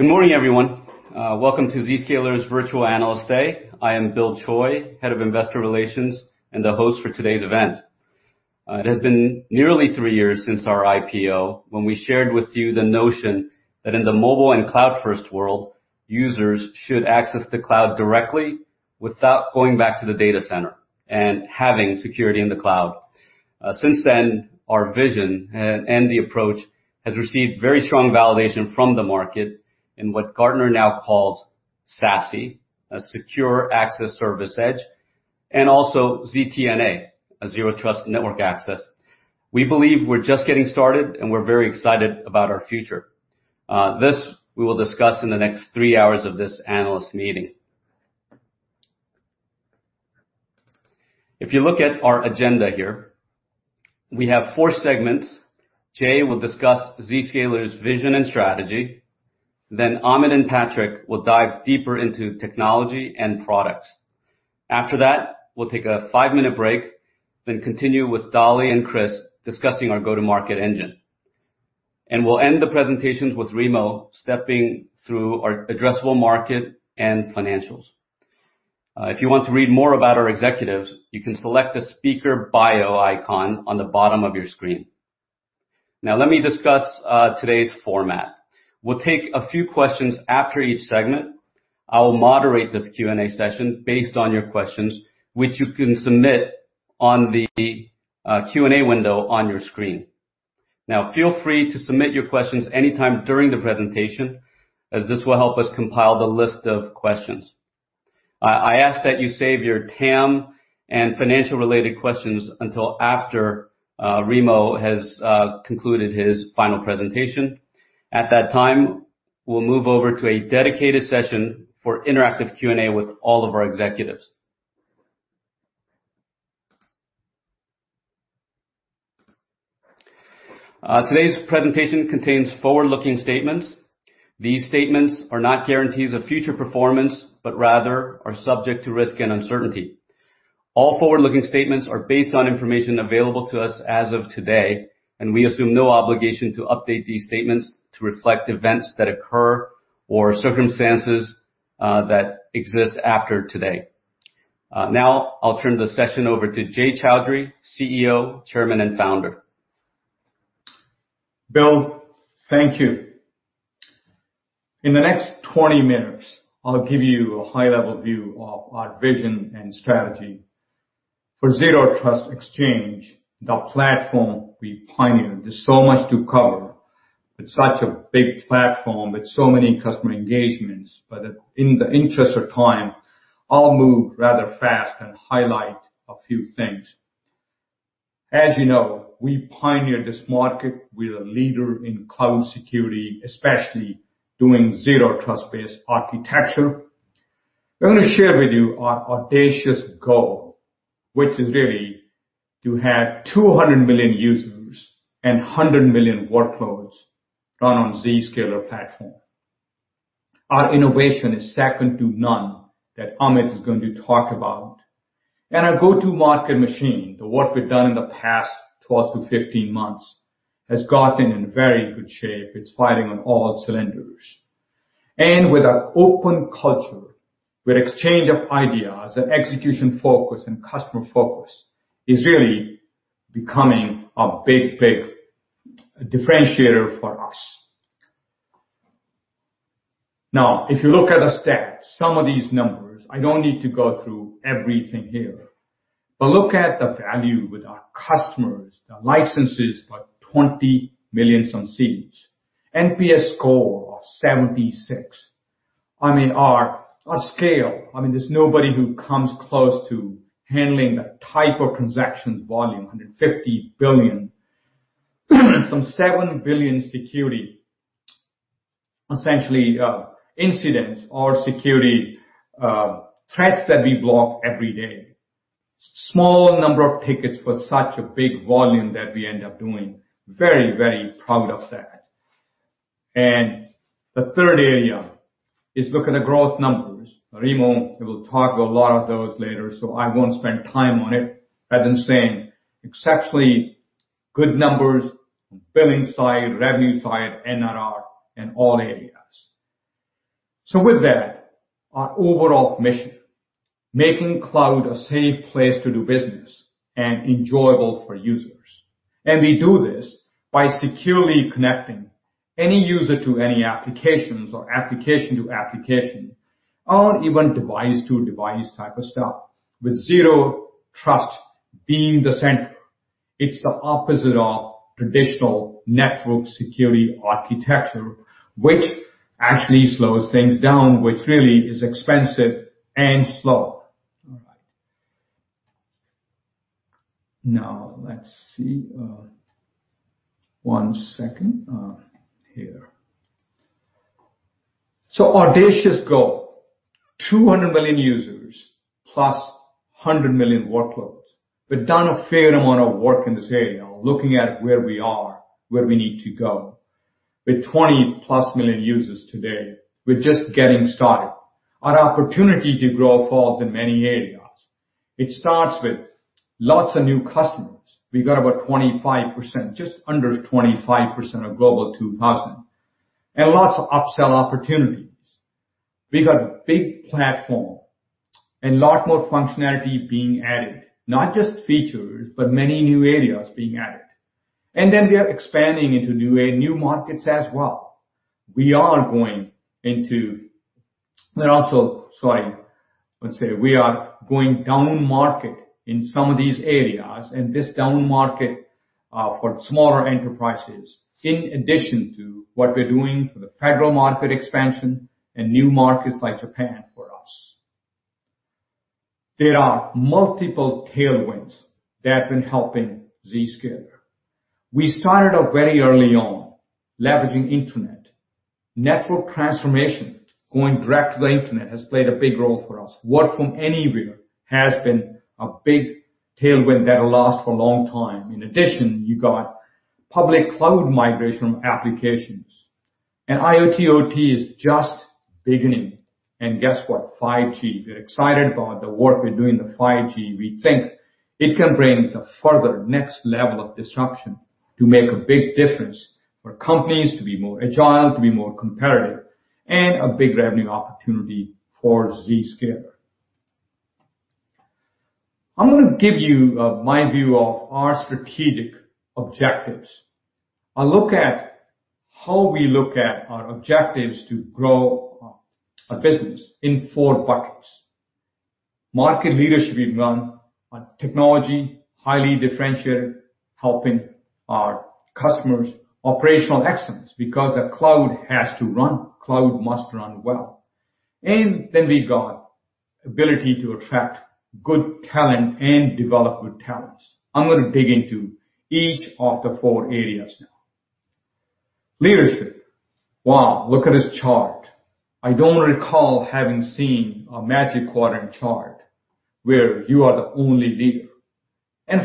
Good morning, everyone. Welcome to Zscaler's Virtual Analyst Day. I am Bill Choi, Head of Investor Relations and the host for today's event. It has been nearly three years since our IPO, when we shared with you the notion that in the mobile and cloud-first world, users should access the cloud directly without going back to the data center and having security in the cloud. Since then, our vision and the approach has received very strong validation from the market in what Gartner now calls SASE, a Secure Access Service Edge, and also ZTNA, a Zero Trust Network Access. We believe we're just getting started, and we're very excited about our future. This we will discuss in the next three hours of this analyst meeting. If you look at our agenda here, we have four segments. Jay will discuss Zscaler's vision and strategy. Amit and Patrick will dive deeper into technology and products. After that, we'll take a five-minute break, then continue with Dali and Chris discussing our go-to-market engine. We'll end the presentations with Remo stepping through our addressable market and financials. If you want to read more about our executives, you can select the speaker bio icon on the bottom of your screen. Let me discuss today's format. We'll take a few questions after each segment. I will moderate this Q&A session based on your questions, which you can submit on the Q&A window on your screen. Feel free to submit your questions anytime during the presentation, as this will help us compile the list of questions. I ask that you save your TAM and financial related questions until after Remo has concluded his final presentation. At that time, we'll move over to a dedicated session for interactive Q&A with all of our executives. Today's presentation contains forward-looking statements. These statements are not guarantees of future performance, but rather are subject to risk and uncertainty. All forward-looking statements are based on information available to us as of today, and we assume no obligation to update these statements to reflect events that occur or circumstances that exist after today. Now, I'll turn the session over to Jay Chaudhry, CEO, Chairman, and Founder. Bill, thank you. In the next 20 minutes, I'll give you a high-level view of our vision and strategy for Zero Trust Exchange, the platform we pioneered. There's so much to cover. It's such a big platform with so many customer engagements. In the interest of time, I'll move rather fast and highlight a few things. As you know, we pioneered this market. We're a leader in cloud security, especially doing Zero Trust based architecture. I'm going to share with you our audacious goal, which is really to have 200 million users and 100 million workloads run on Zscaler platform. Our innovation is second to none, that Amit is going to talk about. Our go-to-market machine, the work we've done in the past 12 to 15 months, has gotten in very good shape. It's firing on all cylinders. With our open culture, with exchange of ideas and execution focus and customer focus, is really becoming a big, big differentiator for us. If you look at the stats, some of these numbers, I don't need to go through everything here. Look at the value with our customers, the licenses, like 20 million some seats. NPS score of 76. Our scale, there's nobody who comes close to handling the type of transactions volume, 150 billion. Some seven billion security, essentially, incidents or security threats that we block every day. Small number of tickets for such a big volume that we end up doing. Very, very proud of that. The third area is look at the growth numbers. Remo will talk a lot of those later, I won't spend time on it. As I'm saying, exceptionally good numbers on billing side, revenue side, NRR, and all areas. With that, our overall mission, making cloud a safe place to do business and enjoyable for users. We do this by securely connecting any user to any applications or application to application, or even device to device type of stuff, with Zero Trust being the center. It's the opposite of traditional network security architecture, which actually slows things down, which really is expensive and slow. All right. Now, let's see. One second. Here. Audacious goal, 200 million users plus 100 million workloads. We've done a fair amount of work in this area, looking at where we are, where we need to go. With 20-plus million users today, we're just getting started. Our opportunity to grow falls in many areas. It starts with lots of new customers. We've got about 25%, just under 25% of Global 2000. Lots of upsell opportunities. We've got big platform and lot more functionality being added, not just features, but many new areas being added. Then we are expanding into new markets as well. We are going down market in some of these areas, and this down market for smaller enterprises, in addition to what we're doing for the federal market expansion and new markets like Japan for us. There are multiple tailwinds that have been helping Zscaler. We started out very early on leveraging Internet. Network transformation, going direct to the Internet has played a big role for us. Work from anywhere has been a big tailwind that'll last for a long time. In addition, you got public cloud migration applications. IoT/OT is just beginning and guess what, 5G. We're excited about the work we're doing with 5G. We think it can bring the further next level of disruption to make a big difference for companies to be more agile, to be more competitive, and a big revenue opportunity for Zscaler. I'm going to give you my view of our strategic objectives. A look at how we look at our objectives to grow our business in four buckets. Market leadership we've run on technology, highly differentiated, helping our customers. Operational excellence, because a cloud has to run, cloud must run well. We've got ability to attract good talent and develop good talents. I'm going to dig into each of the four areas now. Leadership. Wow, look at this chart. I don't recall having seen a Magic Quadrant chart where you are the only leader.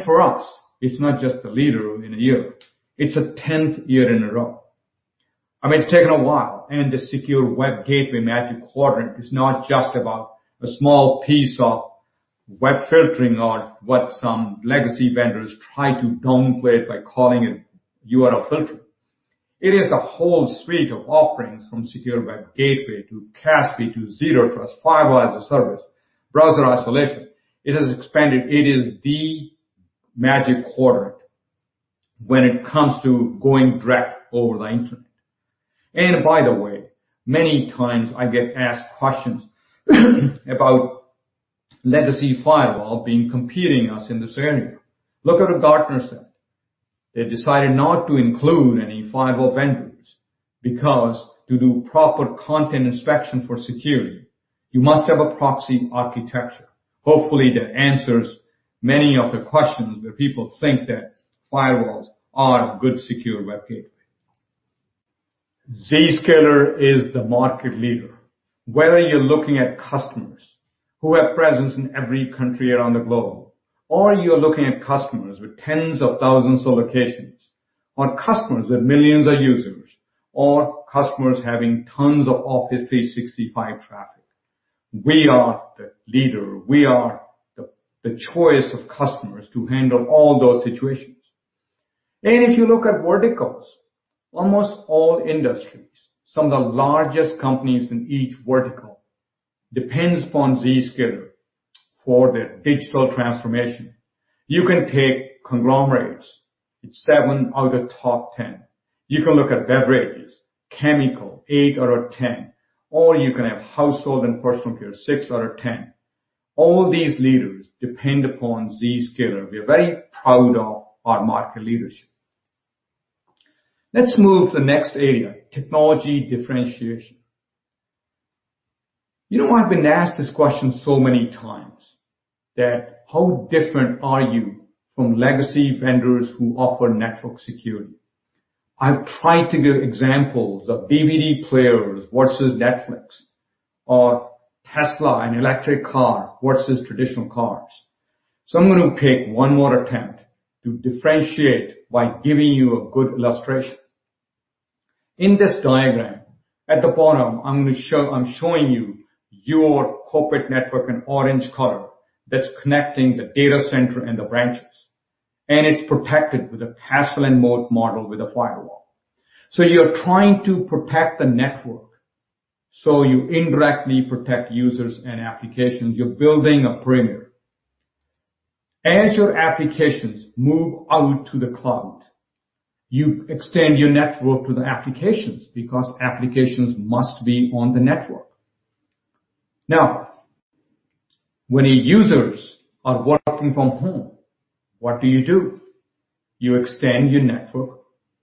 For us, it's not just the leader in a year, it's a 10th year in a row. I mean, it's taken a while, the Secure Web Gateway Magic Quadrant is not just about a small piece of web filtering or what some legacy vendors try to downplay by calling it URL filtering. It is the whole suite of offerings from Secure Web Gateway to CASB to Zero Trust firewall as a service, browser isolation. It has expanded. It is the Magic Quadrant when it comes to going direct over the internet. By the way, many times I get asked questions about legacy firewall being competing us in this area. Look at what Gartner said. They've decided not to include any firewall vendors because to do proper content inspection for security, you must have a proxy architecture. Hopefully, that answers many of the questions where people think that firewalls are a good secure web gateway. Zscaler is the market leader, whether you're looking at customers who have presence in every country around the globe, or you're looking at customers with tens of thousands of locations, or customers with millions of users, or customers having tons of Office 365 traffic. We are the leader. We are the choice of customers to handle all those situations. If you look at verticals, almost all industries, some of the largest companies in each vertical depends upon Zscaler for their digital transformation. You can take conglomerates. It's seven out of the top 10. You can look at beverages, chemical, eight out of 10, or you can have household and personal care, six out of 10. All these leaders depend upon Zscaler. We're very proud of our market leadership. Let's move to the next area, technology differentiation. You know I've been asked this question so many times that how different are you from legacy vendors who offer network security? I've tried to give examples of DVD players versus Netflix or Tesla and electric car versus traditional cars. I'm going to take one more attempt to differentiate by giving you a good illustration. In this diagram, at the bottom, I'm showing you your corporate network in orange color that's connecting the data center and the branches. It's protected with a castle and moat model with a firewall. You're trying to protect the network, so you indirectly protect users and applications. You're building a perimeter. As your applications move out to the cloud, you extend your network to the applications because applications must be on the network. Now, when your users are working from home, what do you do? You extend your network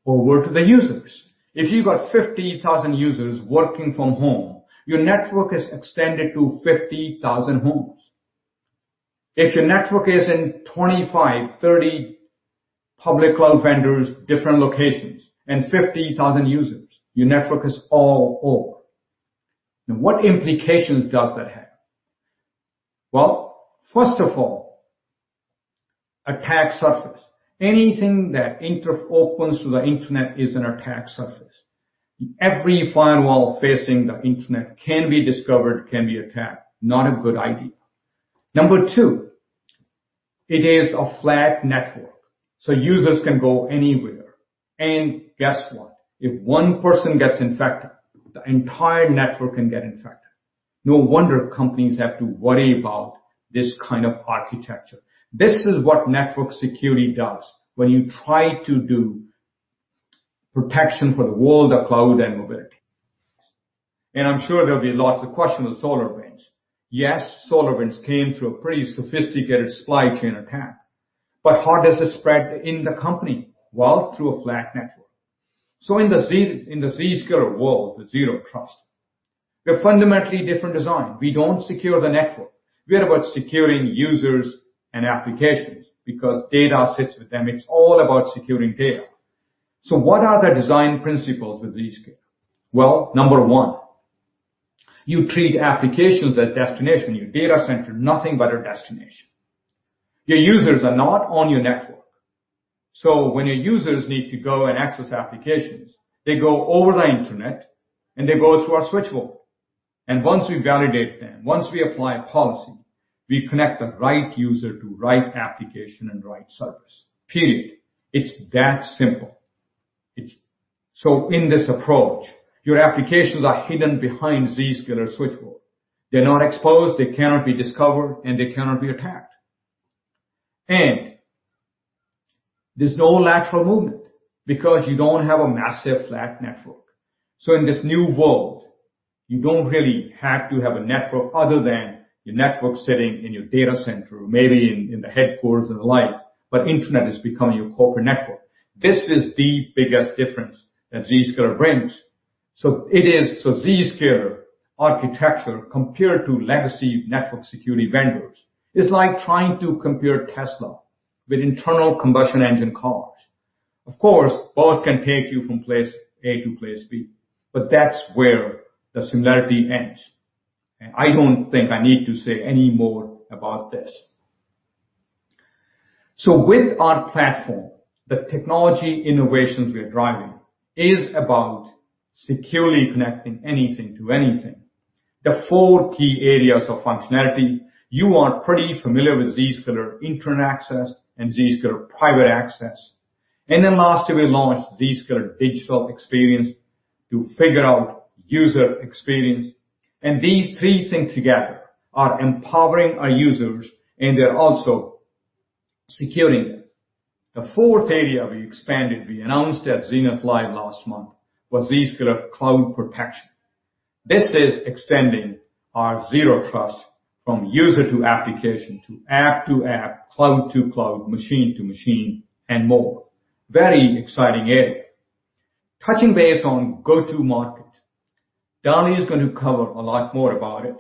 over to the users. If you've got 50,000 users working from home, your network is extended to 50,000 homes. If your network is in 25, 30 public cloud vendors, different locations, and 50,000 users, your network is all over. Now, what implications does that have? Well, first of all, attack surface. Anything that opens to the internet is an attack surface. Every firewall facing the internet can be discovered, can be attacked. Not a good idea. Number two, it is a flat network, so users can go anywhere. Guess what. If one person gets infected, the entire network can get infected. No wonder companies have to worry about this kind of architecture. This is what network security does when you try to do protection for the world of cloud and mobility. I'm sure there'll be lots of questions on SolarWinds. Yes, SolarWinds came through a pretty sophisticated supply chain attack. How does it spread in the company? Well, through a flat network. In the Zscaler world, with Zero Trust, we have fundamentally different design. We don't secure the network. We are about securing users and applications because data sits with them. It's all about securing data. What are the design principles with Zscaler? Well, number one, you treat applications as destination, your data center, nothing but a destination. Your users are not on your network. When your users need to go and access applications, they go over the internet, and they go through our switchboard. Once we validate them, once we apply policy, we connect the right user to right application and right service. Period. It's that simple. In this approach, your applications are hidden behind Zscaler switchboard. They're not exposed, they cannot be discovered, and they cannot be attacked. There's no lateral movement because you don't have a massive flat network. In this new world, you don't really have to have a network other than your network sitting in your data center, maybe in the headquarters and the like, but internet is becoming your corporate network. This is the biggest difference that Zscaler brings. Zscaler architecture compared to legacy network security vendors is like trying to compare Tesla with internal combustion engine cars. Of course, both can take you from place A to place B, but that's where the similarity ends. I don't think I need to say any more about this. With our platform, the technology innovations we are driving is about securely connecting anything to anything. The four key areas of functionality, you are pretty familiar with Zscaler Internet Access and Zscaler Private Access. Lastly, we launched Zscaler Digital Experience to figure out user experience. These three things together are empowering our users, and they're also securing them. The fourth area we expanded, we announced at Zenith Live last month, was Zscaler Cloud Protection. This is extending our Zero Trust from user to application, to app to app, cloud to cloud, machine to machine, and more. Very exciting area. Touching base on go-to market. Dali is going to cover a lot more about it,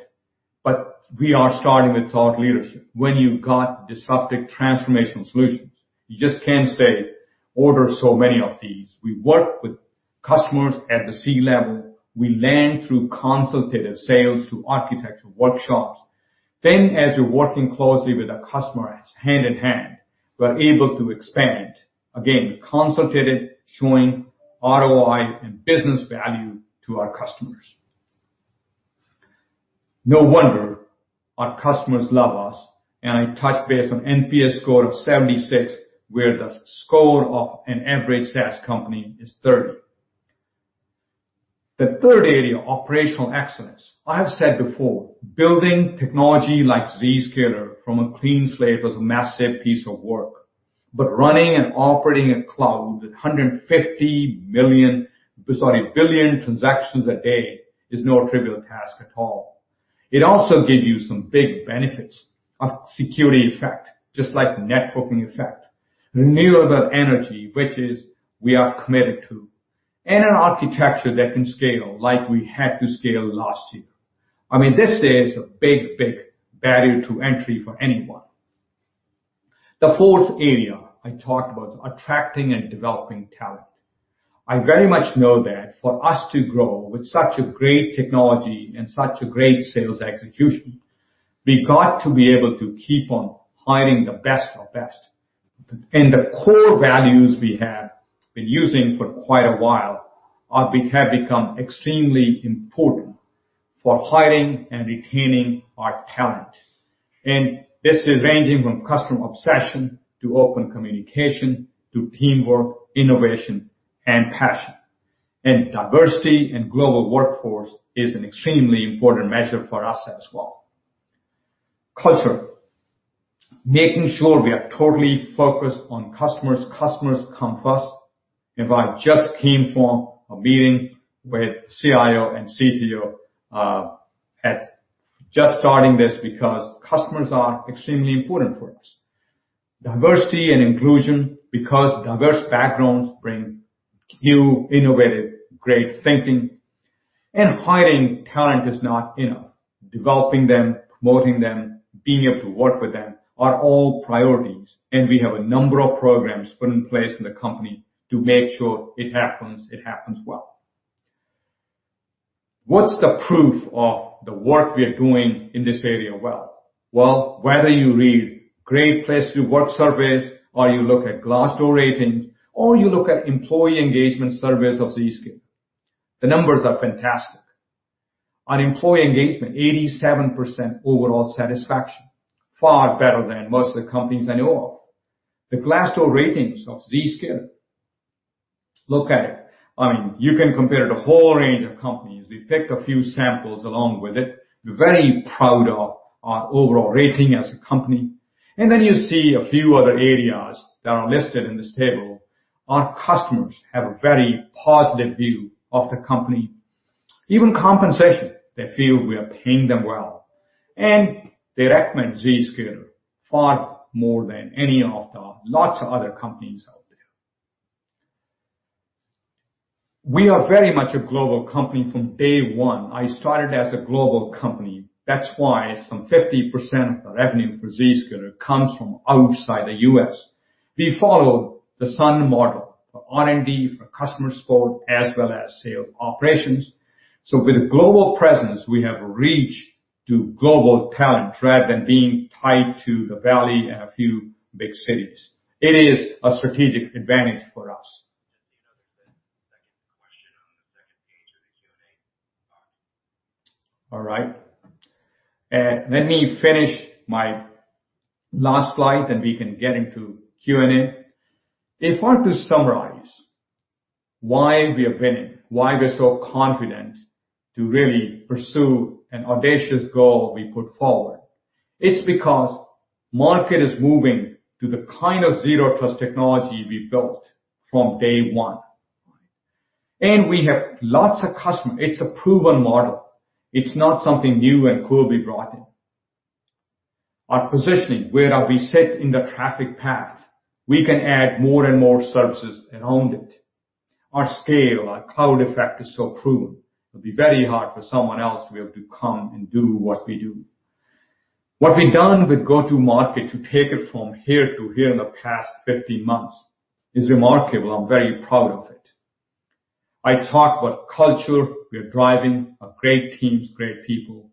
we are starting with thought leadership. When you've got disruptive transformational solutions, you just can't say, "Order so many of these." We work with customers at the C-level. We land through consultative sales, through architectural workshops. As we're working closely with our customers hand in hand, we're able to expand, again, with consultative showing ROI and business value to our customers. No wonder our customers love us, and I touched base on NPS score of 76, where the score of an average SaaS company is 30. The third area, operational excellence. I have said before, building technology like Zscaler from a clean slate was a massive piece of work. Running and operating a cloud at 150 billion transactions a day is no trivial task at all. It also gives you some big benefits of security effect, just like networking effect. Renewable energy, which is we are committed to, and an architecture that can scale, like we had to scale last year. This is a big barrier to entry for anyone. The fourth area I talked about, attracting and developing talent. I very much know that for us to grow with such a great technology and such a great sales execution, we've got to be able to keep on hiring the best of best. The core values we have been using for quite a while have become extremely important for hiring and retaining our talent. This is ranging from customer obsession to open communication, to teamwork, innovation, and passion. Diversity and global workforce is an extremely important measure for us as well. Culture. Making sure we are totally focused on customers. Customers come first. In fact, just came from a meeting with CIO and CTO at just starting this because customers are extremely important for us. Diversity and inclusion, because diverse backgrounds bring new, innovative, great thinking. Hiring talent is not enough. Developing them, promoting them, being able to work with them are all priorities. We have a number of programs put in place in the company to make sure it happens, it happens well. What's the proof of the work we are doing in this area? Well, whether you read great place to work surveys, or you look at Glassdoor ratings, or you look at employee engagement surveys of Zscaler, the numbers are fantastic. On employee engagement, 87% overall satisfaction, far better than most of the companies I know of. The Glassdoor ratings of Zscaler, look at it. You can compare it to a whole range of companies. We pick a few samples along with it. We're very proud of our overall rating as a company. Then you see a few other areas that are listed in this table. Our customers have a very positive view of the company. Even compensation, they feel we are paying them well, and they recommend Zscaler far more than any of the lots of other companies out there. We are very much a global company from day one. I started as a global company. That's why some 50% of the revenue for Zscaler comes from outside the U.S. We follow the sun model for R&D, for customer support, as well as sales operations. With global presence, we have reach to global talent rather than being tied to the Valley and a few big cities. It is a strategic advantage for us. All right. Let me finish my last slide. We can get into Q&A. If I'm to summarize why we are winning, why we're so confident to really pursue an audacious goal we put forward, it's because market is moving to the kind of Zero Trust technology we built from day one. We have lots of customers. It's a proven model. It's not something new and cool we brought in. Our positioning, where are we set in the traffic path, we can add more and more services around it. Our scale, our cloud effect is so proven, it would be very hard for someone else to be able to come and do what we do. What we've done with go-to-market to take it from here to here in the past 15 months is remarkable. I'm very proud of it. I talk about culture, we are driving, our great teams, great people,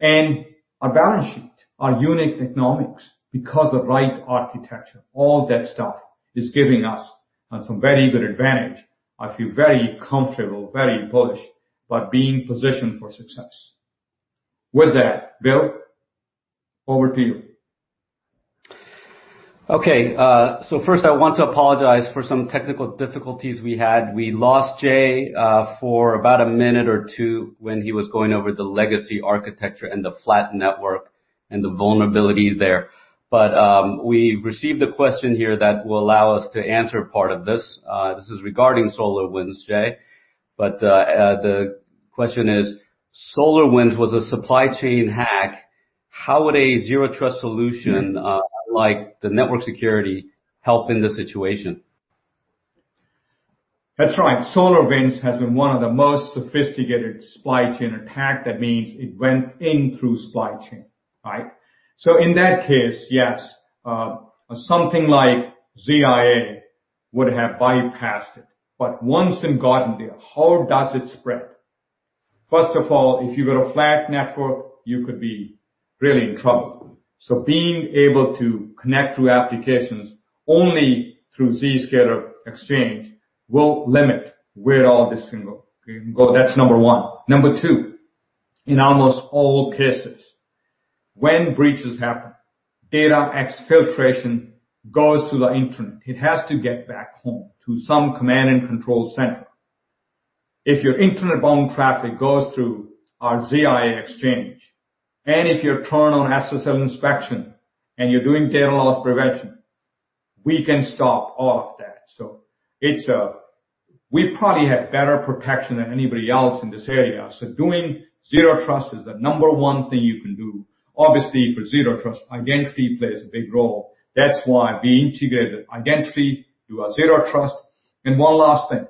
and our balance sheet, our unique economics, because the right architecture, all that stuff is giving us some very good advantage. I feel very comfortable, very bullish about being positioned for success. With that, Bill, over to you. Okay. First I want to apologize for some technical difficulties we had. We lost Jay for about a minute or two when he was going over the legacy architecture and the flat network and the vulnerabilities there. We've received a question here that will allow us to answer part of this. This is regarding SolarWinds, Jay. The question is, "SolarWinds was a supply chain hack. How would a Zero Trust solution like the network security help in this situation? That's right. SolarWinds has been one of the most sophisticated supply chain attack. That means it went in through supply chain. In that case, yes, something like ZIA would have bypassed it. Once it'd gotten there, how does it spread? First of all, if you've got a flat network, you could be really in trouble. Being able to connect to applications only through Zscaler exchange will limit where all this can go. That's number one. Number two, in almost all cases, when breaches happen, data exfiltration goes to the internet. It has to get back home to some command and control center. If your internet bound traffic goes through our ZIA exchange, and if you're turned on SSL inspection and you're doing data loss prevention, we can stop all of that. We probably have better protection than anybody else in this area. Doing Zero Trust is the number one thing you can do. Obviously, for Zero Trust, identity plays a big role. That's why we integrated identity to our Zero Trust. One last thing.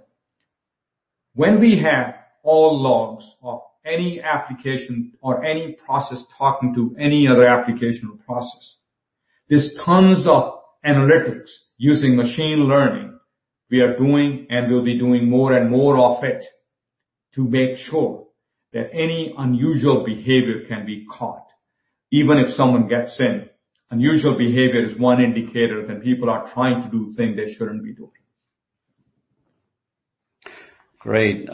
When we have all logs of any application or any process talking to any other application or process, there's tons of analytics using machine learning we are doing, and we'll be doing more and more of it to make sure that any unusual behavior can be caught. Even if someone gets in, unusual behavior is one indicator that people are trying to do things they shouldn't be doing. Great.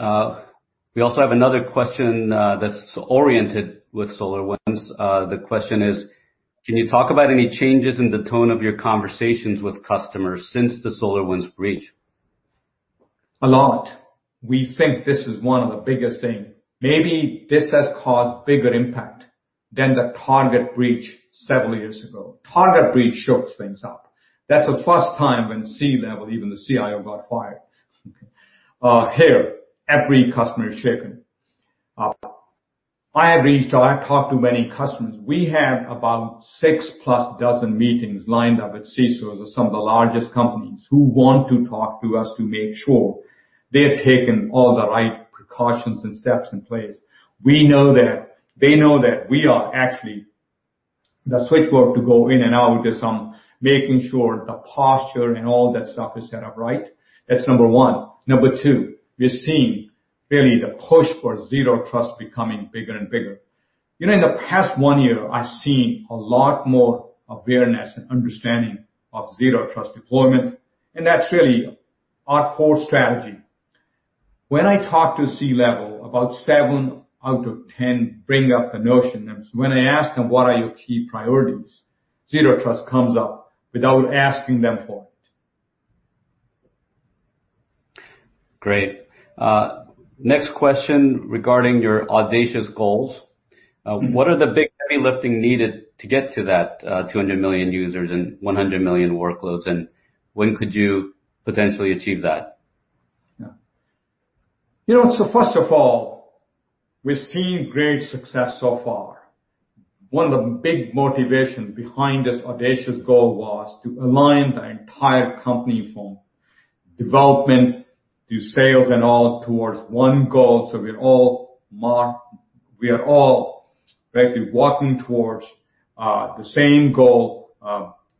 We also have another question that's oriented with SolarWinds. The question is, "Can you talk about any changes in the tone of your conversations with customers since the SolarWinds breach? A lot. We think this is one of the biggest things. Maybe this has caused bigger impact than the Target breach several years ago. Target breach shook things up. That's the first time when C-level, even the CIO, got fired. Here, every customer is shaken up. I have reached out. I've talked to many customers. We have about six-plus dozen meetings lined up with CSOs of some of the largest companies who want to talk to us to make sure they've taken all the right precautions and steps in place. We know that they know that we are actually the switchboard to go in and out with this, making sure the posture and all that stuff is set up right. That's number one. Number two, we're seeing really the push for Zero Trust becoming bigger and bigger. In the past one year, I've seen a lot more awareness and understanding of Zero Trust deployment. That's really our core strategy. When I talk to C-level, about seven out of 10 bring up the notion. When I ask them, "What are your key priorities?" Zero Trust comes up without asking them for it. Great. Next question regarding your audacious goals. What are the big heavy lifting needed to get to that 200 million users and 100 million workloads, and when could you potentially achieve that? Yeah. First of all, we've seen great success so far. One of the big motivations behind this audacious goal was to align the entire company from development to sales and all towards one goal, so we are all effectively walking towards the same goal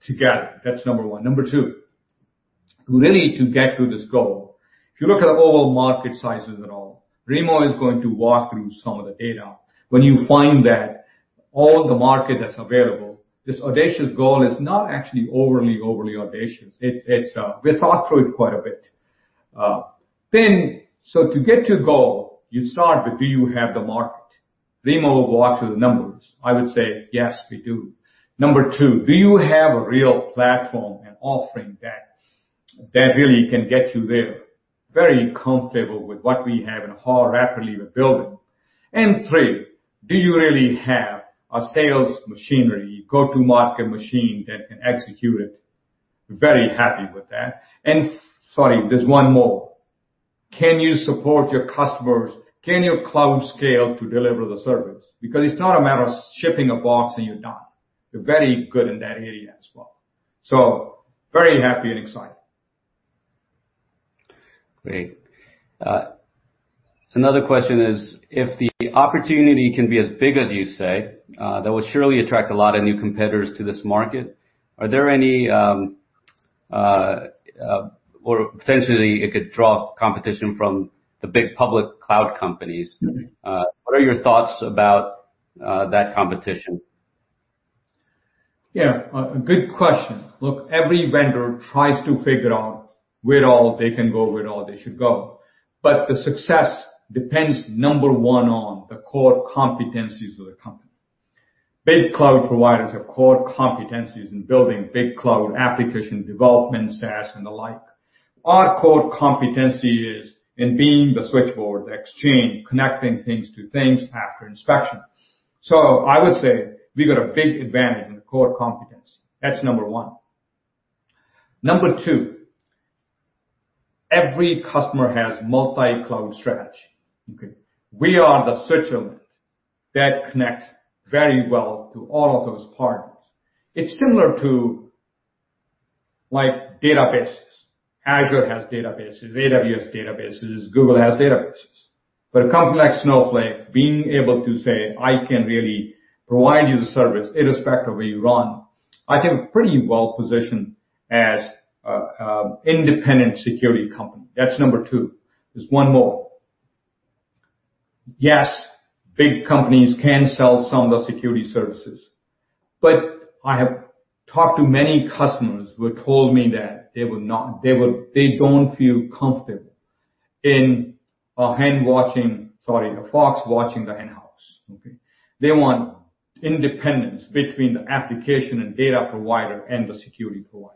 together. That's number one. Number two, really to get to this goal, if you look at overall market sizes at all, Remo is going to walk through some of the data. When you find that all the market that's available, this audacious goal is not actually overly audacious. We thought through it quite a bit. To get your goal, you start with, do you have the market? Remo will go out to the numbers. I would say yes, we do. Number two, do you have a real platform and offering that really can get you there? Very comfortable with what we have and how rapidly we're building. Three, do you really have a sales machinery, go-to-market machine that can execute it? Very happy with that. Sorry, there's one more. Can you support your customers? Can your cloud scale to deliver the service? Because it's not a matter of shipping a box and you're done. We're very good in that area as well. Very happy and excited. Great. Another question is, if the opportunity can be as big as you say, that will surely attract a lot of new competitors to this market. Potentially it could draw competition from the big public cloud companies. What are your thoughts about that competition? A good question. Every vendor tries to figure out where all they can go, where all they should go. The success depends, number one, on the core competencies of the company. Big cloud providers have core competencies in building big cloud application development, SaaS, and the like. Our core competency is in being the switchboard, the exchange, connecting things to things after inspection. I would say we've got a big advantage in the core competence. That's number one. Number two, every customer has multi-cloud strategy. Okay. We are the switch element that connects very well to all of those partners. It's similar to databases. Azure has databases, AWS databases, Google has databases. A company like Snowflake being able to say, "I can really provide you the service irrespective where you run." I think we're pretty well-positioned as independent security company. That's number two. There's one more. Yes, big companies can sell some of the security services. I have talked to many customers who told me that they don't feel comfortable in a fox watching the henhouse. Okay. They want independence between the application and data provider and the security provider.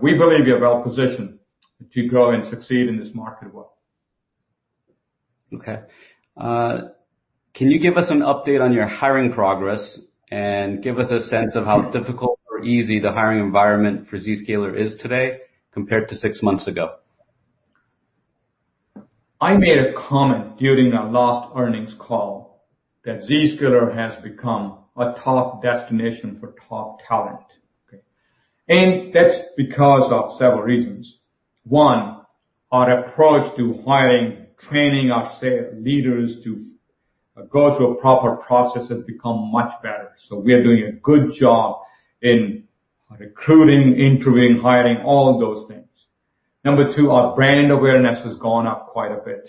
We believe we are well-positioned to grow and succeed in this market well. Okay. Can you give us an update on your hiring progress and give us a sense of how difficult or easy the hiring environment for Zscaler is today compared to six months ago? I made a comment during our last earnings call that Zscaler has become a top destination for top talent, okay? That's because of several reasons. One, our approach to hiring, training our leaders to go through a proper process has become much better. We are doing a good job in recruiting, interviewing, hiring, all of those things. Number two, our brand awareness has gone up quite a bit.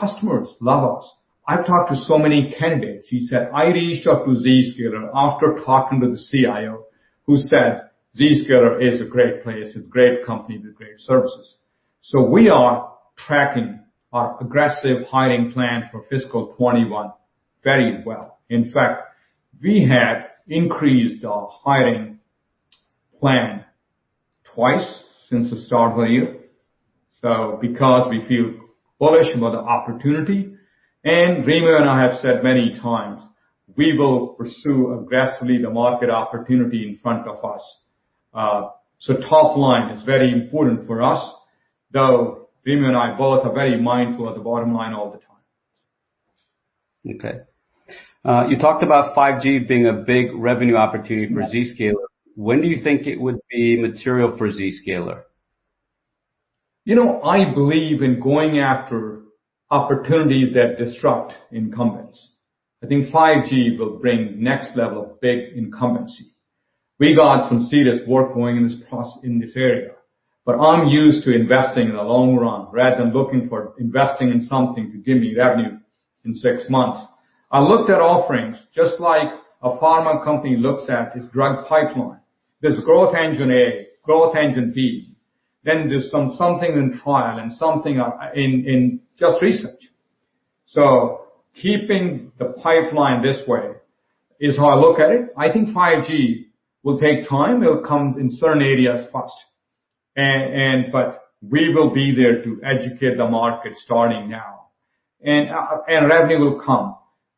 Customers love us. I've talked to so many candidates who said, "I reached out to Zscaler after talking to the CIO, who said Zscaler is a great place, it's a great company with great services." We are tracking our aggressive hiring plan for fiscal 2021 very well. In fact, we have increased our hiring plan twice since the start of the year. Because we feel bullish about the opportunity, and Remo and I have said many times, we will pursue aggressively the market opportunity in front of us. Top line is very important for us, though Remo and I both are very mindful of the bottom line all the time. Okay. You talked about 5G being a big revenue opportunity for Zscaler. When do you think it would be material for Zscaler? I believe in going after opportunities that disrupt incumbents. I think 5G will bring next level of big incumbency. We got some serious work going in this area, but I'm used to investing in the long run rather than looking for investing in something to give me revenue in six months. I looked at offerings just like a pharma company looks at its drug pipeline. There's growth engine A, growth engine B, then there's something in trial and something in just research. Keeping the pipeline this way is how I look at it. I think 5G will take time. It'll come in certain areas first, but we will be there to educate the market starting now, and revenue will come.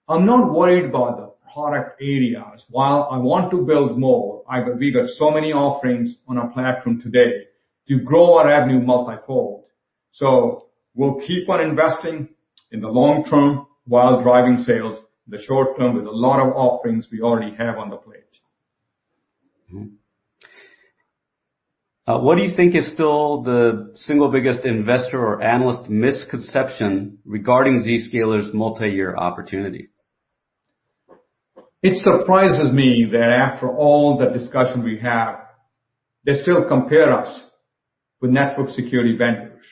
I'm not worried about the product areas. While I want to build more, we've got so many offerings on our platform today to grow our revenue multi-fold. We'll keep on investing in the long term while driving sales in the short term with a lot of offerings we already have on the plate. What do you think is still the single biggest investor or analyst misconception regarding Zscaler's multi-year opportunity? It surprises me that after all the discussion we have, they still compare us with network security vendors.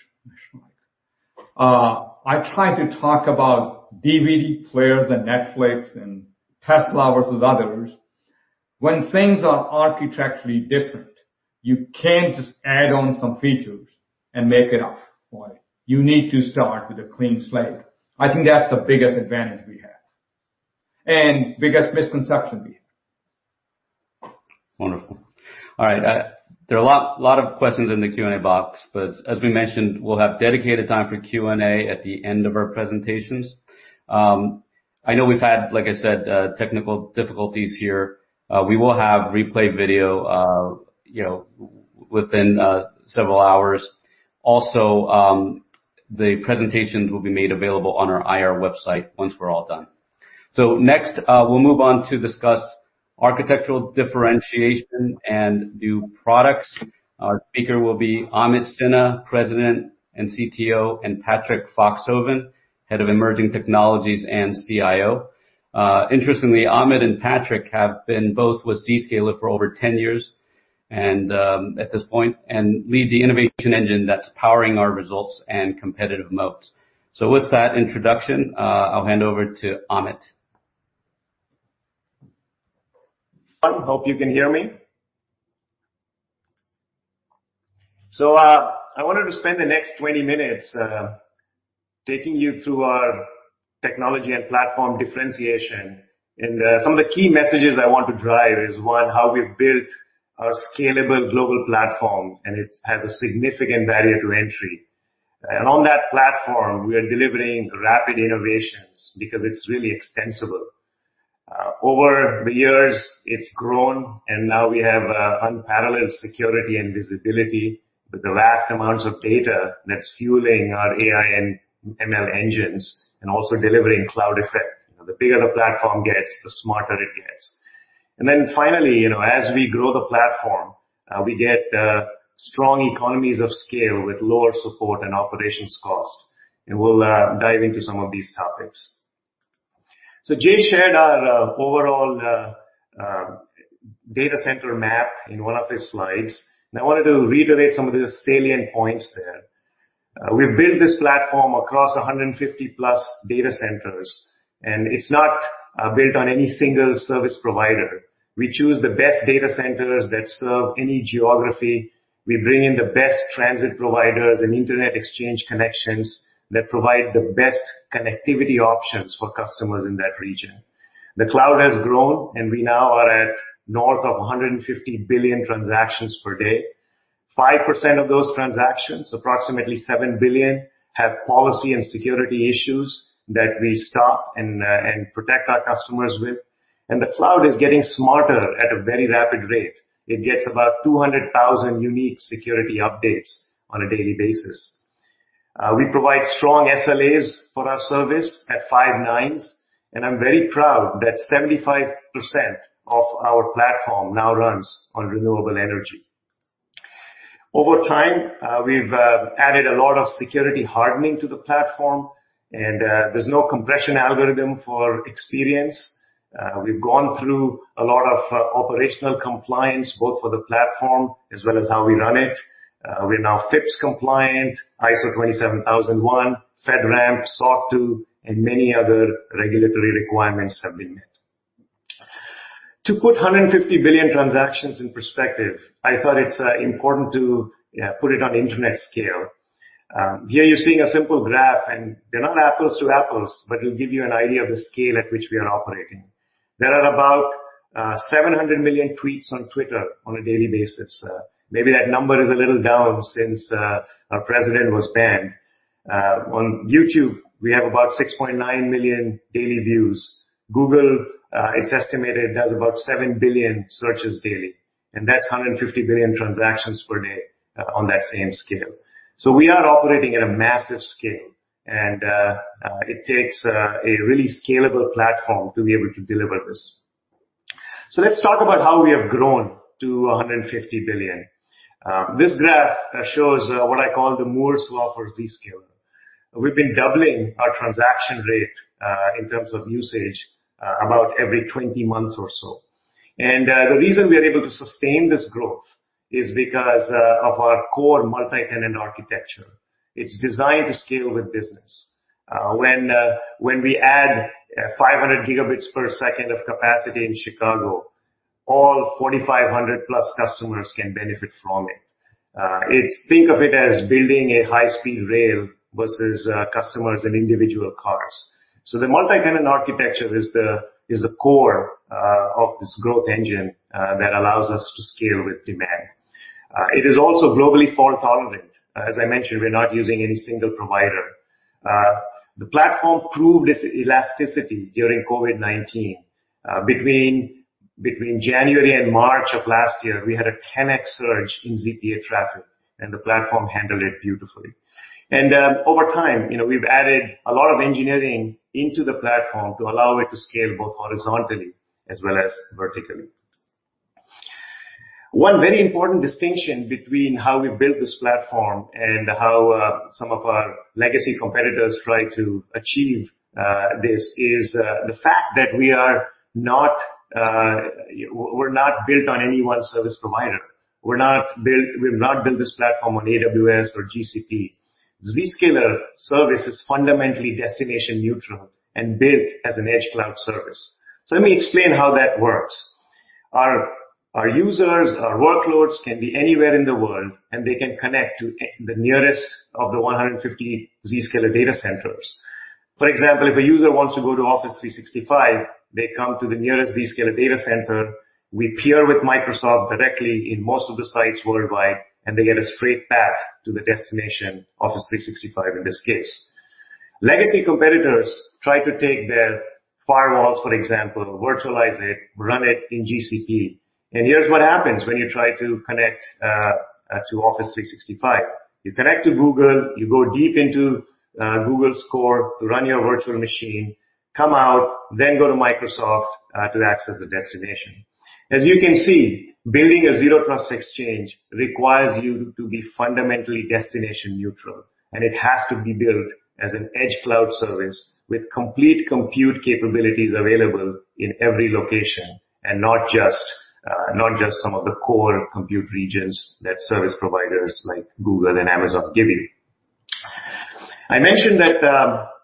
I try to talk about DVD players and Netflix and Tesla versus others. When things are architecturally different, you can't just add on some features and make enough money. You need to start with a clean slate. I think that's the biggest advantage we have and biggest misconception we have. Wonderful. All right. There are a lot of questions in the Q&A box, but as we mentioned, we'll have dedicated time for Q&A at the end of our presentations. I know we've had, like I said, technical difficulties here. We will have replay video within several hours. Also, the presentations will be made available on our IR website once we're all done. Next, we'll move on to discuss architectural differentiation and new products. Our speaker will be Amit Sinha, President and CTO, and Patrick Foxhoven, Head of Emerging Technologies and CIO. Interestingly, Amit and Patrick have been both with Zscaler for over 10 years at this point and lead the innovation engine that's powering our results and competitive modes. With that introduction, I'll hand over to Amit. Hope you can hear me. I wanted to spend the next 20 minutes taking you through our technology and platform differentiation, and some of the key messages I want to drive is, one, how we've built our scalable global platform, and it has a significant barrier to entry. On that platform, we are delivering rapid innovations because it's really extensible. Over the years, it's grown, and now we have unparalleled security and visibility with the vast amounts of data that's fueling our AI and ML engines and also delivering cloud effect. The bigger the platform gets, the smarter it gets. Finally, as we grow the platform, we get strong economies of scale with lower support and operations cost. We'll dive into some of these topics. Jay shared our overall data center map in one of his slides, and I wanted to reiterate some of the salient points there. We've built this platform across 150-plus data centers, and it's not built on any single service provider. We choose the best data centers that serve any geography. We bring in the best transit providers and internet exchange connections that provide the best connectivity options for customers in that region. The cloud has grown, and we now are at north of 150 billion transactions per day. 5% of those transactions, approximately 7 billion, have policy and security issues that we stop and protect our customers with. The cloud is getting smarter at a very rapid rate. It gets about 200,000 unique security updates on a daily basis. We provide strong SLAs for our service at five nines, and I'm very proud that 75% of our platform now runs on renewable energy. Over time, we've added a lot of security hardening to the platform, and there's no compression algorithm for experience. We've gone through a lot of operational compliance, both for the platform as well as how we run it. We're now FIPS compliant, ISO 27001, FedRAMP, SOC 2, and many other regulatory requirements have been met. To put 150 billion transactions in perspective, I thought it's important to put it on internet scale. Here you're seeing a simple graph, and they're not apples to apples, but it'll give you an idea of the scale at which we are operating. There are about 700 million tweets on Twitter on a daily basis. Maybe that number is a little down since our president was banned. On YouTube, we have about 6.9 million daily views. Google, it's estimated, does about 7 billion searches daily, and that's 150 billion transactions per day on that same scale. We are operating at a massive scale, and it takes a really scalable platform to be able to deliver this. Let's talk about how we have grown to $150 billion. This graph shows what I call the Moore's Law for Zscaler. We've been doubling our transaction rate, in terms of usage, about every 20 months or so. The reason we are able to sustain this growth is because of our core multi-tenant architecture. It's designed to scale with business. When we add 500 gigabits per second of capacity in Chicago, all 4,500 plus customers can benefit from it. Think of it as building a high-speed rail versus customers in individual cars. The multi-tenant architecture is the core of this growth engine that allows us to scale with demand. It is also globally fault-tolerant. As I mentioned, we're not using any single provider. The platform proved its elasticity during COVID-19. Between January and March of last year, we had a 10X surge in ZPA traffic, and the platform handled it beautifully. Over time, we've added a lot of engineering into the platform to allow it to scale both horizontally as well as vertically. One very important distinction between how we built this platform and how some of our legacy competitors try to achieve this is the fact that we're not built on any one service provider. We've not built this platform on AWS or GCP. Zscaler service is fundamentally destination neutral and built as an edge cloud service. Let me explain how that works. Our users, our workloads can be anywhere in the world, and they can connect to the nearest of the 150 Zscaler data centers. For example, if a user wants to go to Office 365, they come to the nearest Zscaler data center, we peer with Microsoft directly in most of the sites worldwide, and they get a straight path to the destination, Office 365 in this case. Legacy competitors try to take their firewalls, for example, virtualize it, run it in GCP. Here's what happens when you try to connect to Office 365. You connect to Google, you go deep into Google's core to run your virtual machine, come out, then go to Microsoft to access the destination. As you can see, building a Zero Trust Exchange requires you to be fundamentally destination neutral, and it has to be built as an edge cloud service with complete compute capabilities available in every location, and not just some of the core compute regions that service providers like Google and Amazon give you. I mentioned that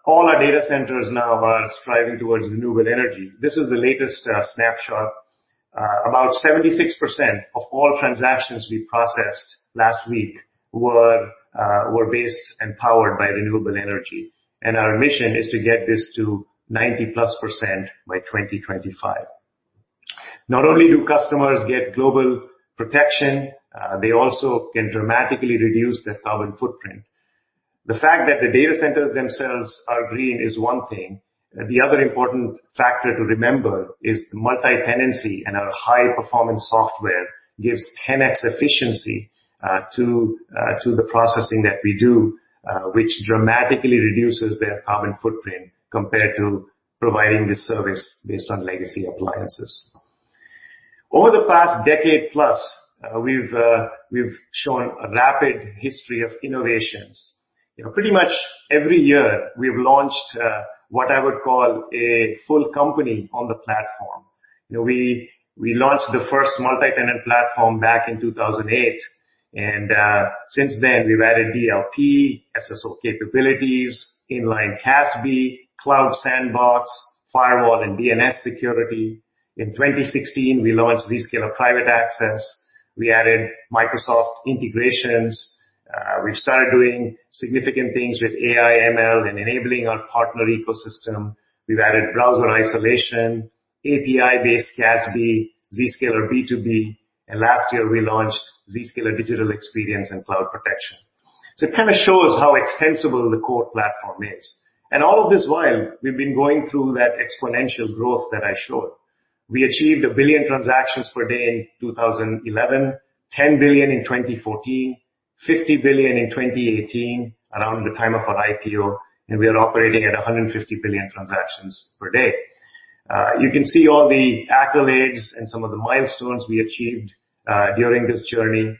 all our data centers now are striving towards renewable energy. This is the latest snapshot. About 76% of all transactions we processed last week were based and powered by renewable energy. Our mission is to get this to 90+% by 2025. Not only do customers get global protection, they also can dramatically reduce their carbon footprint. The fact that the data centers themselves are green is one thing. The other important factor to remember is multi-tenancy and our high-performance software gives 10x efficiency to the processing that we do, which dramatically reduces their carbon footprint compared to providing this service based on legacy appliances. Over the past decade plus, we've shown a rapid history of innovations. Pretty much every year, we've launched what I would call a full company on the platform. We launched the first multi-tenant platform back in 2008. Since then we've added DLP, SSO capabilities, inline CASB, cloud sandbox, firewall, and DNS security. In 2016, we launched Zscaler Private Access. We added Microsoft integrations. We've started doing significant things with AI, ML, and enabling our partner ecosystem. We've added browser isolation, API-based CASB, Zscaler B2B, and last year we launched Zscaler Digital Experience and Cloud Protection. It kind of shows how extensible the core platform is. All of this while, we've been going through that exponential growth that I showed. We achieved 1 billion transactions per day in 2011, 10 billion in 2014, 50 billion in 2018, around the time of our IPO, and we are operating at 150 billion transactions per day. You can see all the accolades and some of the milestones we achieved during this journey.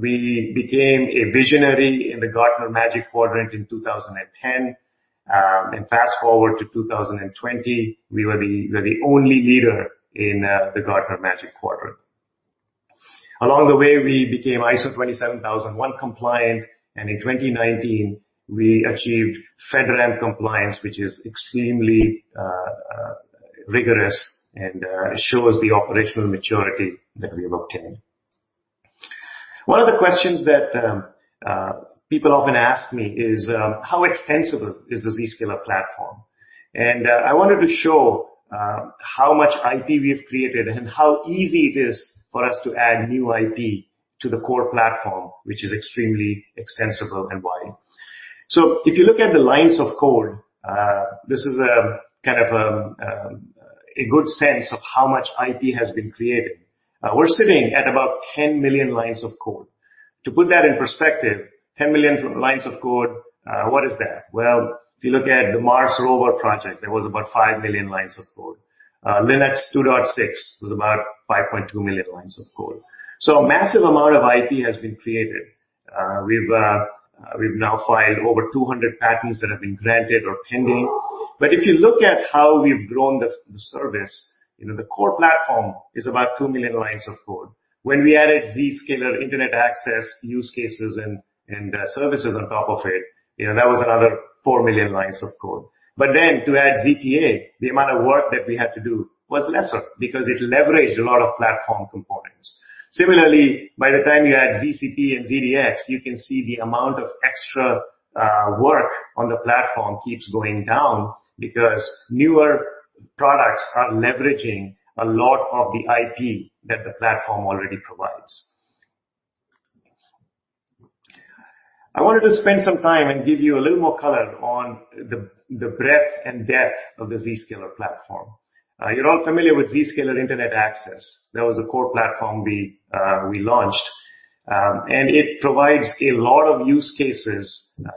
We became a visionary in the Gartner Magic Quadrant in 2010. Fast-forward to 2020, we were the only leader in the Gartner Magic Quadrant. Along the way, we became ISO 27001 compliant, and in 2019, we achieved FedRAMP compliance, which is extremely rigorous and shows the operational maturity that we have obtained. One of the questions that people often ask me is, how extensible is the Zscaler platform? I wanted to show how much IP we have created and how easy it is for us to add new IP to the core platform, which is extremely extensible and why. If you look at the lines of code, this is a good sense of how much IP has been created. We're sitting at about 10 million lines of code. To put that in perspective, 10 million lines of code, what is that? If you look at the Mars Rover project, there was about 5 million lines of code. Linux 2.6 was about 5.2 million lines of code. A massive amount of IP has been created. We've now filed over 200 patents that have been granted or pending. If you look at how we've grown the service, the core platform is about 2 million lines of code. When we added Zscaler Internet Access use cases and services on top of it, that was another 4 million lines of code. To add ZPA, the amount of work that we had to do was lesser because it leveraged a lot of platform components. Similarly, by the time you add ZCP and ZDX, you can see the amount of extra work on the platform keeps going down because newer products are leveraging a lot of the IP that the platform already provides. I wanted to spend some time and give you a little more color on the breadth and depth of the Zscaler platform. You're all familiar with Zscaler Internet Access. That was a core platform we launched, and it provides a lot of use cases.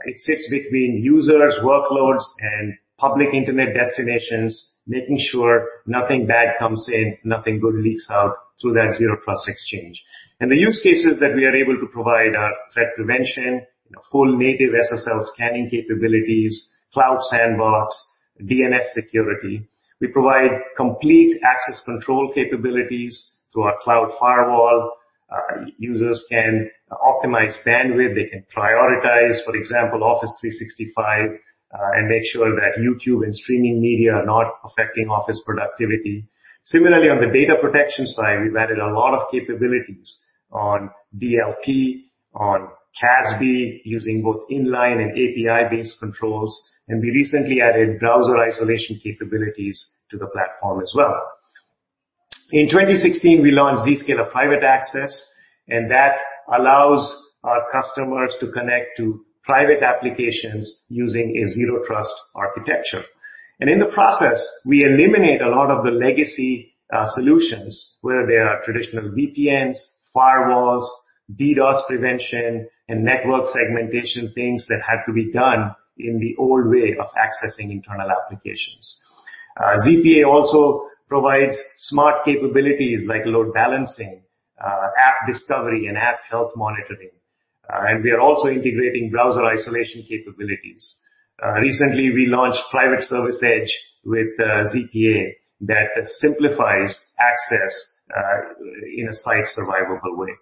It sits between users, workloads, and public internet destinations, making sure nothing bad comes in, nothing good leaks out through that Zero Trust Exchange. The use cases that we are able to provide are threat prevention, full native SSL scanning capabilities, cloud sandbox, DNS security. We provide complete access control capabilities through our cloud firewall. Users can optimize bandwidth, they can prioritize, for example, Office 365, and make sure that YouTube and streaming media are not affecting office productivity. Similarly, on the data protection side, we've added a lot of capabilities on DLP, on CASB, using both inline and API-based controls, and we recently added browser isolation capabilities to the platform as well. In 2016, we launched Zscaler Private Access, that allows our customers to connect to private applications using a Zero Trust architecture. In the process, we eliminate a lot of the legacy solutions, whether they are traditional VPNs, firewalls, DDoS prevention, and network segmentation, things that had to be done in the old way of accessing internal applications. ZPA also provides smart capabilities like load balancing, app discovery, and app health monitoring. We are also integrating browser isolation capabilities. Recently, we launched Private Service Edge with ZPA that simplifies access in a site-survivable way.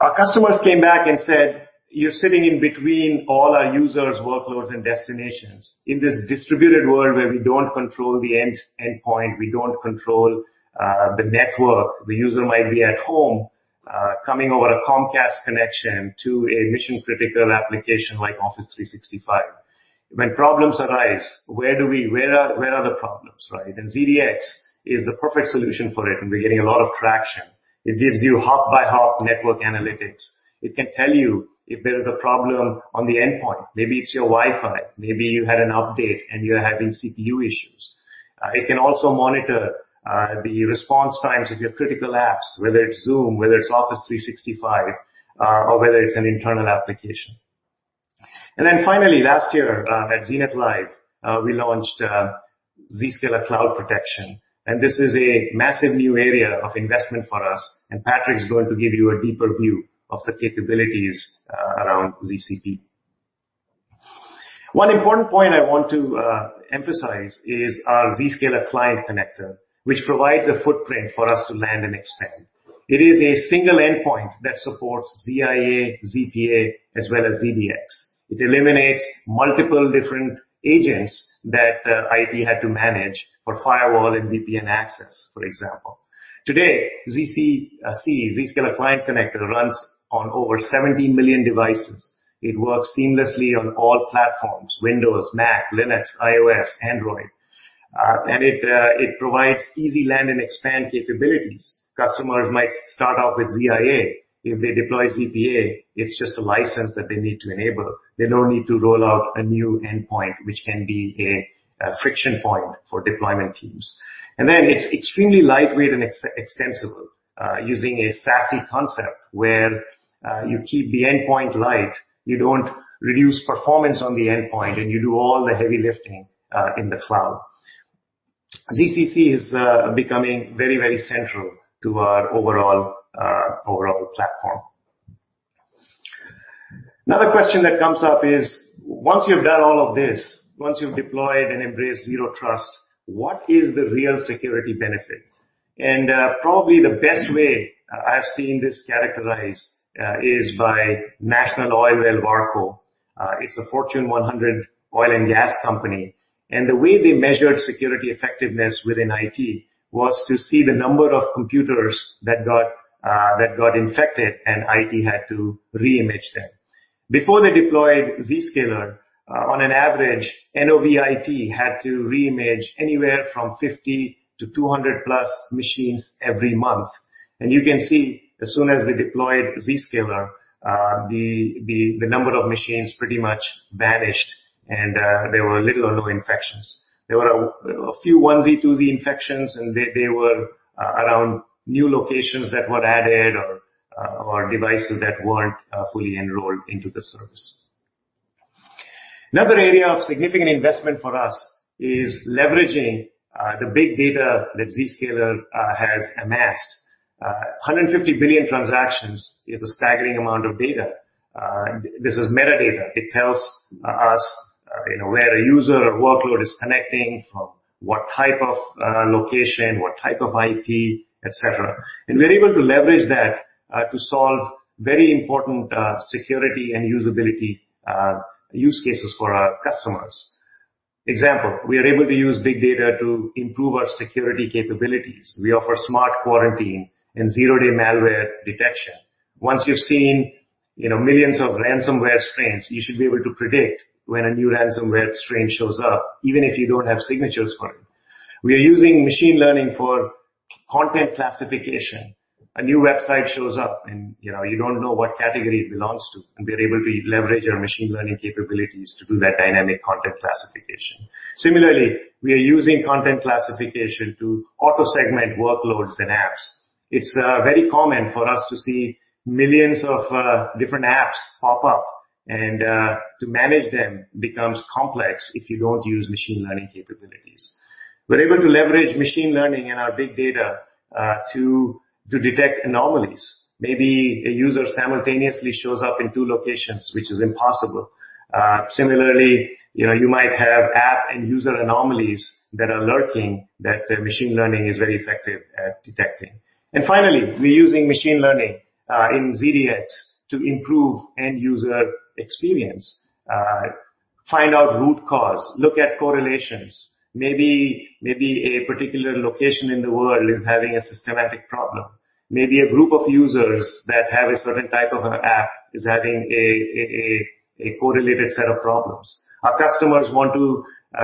Our customers came back and said, "You're sitting in between all our users' workloads and destinations. In this distributed world where we don't control the end endpoint, we don't control the network. The user might be at home, coming over a Comcast connection to a mission-critical application like Office 365. When problems arise, where are the problems?" Right? ZDX is the perfect solution for it, and we're getting a lot of traction. It gives you hop-by-hop network analytics. It can tell you if there is a problem on the endpoint. Maybe it's your Wi-Fi, maybe you had an update and you're having CPU issues. It can also monitor the response times of your critical apps, whether it's Zoom, whether it's Office 365, or whether it's an internal application. Finally, last year at Zenith Live, we launched Zscaler Cloud Protection. This is a massive new area of investment for us. Patrick's going to give you a deeper view of the capabilities around ZCP. One important point I want to emphasize is our Zscaler Client Connector, which provides a footprint for us to land and expand. It is a single endpoint that supports ZIA, ZPA, as well as ZDX. It eliminates multiple different agents that IT had to manage for firewall and VPN access, for example. Today, ZCC, Zscaler Client Connector, runs on over 17 million devices. It works seamlessly on all platforms, Windows, Mac, Linux, iOS, Android. It provides easy land and expand capabilities. Customers might start off with ZIA. If they deploy ZPA, it's just a license that they need to enable. They don't need to roll out a new endpoint, which can be a friction point for deployment teams. It's extremely lightweight and extensible, using a SASE concept where you keep the endpoint light, you don't reduce performance on the endpoint, and you do all the heavy lifting in the cloud. ZCC is becoming very, very central to our overall platform. Another question that comes up is, once you've done all of this, once you've deployed and embraced Zero Trust, what is the real security benefit? Probably the best way I've seen this characterized is by National Oilwell Varco. It's a Fortune 100 oil and gas company. The way they measured security effectiveness within IT was to see the number of computers that got infected and IT had to re-image them. Before they deployed Zscaler, on an average, NOV IT had to re-image anywhere from 50 to 200 plus machines every month. You can see as soon as they deployed Zscaler, the number of machines pretty much vanished and there were little or no infections. There were a few onesie-twosie infections, and they were around new locations that were added or devices that weren't fully enrolled into the service. Another area of significant investment for us is leveraging the big data that Zscaler has amassed. 150 billion transactions is a staggering amount of data. This is metadata. It tells us where a user or workload is connecting, from what type of location, what type of IP, et cetera. We're able to leverage that to solve very important security and usability use cases for our customers. Example, we are able to use big data to improve our security capabilities. We offer smart quarantine and zero-day malware detection. Once you've seen millions of ransomware strains, you should be able to predict when a new ransomware strain shows up, even if you don't have signatures for it. We are using machine learning for content classification. A new website shows up, you don't know what category it belongs to, we are able to leverage our machine learning capabilities to do that dynamic content classification. Similarly, we are using content classification to auto-segment workloads and apps. It's very common for us to see millions of different apps pop up, to manage them becomes complex if you don't use machine learning capabilities. We're able to leverage machine learning and our big data, to detect anomalies. Maybe a user simultaneously shows up in two locations, which is impossible. Similarly, you might have app and user anomalies that are lurking that the machine learning is very effective at detecting. Finally, we're using machine learning in ZDX to improve end-user experience, find out root cause, look at correlations. Maybe a particular location in the world is having a systematic problem. Maybe a group of users that have a certain type of an app is having a correlated set of problems. Our customers want to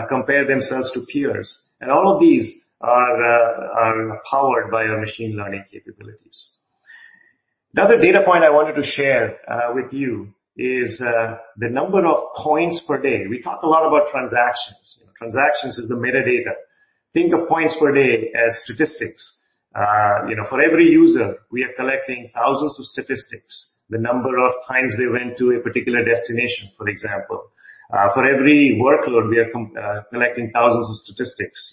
compare themselves to peers, all of these are powered by our machine learning capabilities. Another data point I wanted to share with you is the number of points per day. We talked a lot about transactions. Transactions is the metadata. Think of points per day as statistics. For every user, we are collecting thousands of statistics. The number of times they went to a particular destination, for example. For every workload, we are collecting thousands of statistics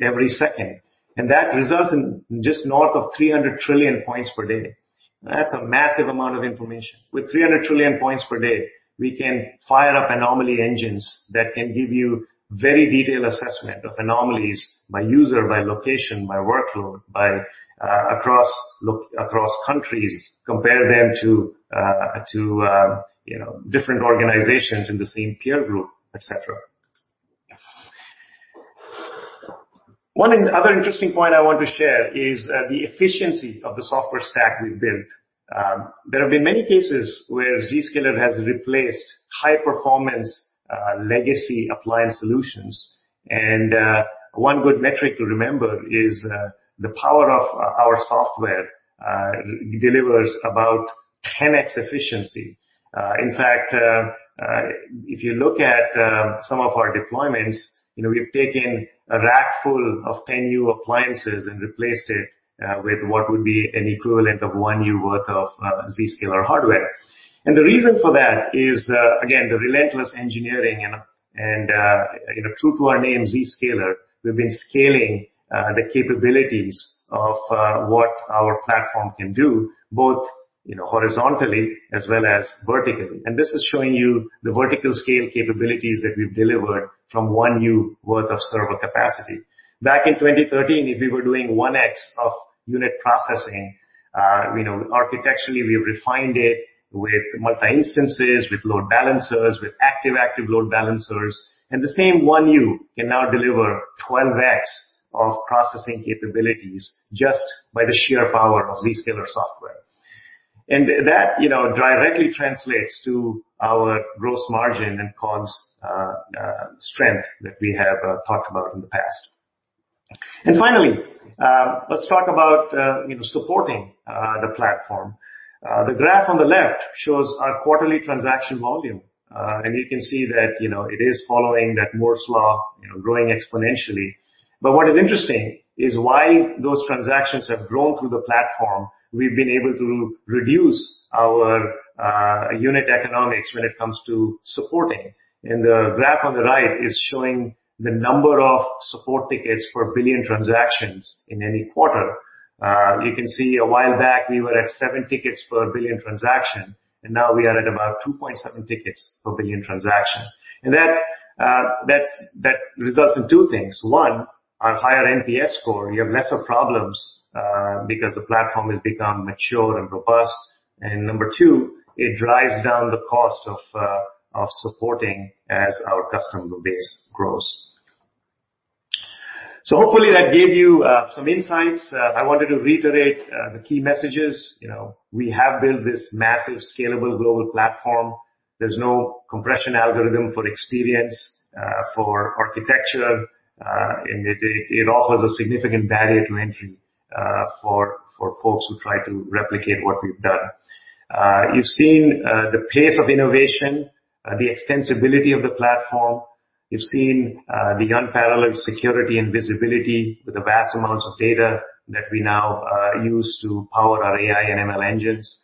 every second, and that results in just north of 300 trillion points per day. That's a massive amount of information. With 300 trillion points per day, we can fire up anomaly engines that can give you very detailed assessment of anomalies by user, by location, by workload, by across countries, compare them to different organizations in the same peer group, et cetera. One other interesting point I want to share is the efficiency of the software stack we've built. There have been many cases where Zscaler has replaced high-performance legacy appliance solutions, and one good metric to remember is the power of our software delivers about 10X efficiency. In fact, if you look at some of our deployments, we've taken a rack full of 10U appliances and replaced it with what would be an equivalent of 1U worth of Zscaler hardware. The reason for that is, again, the relentless engineering and true to our name, Zscaler, we've been scaling the capabilities of what our platform can do, both horizontally as well as vertically. This is showing you the vertical scale capabilities that we've delivered from 1U worth of server capacity. Back in 2013, if we were doing 1X of unit processing, architecturally, we refined it with multi-instances, with load balancers, with active load balancers, and the same 1U can now deliver 12X of processing capabilities just by the sheer power of Zscaler software. That directly translates to our gross margin and COGS strength that we have talked about in the past. Finally, let's talk about supporting the platform. The graph on the left shows our quarterly transaction volume. You can see that it is following that Moore's Law, growing exponentially. What is interesting is while those transactions have grown through the platform, we've been able to reduce our unit economics when it comes to supporting. The graph on the right is showing the number of support tickets for a billion transactions in any quarter. You can see a while back, we were at seven tickets per a billion transactions, now we are at about 2.7 tickets per a billion transactions. That results in two things. One, our higher NPS score, you have lesser problems because the platform has become mature and robust. Number two, it drives down the cost of supporting as our customer base grows. Hopefully, that gave you some insights. I wanted to reiterate the key messages. We have built this massive, scalable global platform. There's no compression algorithm for experience, for architecture. It offers a significant barrier to entry for folks who try to replicate what we've done. You've seen the pace of innovation, the extensibility of the platform. You've seen the unparalleled security and visibility with the vast amounts of data that we now use to power our AI and ML engines.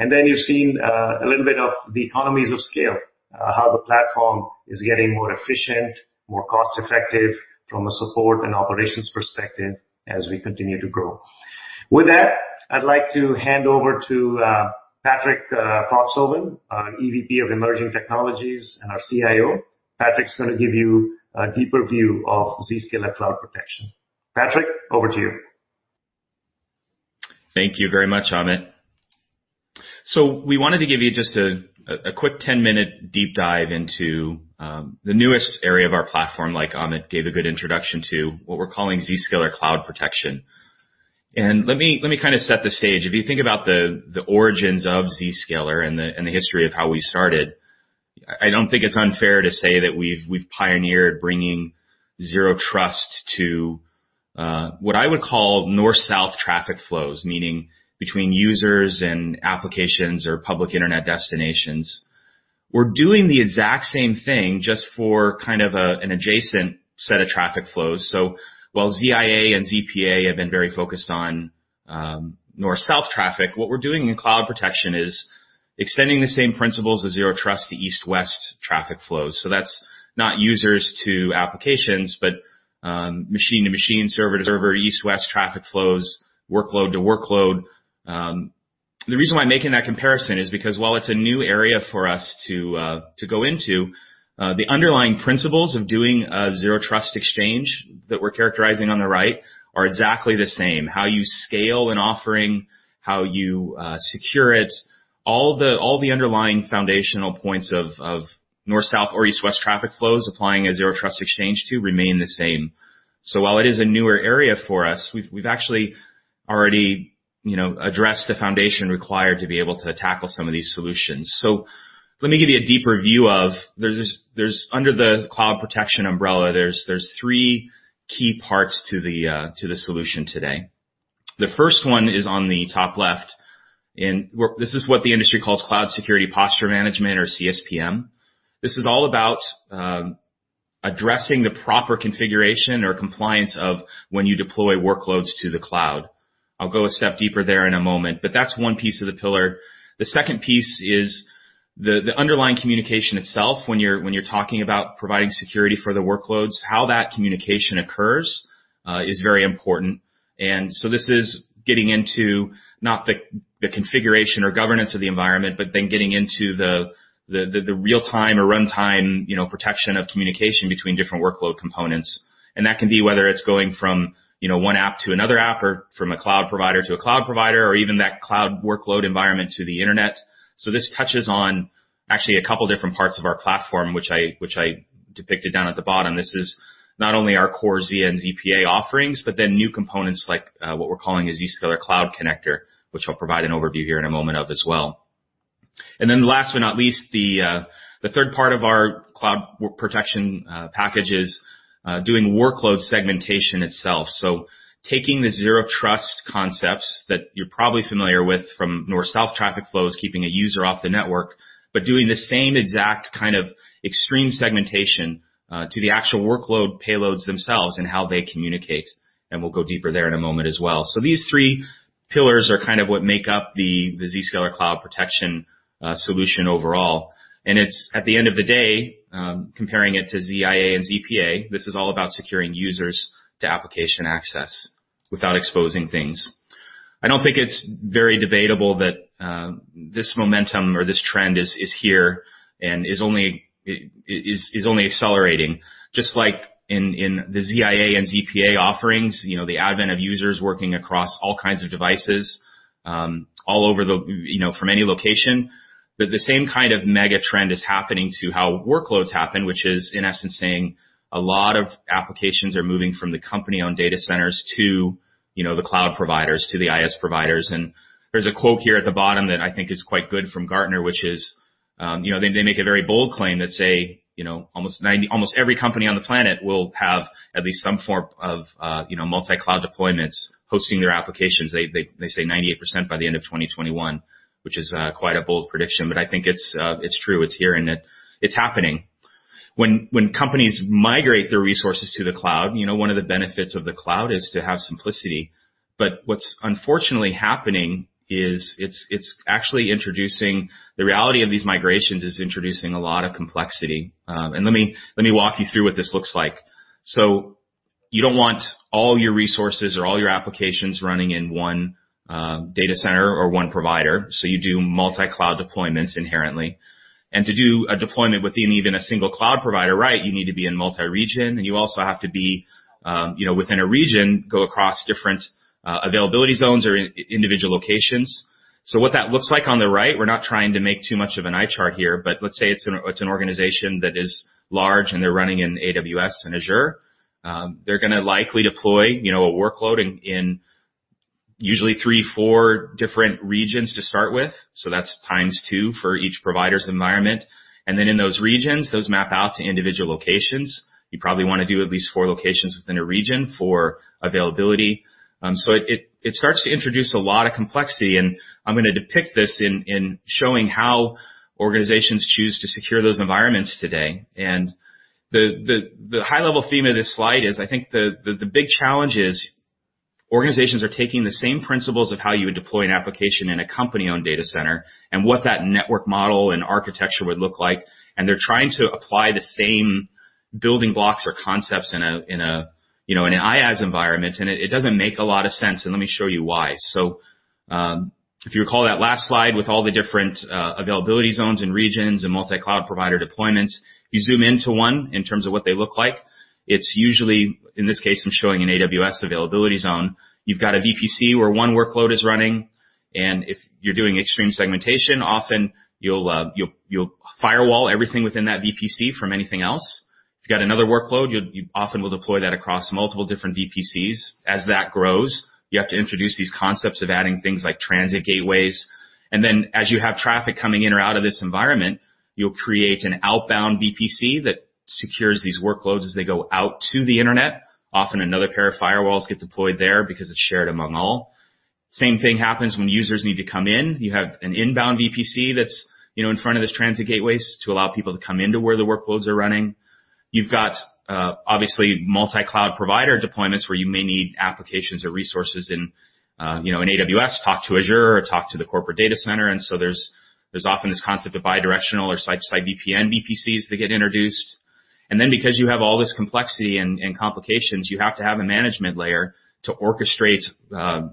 You've seen a little bit of the economies of scale, how the platform is getting more efficient, more cost-effective from a support and operations perspective as we continue to grow. With that, I'd like to hand over to Patrick Foxhoven, our EVP of Emerging Technologies and our CIO. Patrick's going to give you a deeper view of Zscaler Cloud Protection. Patrick, over to you. Thank you very much, Amit. We wanted to give you just a quick 10-minute deep dive into the newest area of our platform, like Amit gave a good introduction to what we're calling Zscaler Cloud Protection. Let me kind of set the stage. If you think about the origins of Zscaler and the history of how we started, I don't think it's unfair to say that we've pioneered bringing Zero Trust to what I would call north-south traffic flows, meaning between users and applications or public internet destinations. We're doing the exact same thing just for kind of an adjacent set of traffic flows. While ZIA and ZPA have been very focused on north-south traffic, what we're doing in cloud protection is extending the same principles of Zero Trust to east-west traffic flows. That's not users to applications, but machine to machine, server to server, east-west traffic flows, workload to workload. The reason why I'm making that comparison is because while it's a new area for us to go into, the underlying principles of doing a Zero Trust Exchange that we're characterizing on the right are exactly the same. How you scale an offering, how you secure it, all the underlying foundational points of north-south or east-west traffic flows applying a Zero Trust Exchange to remain the same. While it is a newer area for us, we've actually already addressed the foundation required to be able to tackle some of these solutions. Let me give you a deeper view of under the cloud protection umbrella, there's three key parts to the solution today. The first one is on the top left, this is what the industry calls Cloud Security Posture Management or CSPM. This is all about addressing the proper configuration or compliance of when you deploy workloads to the cloud. I'll go a step deeper there in a moment, that's one piece of the pillar. The second piece is the underlying communication itself when you're talking about providing security for the workloads, how that communication occurs is very important. This is getting into not the configuration or governance of the environment, getting into the real-time or runtime protection of communication between different workload components. That can be whether it's going from one app to another app or from a cloud provider to a cloud provider or even that cloud workload environment to the internet. This touches on actually a couple of different parts of our platform, which I depicted down at the bottom. This is not only our core ZIA and ZPA offerings, but then new components like what we're calling a Zscaler Cloud Connector, which I'll provide an overview here in a moment of as well. Last but not least, the third part of our Cloud Protection package is doing workload segmentation itself. Taking the Zero Trust concepts that you're probably familiar with from north-south traffic flows, keeping a user off the network, but doing the same exact kind of extreme segmentation to the actual workload payloads themselves and how they communicate. We'll go deeper there in a moment as well. These three pillars are kind of what make up the Zscaler Cloud Protection solution overall. It's at the end of the day, comparing it to ZIA and ZPA, this is all about securing users to application access without exposing things. I don't think it's very debatable that this momentum or this trend is here and is only accelerating. Just like in the ZIA and ZPA offerings, the advent of users working across all kinds of devices from any location, the same kind of mega trend is happening to how workloads happen, which is in essence saying a lot of applications are moving from the company-owned data centers to the cloud providers, to the IaaS providers. There's a quote here at the bottom that I think is quite good from Gartner, which is they make a very bold claim that say almost every company on the planet will have at least some form of multi-cloud deployments hosting their applications. They say 98% by the end of 2021, which is quite a bold prediction, but I think it's true. It's here and it's happening. When companies migrate their resources to the cloud, one of the benefits of the cloud is to have simplicity. What's unfortunately happening is it's actually introducing the reality of these migrations is introducing a lot of complexity. Let me walk you through what this looks like. You don't want all your resources or all your applications running in one data center or one provider, so you do multi-cloud deployments inherently. To do a deployment within even a single cloud provider, you need to be in multi-region, and you also have to be within a region, go across different availability zones or individual locations. What that looks like on the right, we're not trying to make too much of an eye chart here, but let's say it's an organization that is large and they're running in AWS and Azure. They're going to likely deploy a workload in usually three, four different regions to start with, so that's times two for each provider's environment. In those regions, those map out to individual locations. You probably want to do at least four locations within a region for availability. It starts to introduce a lot of complexity, and I'm going to depict this in showing how organizations choose to secure those environments today. The high level theme of this slide is, I think the big challenge is organizations are taking the same principles of how you would deploy an application in a company-owned data center and what that network model and architecture would look like, and they're trying to apply the same building blocks or concepts in an IaaS environment, and it doesn't make a lot of sense. Let me show you why. If you recall that last slide with all the different availability zones and regions and multi-cloud provider deployments, if you zoom into one, in terms of what they look like, it's usually, in this case, I'm showing an AWS availability zone. You've got a VPC where one workload is running, and if you're doing extreme segmentation, often you'll firewall everything within that VPC from anything else. If you've got another workload, you often will deploy that across multiple different VPCs. As that grows, you have to introduce these concepts of adding things like transit gateways. As you have traffic coming in or out of this environment, you'll create an outbound VPC that secures these workloads as they go out to the internet. Often, another pair of firewalls get deployed there because it's shared among all. Same thing happens when users need to come in. You have an inbound VPC that's in front of this transit gateways to allow people to come into where the workloads are running. You've got, obviously, multi-cloud provider deployments where you may need applications or resources in AWS talk to Azure or talk to the corporate data center. There's often this concept of bi-directional or site-to-site VPN VPCs that get introduced. Because you have all this complexity and complications, you have to have a management layer to orchestrate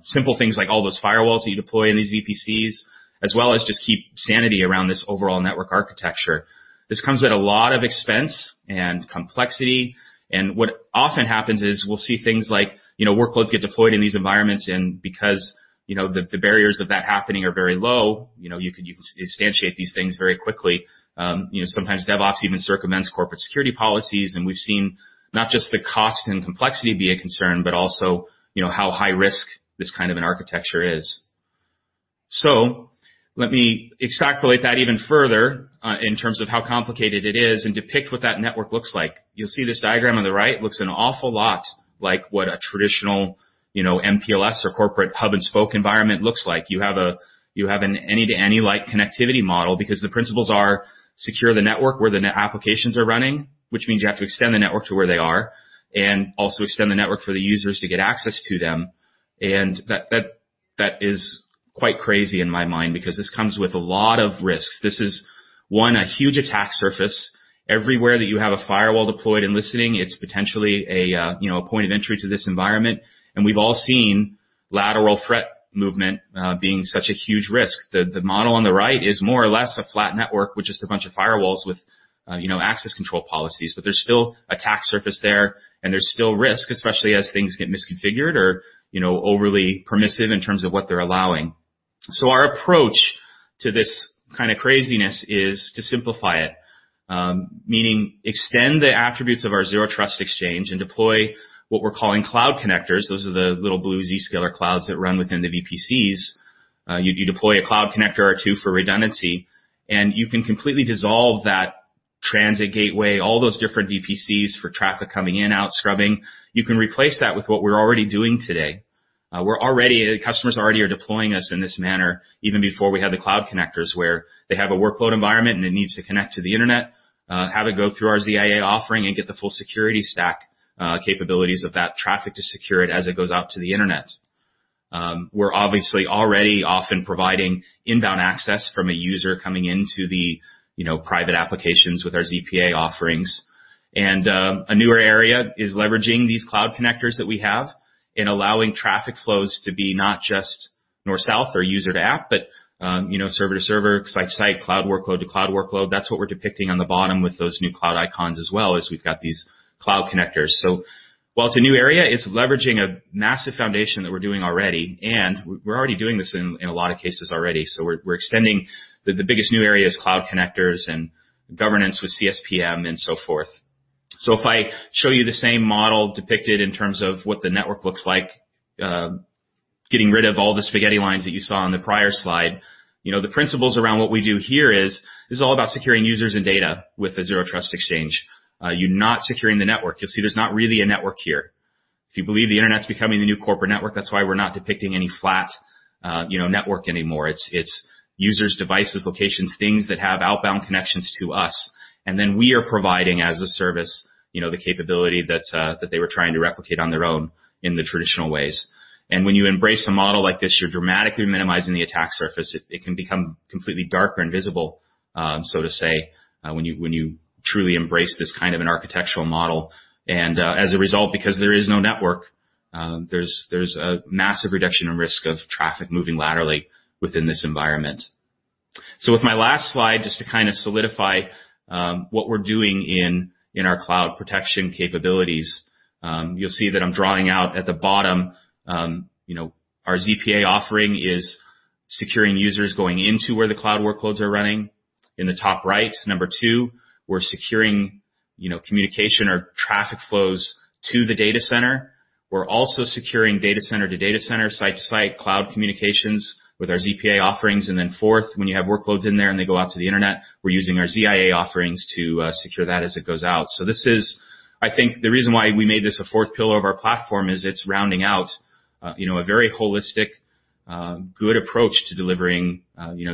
simple things like all those firewalls that you deploy in these VPCs, as well as just keep sanity around this overall network architecture. This comes at a lot of expense and complexity, and what often happens is we'll see things like workloads get deployed in these environments, and because the barriers of that happening are very low, you could instantiate these things very quickly. Sometimes DevOps even circumvents corporate security policies, and we've seen not just the cost and complexity be a concern, but also how high risk this kind of an architecture is. Let me extrapolate that even further, in terms of how complicated it is, and depict what that network looks like. You'll see this diagram on the right looks an awful lot like what a traditional MPLS or corporate hub and spoke environment looks like. You have an any-to-any like connectivity model because the principles are secure the network where the applications are running, which means you have to extend the network to where they are, also extend the network for the users to get access to them. That is quite crazy in my mind because this comes with a lot of risk. This is, one, a huge attack surface. Everywhere that you have a firewall deployed and listening, it's potentially a point of entry to this environment. We've all seen lateral threat movement being such a huge risk. The model on the right is more or less a flat network with just a bunch of firewalls with access control policies. There's still attack surface there and there's still risk, especially as things get misconfigured or overly permissive in terms of what they're allowing. Our approach to this kind of craziness is to simplify it, meaning extend the attributes of our Zero Trust Exchange and deploy what we're calling Cloud Connectors. Those are the little blue Zscaler clouds that run within the VPCs. You deploy a Cloud Connector or two for redundancy, and you can completely dissolve that transit gateway, all those different VPCs for traffic coming in, out, scrubbing. You can replace that with what we're already doing today. Customers already are deploying us in this manner, even before we had the Cloud Connectors where they have a workload environment and it needs to connect to the internet, have it go through our ZIA offering and get the full security stack capabilities of that traffic to secure it as it goes out to the internet. We're obviously already often providing inbound access from a user coming into the private applications with our ZPA offerings. A newer area is leveraging these Cloud Connectors that we have and allowing traffic flows to be not just north-south or user-to-app, but server-to-server, site-to-site, cloud workload to cloud workload. That's what we're depicting on the bottom with those new cloud icons as well, is we've got these Cloud Connectors. While it's a new area, it's leveraging a massive foundation that we're doing already, and we're already doing this in a lot of cases already. We're extending the biggest new areas, Cloud Connectors and governance with CSPM and so forth. If I show you the same model depicted in terms of what the network looks like, getting rid of all the spaghetti lines that you saw on the prior slide. The principles around what we do here is, this is all about securing users and data with a Zero Trust Exchange. You're not securing the network. You'll see there's not really a network here. If you believe the internet's becoming the new corporate network, that's why we're not depicting any flat network anymore. It's users, devices, locations, things that have outbound connections to us. We are providing as a service the capability that they were trying to replicate on their own in the traditional ways. When you embrace a model like this, you're dramatically minimizing the attack surface. It can become completely dark or invisible, so to say, when you truly embrace this kind of an architectural model. As a result, because there is no network, there's a massive reduction in risk of traffic moving laterally within this environment. With my last slide, just to kind of solidify what we're doing in our cloud protection capabilities. You'll see that I'm drawing out at the bottom our ZPA offering is securing users going into where the cloud workloads are running. In the top right, number two, we're securing communication or traffic flows to the data center. We're also securing data center to data center, site to site cloud communications with our ZPA offerings. Fourth, when you have workloads in there and they go out to the internet, we're using our ZIA offerings to secure that as it goes out. I think the reason why we made this a fourth pillar of our platform is it's rounding out a very holistic, good approach to delivering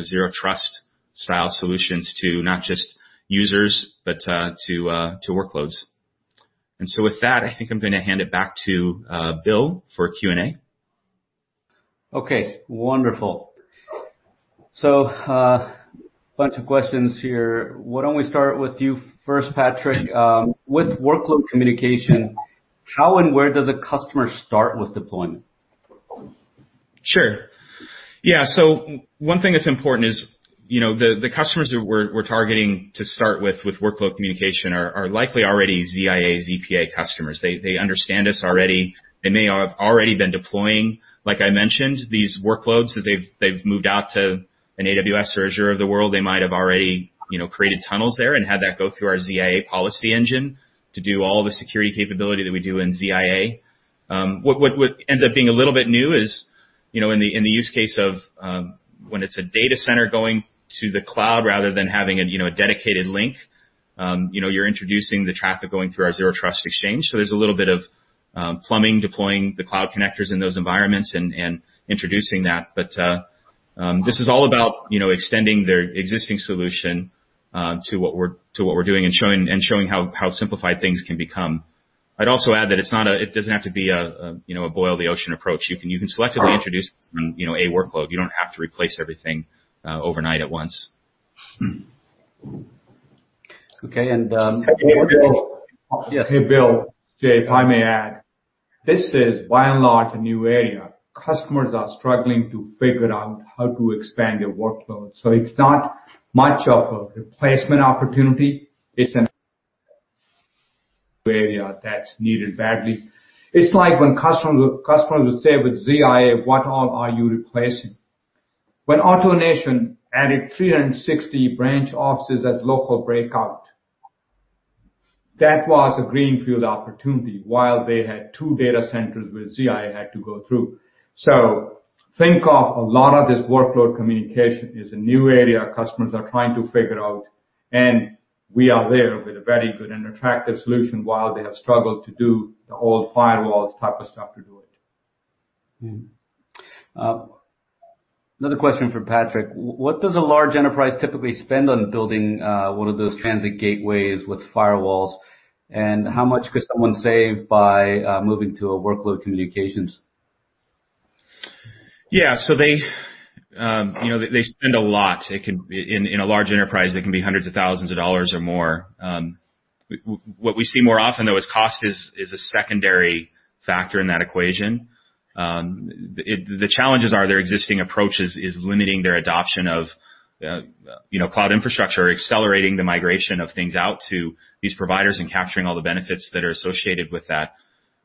Zero Trust-style solutions to not just users, but to workloads. With that, I think I'm going to hand it back to Bill for Q&A. Okay, wonderful. A bunch of questions here. Why don't we start with you first, Patrick? With workload communication, how and where does a customer start with deployment? Sure. Yeah, one thing that's important is the customers who we're targeting to start with workload communication are likely already ZIA, ZPA customers. They understand us already. They may have already been deploying, like I mentioned, these workloads that they've moved out to an AWS or Azure of the world. They might have already created tunnels there and had that go through our ZIA policy engine to do all the security capability that we do in ZIA. What ends up being a little bit new is in the use case of when it's a data center going to the cloud rather than having a dedicated link, you're introducing the traffic going through our Zero Trust Exchange. There's a little bit of plumbing, deploying the Cloud Connectors in those environments and introducing that. This is all about extending their existing solution to what we're doing and showing how simplified things can become. I'd also add that it doesn't have to be a boil the ocean approach. You can selectively introduce from a workload. You don't have to replace everything overnight at once. Okay. Hey, Bill. Jay, if I may add. This is by and large a new area. Customers are struggling to figure out how to expand their workload. It's not much of a replacement opportunity. It's an area that's needed badly. It's like when customers would say with ZIA, "What all are you replacing?" When AutoNation added 360 branch offices as local breakout, that was a greenfield opportunity while they had two data centers with ZIA had to go through. Think of a lot of this workload communication is a new area customers are trying to figure out, and we are there with a very good and attractive solution while they have struggled to do the old firewalls type of stuff to do it. Another question for Patrick. What does a large enterprise typically spend on building one of those transit gateways with firewalls? How much could someone save by moving to a workload communications? Yeah. They spend a lot. In a large enterprise, it can be $ hundreds of thousands or more. What we see more often, though, is cost is a secondary factor in that equation. The challenges are their existing approach is limiting their adoption of cloud infrastructure, accelerating the migration of things out to these providers, and capturing all the benefits that are associated with that.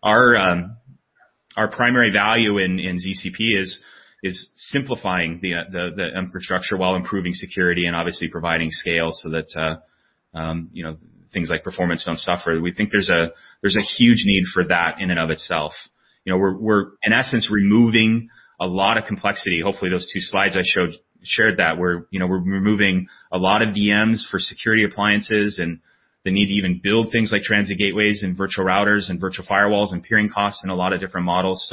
Our primary value in ZCP is simplifying the infrastructure while improving security and obviously providing scale so that things like performance don't suffer. We think there's a huge need for that in and of itself. We're, in essence, removing a lot of complexity. Hopefully, those two slides I shared that. We're removing a lot of VMs for security appliances and the need to even build things like transit gateways and virtual routers and virtual firewalls and peering costs and a lot of different models.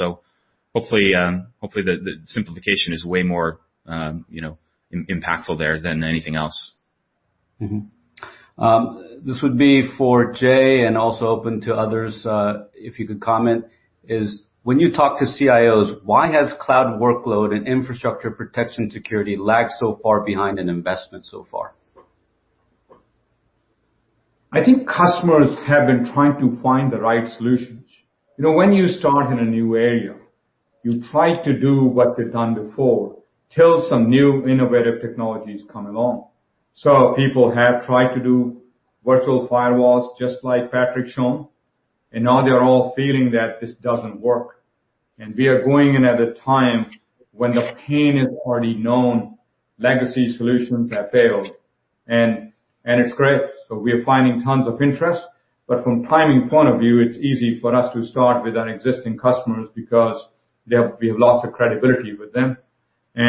Hopefully, the simplification is way more impactful there than anything else. This would be for Jay and also open to others, if you could comment is, when you talk to CIOs, why has cloud workload and infrastructure protection security lagged so far behind in investment so far? I think customers have been trying to find the right solutions. When you start in a new area, you try to do what they've done before till some new innovative technologies come along. People have tried to do virtual firewalls, just like Patrick shown, now they're all feeling that this doesn't work. We are going in at a time when the pain is already known, legacy solutions have failed. It's great. We are finding tons of interest, but from timing point of view, it's easy for us to start with our existing customers because we have lots of credibility with them. We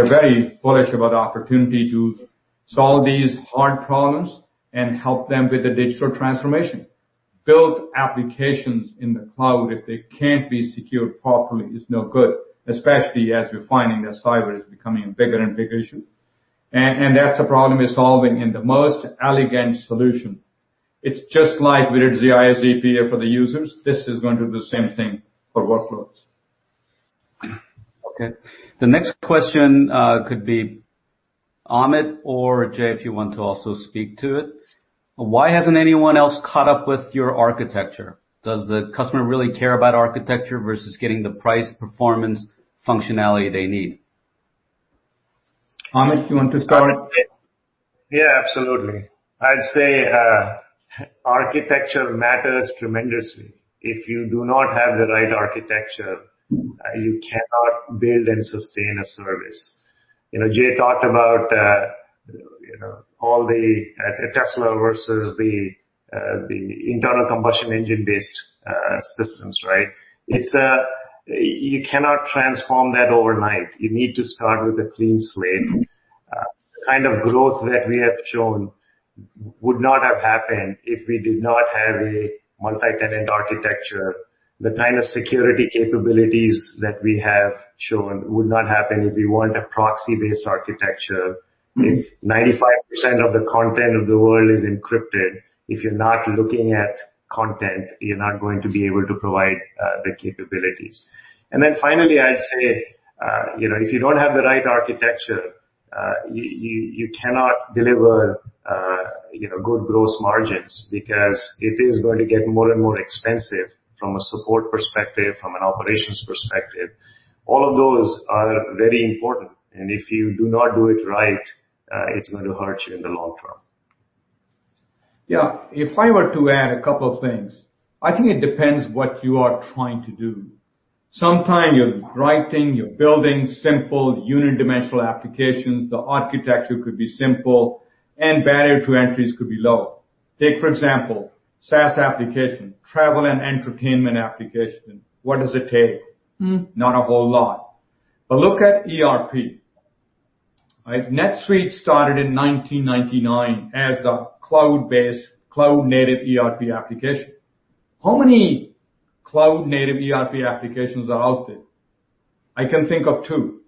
are very bullish about the opportunity to solve these hard problems and help them with the digital transformation. Build applications in the cloud, if they can't be secured properly, is no good, especially as we're finding that cyber is becoming a bigger and bigger issue. That's a problem we're solving in the most elegant solution. It's just like with ZIA, ZPA for the users, this is going to do the same thing for workloads. Okay. The next question could be Amit or Jay, if you want to also speak to it. Why hasn't anyone else caught up with your architecture? Does the customer really care about architecture versus getting the price, performance, functionality they need? Amit, you want to start? Yeah, absolutely. I'd say architecture matters tremendously. If you do not have the right architecture, you cannot build and sustain a service. Jay talked about Tesla versus the internal combustion engine-based systems, right? You cannot transform that overnight. You need to start with a clean slate. The kind of growth that we have shown would not have happened if we did not have a multi-tenant architecture. The kind of security capabilities that we have shown would not happen if we want a proxy-based architecture. If 95% of the content of the world is encrypted, if you're not looking at content, you're not going to be able to provide the capabilities. Finally, I'd say, if you don't have the right architecture, you cannot deliver good gross margins because it is going to get more and more expensive from a support perspective, from an operations perspective. All of those are very important, and if you do not do it right, it's going to hurt you in the long term. Yeah. If I were to add a couple of things, I think it depends what you are trying to do. Sometimes you're writing, you're building simple uni-dimensional applications, the architecture could be simple and barrier to entries could be low. Take for example, SaaS application, travel and entertainment application. What does it take? Not a whole lot. Look at ERP, right? NetSuite started in 1999 as the cloud-based, cloud-native ERP application. How many cloud-native ERP applications are out there? I can think of two,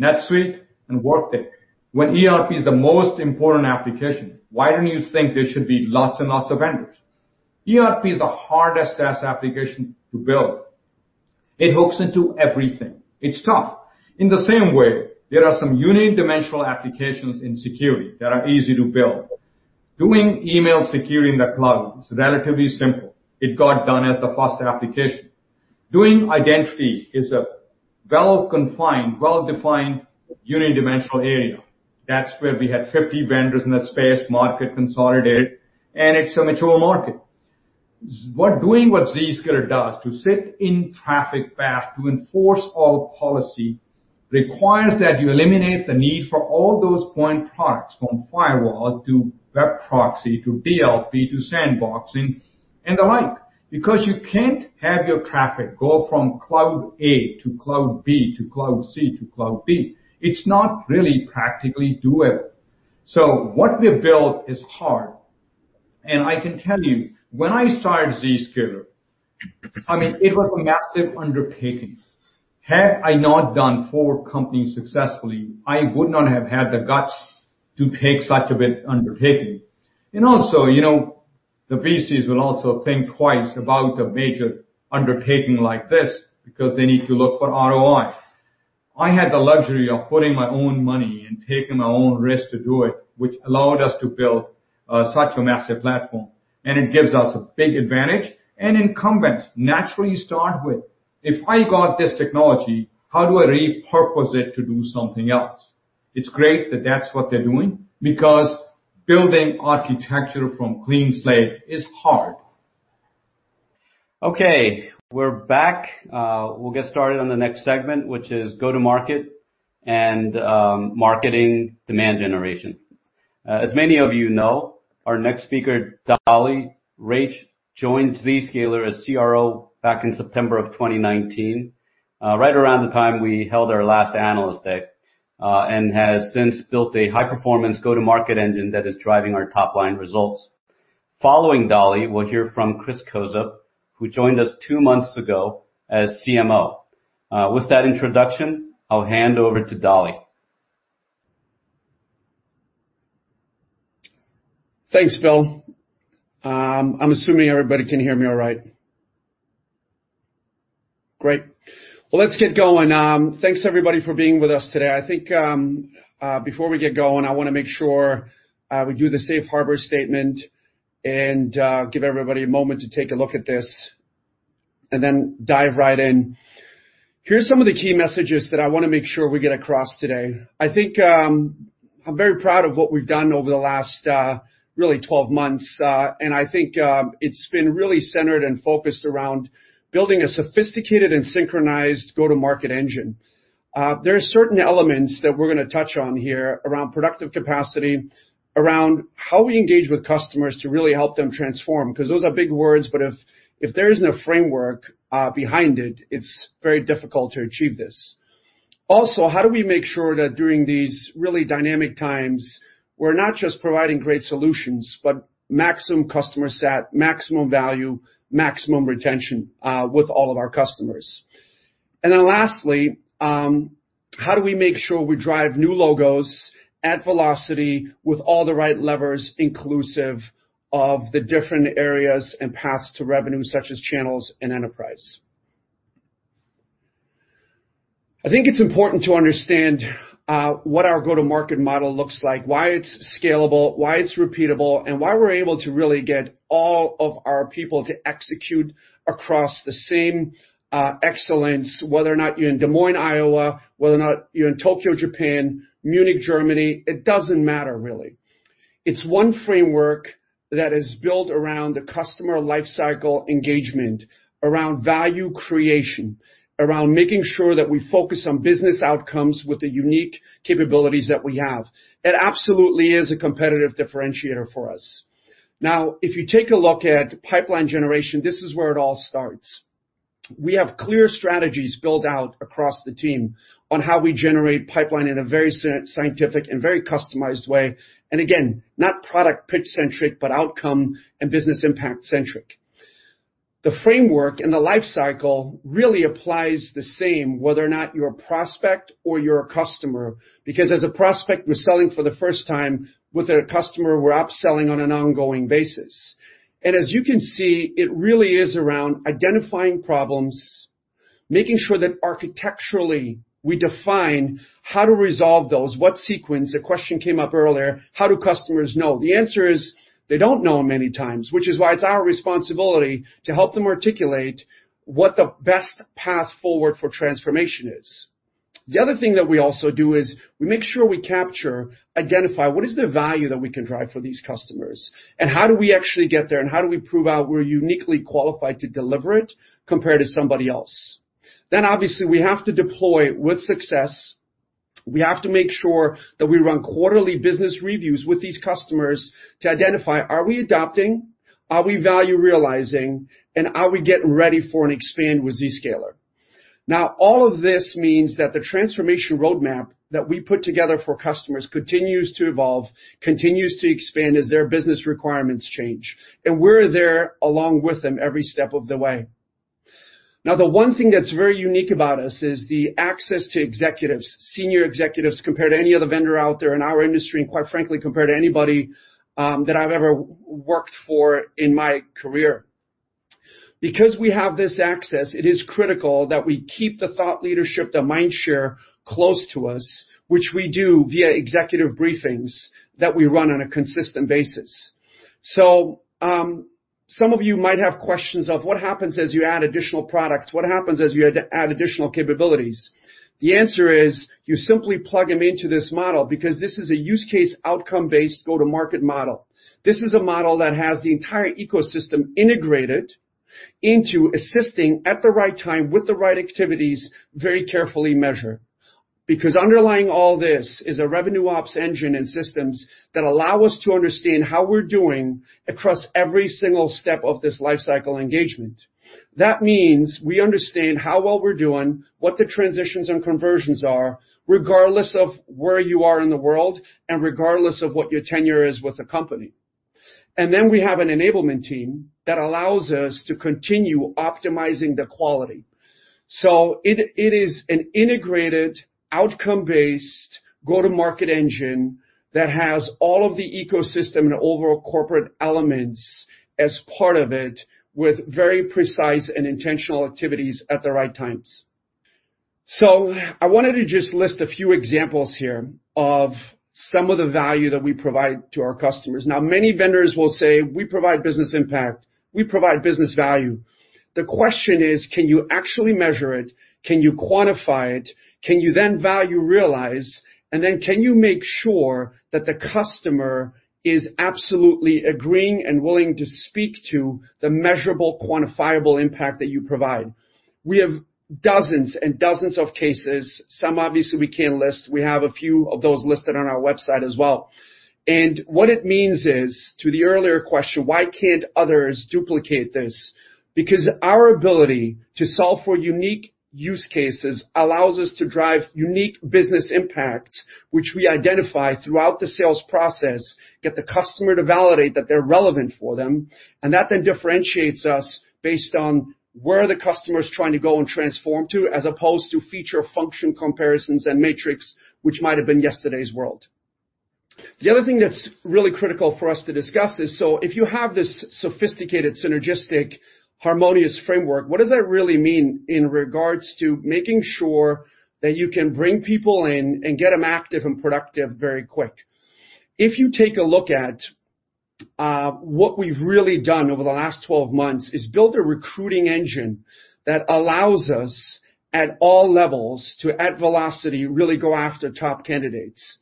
NetSuite and Workday. When ERP is the most important application, why don't you think there should be lots and lots of vendors? ERP is the hardest SaaS application to build. It hooks into everything. It's tough. In the same way, there are some uni-dimensional applications in security that are easy to build. Doing email security in the cloud is relatively simple. It got done as the first application. Doing identity is a well-confined, well-defined uni-dimensional area. That's where we had 50 vendors in that space, market consolidated, and it's a mature market. Doing what Zscaler does, to sit in traffic path, to enforce all policy, requires that you eliminate the need for all those point products, from firewall to web proxy, to DLP, to sandboxing and the like. You can't have your traffic go from cloud A to cloud B to cloud C to cloud D. It's not really practically doable. What we've built is hard, and I can tell you, when I started Zscaler, I mean, it was a massive undertaking. Had I not done four companies successfully, I would not have had the guts to take such a big undertaking. Also, the VCs will also think twice about a major undertaking like this because they need to look for ROI. I had the luxury of putting my own money and taking my own risk to do it, which allowed us to build such a massive platform. It gives us a big advantage. Incumbents naturally start with, "If I got this technology, how do I repurpose it to do something else?" It's great that that's what they're doing, because building architecture from clean slate is hard. Okay, we're back. We'll get started on the next segment, which is go-to-market and marketing demand generation. As many of you know, our next speaker, Dali Rajic, joined Zscaler as CRO back in September of 2019, right around the time we held our last Analyst Day, and has since built a high-performance go-to-market engine that is driving our top-line results. Following Dali, we'll hear from Chris Kozup, who joined us two months ago as CMO. With that introduction, I'll hand over to Dali. Thanks, Bill. I'm assuming everybody can hear me all right. Great. Let's get going. Thanks everybody for being with us today. I think before we get going, I want to make sure we do the safe harbor statement and give everybody a moment to take a look at this and then dive right in. Here's some of the key messages that I want to make sure we get across today. I'm very proud of what we've done over the last really 12 months. I think it's been really centered and focused around building a sophisticated and synchronized go-to-market engine. There are certain elements that we're going to touch on here around productive capacity, around how we engage with customers to really help them transform. Those are big words, but if there isn't a framework behind it's very difficult to achieve this. How do we make sure that during these really dynamic times, we're not just providing great solutions, but maximum customer sat, maximum value, maximum retention with all of our customers. Lastly, how do we make sure we drive new logos at velocity with all the right levers inclusive of the different areas and paths to revenue such as channels and enterprise. I think it's important to understand what our go-to-market model looks like, why it's scalable, why it's repeatable, and why we're able to really get all of our people to execute across the same excellence, whether or not you're in Des Moines, Iowa, whether or not you're in Tokyo, Japan, Munich, Germany, it doesn't matter really. It's one framework that is built around the customer lifecycle engagement, around value creation, around making sure that we focus on business outcomes with the unique capabilities that we have. It absolutely is a competitive differentiator for us. Now, if you take a look at pipeline generation, this is where it all starts. We have clear strategies built out across the team on how we generate pipeline in a very scientific and very customized way. Again, not product pitch centric, but outcome and business impact centric. The framework and the life cycle really applies the same, whether or not you're a prospect or you're a customer. Because as a prospect, we're selling for the first time. With a customer, we're upselling on an ongoing basis. As you can see, it really is around identifying problems, making sure that architecturally we define how to resolve those. What sequence? A question came up earlier, how do customers know? The answer is they don't know many times, which is why it's our responsibility to help them articulate what the best path forward for transformation is. The other thing that we also do is we make sure we capture, identify what is the value that we can drive for these customers, and how do we actually get there, and how do we prove out we're uniquely qualified to deliver it compared to somebody else? Obviously we have to deploy with success. We have to make sure that we run quarterly business reviews with these customers to identify. Are we adopting, are we value realizing, and are we getting ready for an expand with Zscaler? All of this means that the transformation roadmap that we put together for customers continues to evolve, continues to expand as their business requirements change. We're there along with them every step of the way. The one thing that's very unique about us is the access to executives, senior executives, compared to any other vendor out there in our industry, and quite frankly, compared to anybody that I've ever worked for in my career. Because we have this access, it is critical that we keep the thought leadership, the mind share close to us, which we do via executive briefings that we run on a consistent basis. Some of you might have questions of what happens as you add additional products? What happens as you add additional capabilities? The answer is you simply plug them into this model because this is a use case, outcome-based go-to-market model. This is a model that has the entire ecosystem integrated into assisting at the right time with the right activities, very carefully measured. Underlying all this is a revenue ops engine and systems that allow us to understand how we're doing across every single step of this lifecycle engagement. That means we understand how well we're doing, what the transitions and conversions are, regardless of where you are in the world and regardless of what your tenure is with the company. We have an enablement team that allows us to continue optimizing the quality. It is an integrated, outcome-based go-to-market engine that has all of the ecosystem and overall corporate elements as part of it, with very precise and intentional activities at the right times. I wanted to just list a few examples here of some of the value that we provide to our customers. Now, many vendors will say, "We provide business impact. We provide business value." The question is, can you actually measure it? Can you quantify it? Can you then value realize? Can you make sure that the customer is absolutely agreeing and willing to speak to the measurable, quantifiable impact that you provide? We have dozens and dozens of cases. Some obviously we can't list. We have a few of those listed on our website as well. What it means is to the earlier question, why can't others duplicate this? Because our ability to solve for unique use cases allows us to drive unique business impact, which we identify throughout the sales process, get the customer to validate that they're relevant for them, and that then differentiates us based on where the customer is trying to go and transform to, as opposed to feature function comparisons and matrix, which might have been yesterday's world. The other thing that is really critical for us to discuss is, if you have this sophisticated, synergistic, harmonious framework, what does that really mean in regards to making sure that you can bring people in and get them active and productive very quick? If you take a look at what we have really done over the last 12 months is build a recruiting engine that allows us at all levels to, at velocity, really go after top candidates.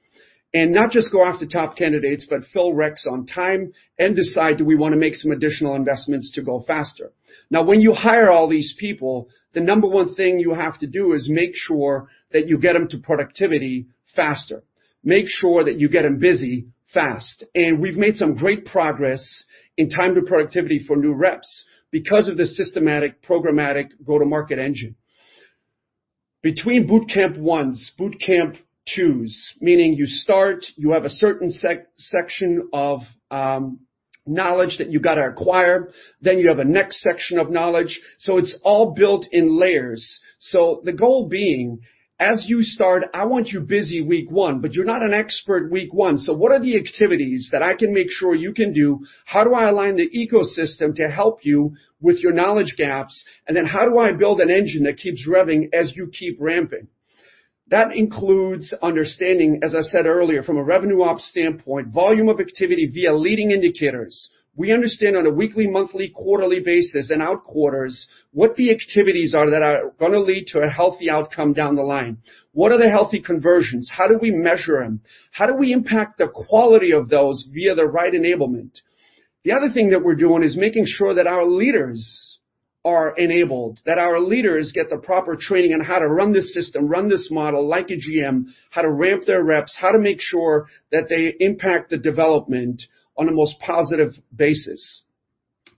Not just go after top candidates, but fill reqs on time and decide, do we want to make some additional investments to go faster? Now, when you hire all these people, the number one thing you have to do is make sure that you get them to productivity faster, make sure that you get them busy fast. We've made some great progress in time to productivity for new reps because of the systematic, programmatic Go-to-Market engine. Between bootcamp ones, bootcamp twos, meaning you start, you have a certain section of knowledge that you got to acquire, then you have a next section of knowledge. It's all built in layers. The goal being, as you start, I want you busy week one, but you're not an expert week one. What are the activities that I can make sure you can do? How do I align the ecosystem to help you with your knowledge gaps? How do I build an engine that keeps revving as you keep ramping? That includes understanding, as I said earlier, from a revenue ops standpoint, volume of activity via leading indicators. We understand on a weekly, monthly, quarterly basis, and out quarters what the activities are that are going to lead to a healthy outcome down the line. What are the healthy conversions? How do we measure them? How do we impact the quality of those via the right enablement? The other thing that we're doing is making sure that our leaders are enabled, that our leaders get the proper training on how to run this system, run this model like a GM, how to ramp their reps, how to make sure that they impact the development on a most positive basis.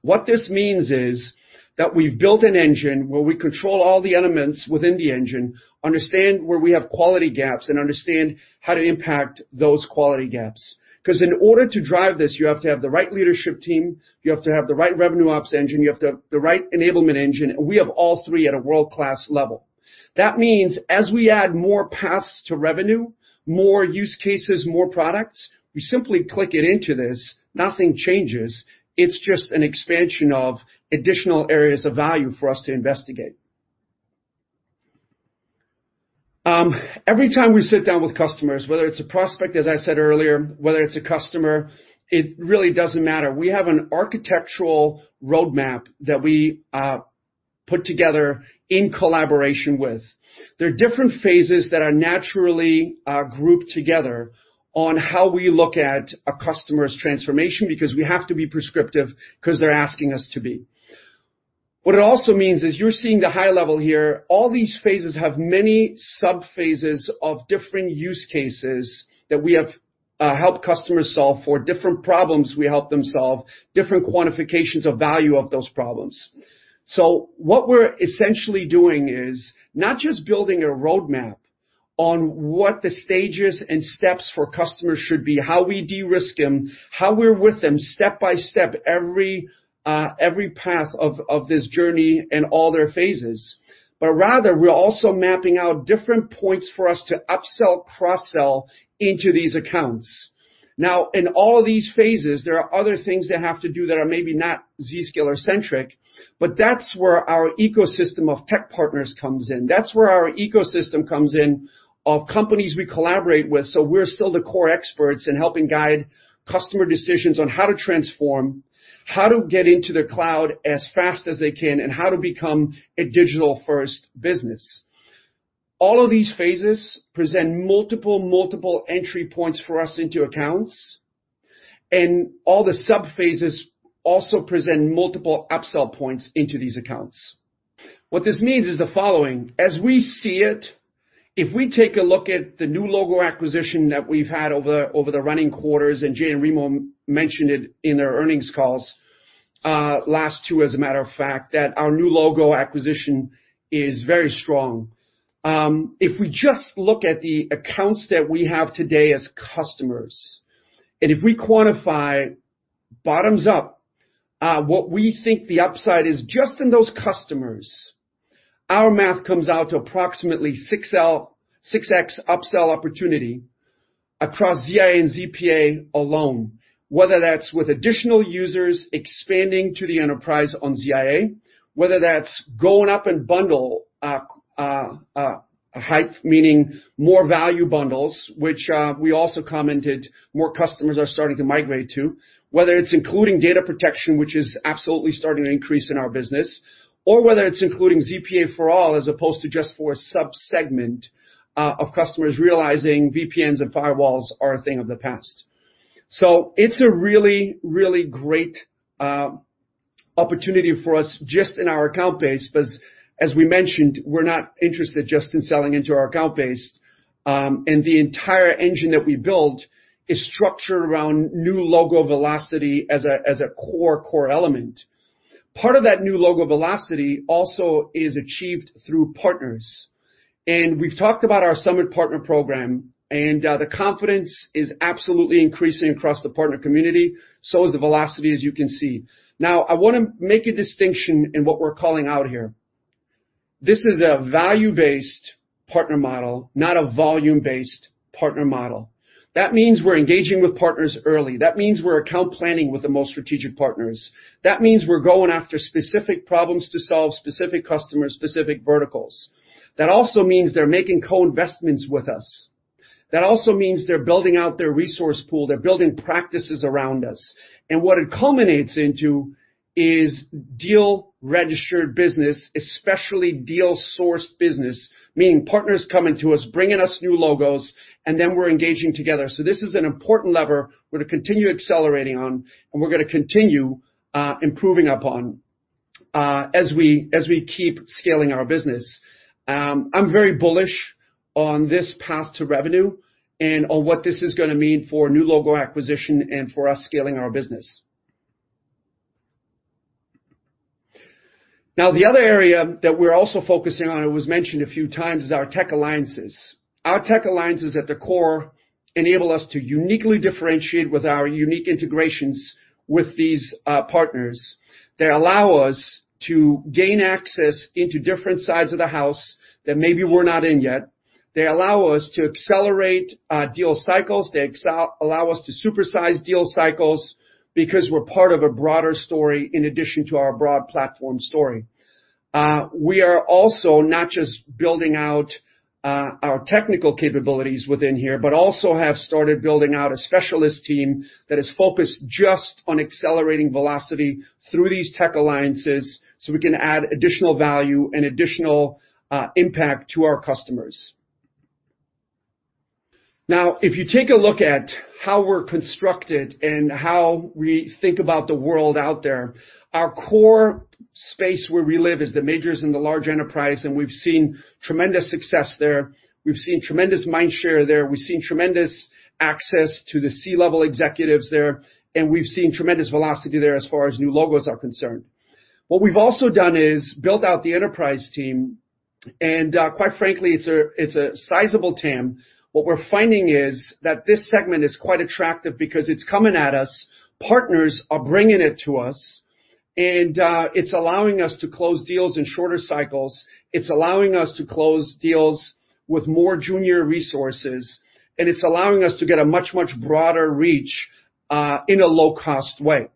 What this means is that we've built an engine where we control all the elements within the engine, understand where we have quality gaps, and understand how to impact those quality gaps. Because in order to drive this, you have to have the right leadership team, you have to have the right revenue ops engine, you have the right enablement engine, and we have all three at a world-class level. That means as we add more paths to revenue, more use cases, more products, we simply click it into this. Nothing changes. It's just an expansion of additional areas of value for us to investigate. Every time we sit down with customers, whether it's a prospect, as I said earlier, whether it's a customer, it really doesn't matter. We have an architectural roadmap that we put together in collaboration with. There are different phases that are naturally grouped together on how we look at a customer's transformation, because we have to be prescriptive because they're asking us to be. What it also means is you're seeing the high level here. All these phases have many sub-phases of different use cases that we have helped customers solve for different problems we help them solve, different quantifications of value of those problems. What we're essentially doing is not just building a roadmap on what the stages and steps for customers should be, how we de-risk them, how we're with them step by step, every path of this journey and all their phases. Rather, we're also mapping out different points for us to upsell, cross-sell into these accounts. Now, in all these phases, there are other things that have to do that are maybe not Zscaler-centric, but that's where our ecosystem of tech partners comes in. That's where our ecosystem comes in of companies we collaborate with. We're still the core experts in helping guide customer decisions on how to transform, how to get into the cloud as fast as they can, and how to become a digital-first business. All of these phases present multiple entry points for us into accounts, and all the sub-phases also present multiple upsell points into these accounts. What this means is the following. As we see it, if we take a look at the new logo acquisition that we've had over the running quarters, Jay and Remo mentioned it in their earnings calls, last two, as a matter of fact, that our new logo acquisition is very strong. If we just look at the accounts that we have today as customers, and if we quantify bottoms up, what we think the upside is just in those customers, our math comes out to approximately 6x upsell opportunity across ZIA and ZPA alone, whether that's with additional users expanding to the enterprise on ZIA, whether that's going up in bundle height, meaning more value bundles, which we also commented more customers are starting to migrate to, whether it's including data protection, which is absolutely starting to increase in our business, or whether it's including ZPA for all as opposed to just for a sub-segment of customers realizing VPNs and firewalls are a thing of the past. It's a really great opportunity for us just in our account base, because as we mentioned, we're not interested just in selling into our account base. The entire engine that we built is structured around new logo velocity as a core element. Part of that new logo velocity also is achieved through partners. We've talked about our Summit Partner Program. The confidence is absolutely increasing across the partner community. Is the velocity, as you can see. I want to make a distinction in what we're calling out here. This is a value-based partner model, not a volume-based partner model. That means we're engaging with partners early. That means we're account planning with the most strategic partners. That means we're going after specific problems to solve specific customers, specific verticals. That also means they're making co-investments with us. That also means they're building out their resource pool. They're building practices around us. What it culminates into is deal-registered business, especially deal-sourced business, meaning partners coming to us, bringing us new logos, and then we're engaging together. This is an important lever we're going to continue accelerating on, and we're going to continue improving upon as we keep scaling our business. I'm very bullish on this path to revenue and on what this is going to mean for new logo acquisition and for us scaling our business. The other area that we're also focusing on, it was mentioned a few times, is our tech alliances. Our tech alliances at the core enable us to uniquely differentiate with our unique integrations with these partners. They allow us to gain access into different sides of the house that maybe we're not in yet. They allow us to accelerate deal cycles. They allow us to supersize deal cycles because we're part of a broader story in addition to our broad platform story. We are also not just building out our technical capabilities within here, but also have started building out a specialist team that is focused just on accelerating velocity through these tech alliances so we can add additional value and additional impact to our customers. If you take a look at how we're constructed and how we think about the world out there, our core space where we live is the majors and the large enterprise, and we've seen tremendous success there. We've seen tremendous mind share there. We've seen tremendous access to the C-level executives there, and we've seen tremendous velocity there as far as new logos are concerned. What we've also done is built out the enterprise team, and quite frankly, it's a sizable TAM. What we're finding is that this segment is quite attractive because it's coming at us. Partners are bringing it to us. It's allowing us to close deals in shorter cycles. It's allowing us to close deals with more junior resources. It's allowing us to get a much, much broader reach, in a low-cost way.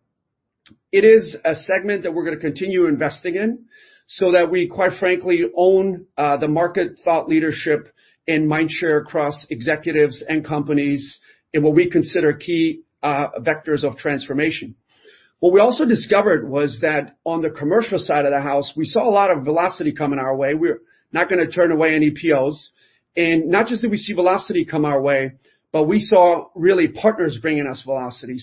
It is a segment that we're going to continue investing in so that we, quite frankly, own the market thought leadership and mind share across executives and companies in what we consider key vectors of transformation. What we also discovered was that on the commercial side of the house, we saw a lot of velocity coming our way. We're not going to turn away any POs. Not just that we see velocity come our way, but we saw really partners bringing us velocity.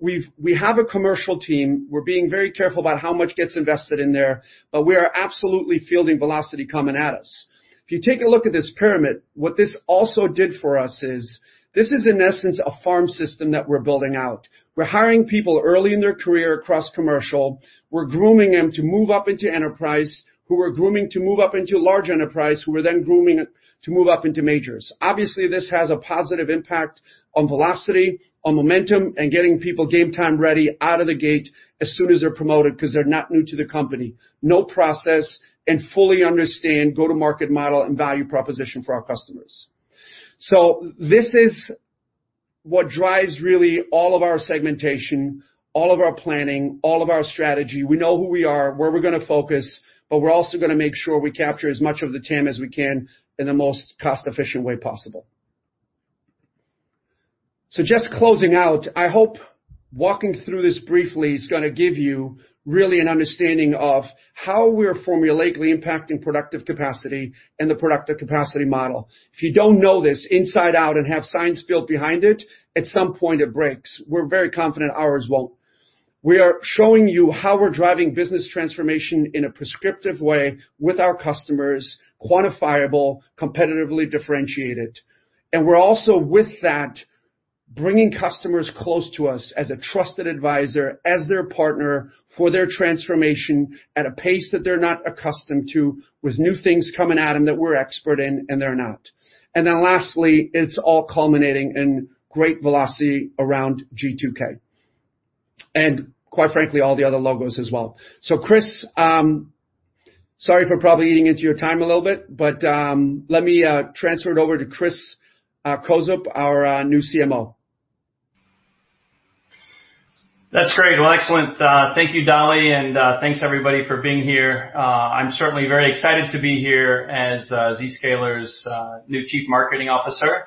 We have a commercial team. We're being very careful about how much gets invested in there, but we are absolutely fielding velocity coming at us. If you take a look at this pyramid, what this also did for us is, this is in essence a farm system that we're building out. We're hiring people early in their career across commercial. We're grooming them to move up into enterprise, who we're grooming to move up into large enterprise, who we're then grooming to move up into majors. This has a positive impact on velocity, on momentum, and getting people game-time ready out of the gate as soon as they're promoted because they're not new to the company, know process and fully understand Go-to-Market model and value proposition for our customers. This is what drives really all of our segmentation, all of our planning, all of our strategy. We know who we are, where we're going to focus, but we're also going to make sure we capture as much of the TAM as we can in the most cost-efficient way possible. Just closing out, I hope walking through this briefly is going to give you really an understanding of how we're formulaically impacting productive capacity and the productive capacity model. If you don't know this inside out and have science built behind it, at some point it breaks. We're very confident ours won't. We are showing you how we're driving business transformation in a prescriptive way with our customers, quantifiable, competitively differentiated. We're also with that, bringing customers close to us as a trusted advisor, as their partner for their transformation at a pace that they're not accustomed to, with new things coming at them that we're expert in and they're not. Lastly, it's all culminating in great velocity around G2K. Quite frankly, all the other logos as well. Chris, sorry for probably eating into your time a little bit, but let me transfer it over to Chris Kozup, our new CMO. That's great. Well, excellent. Thank you, Dali, and thanks everybody for being here. I'm certainly very excited to be here as Zscaler's new Chief Marketing Officer.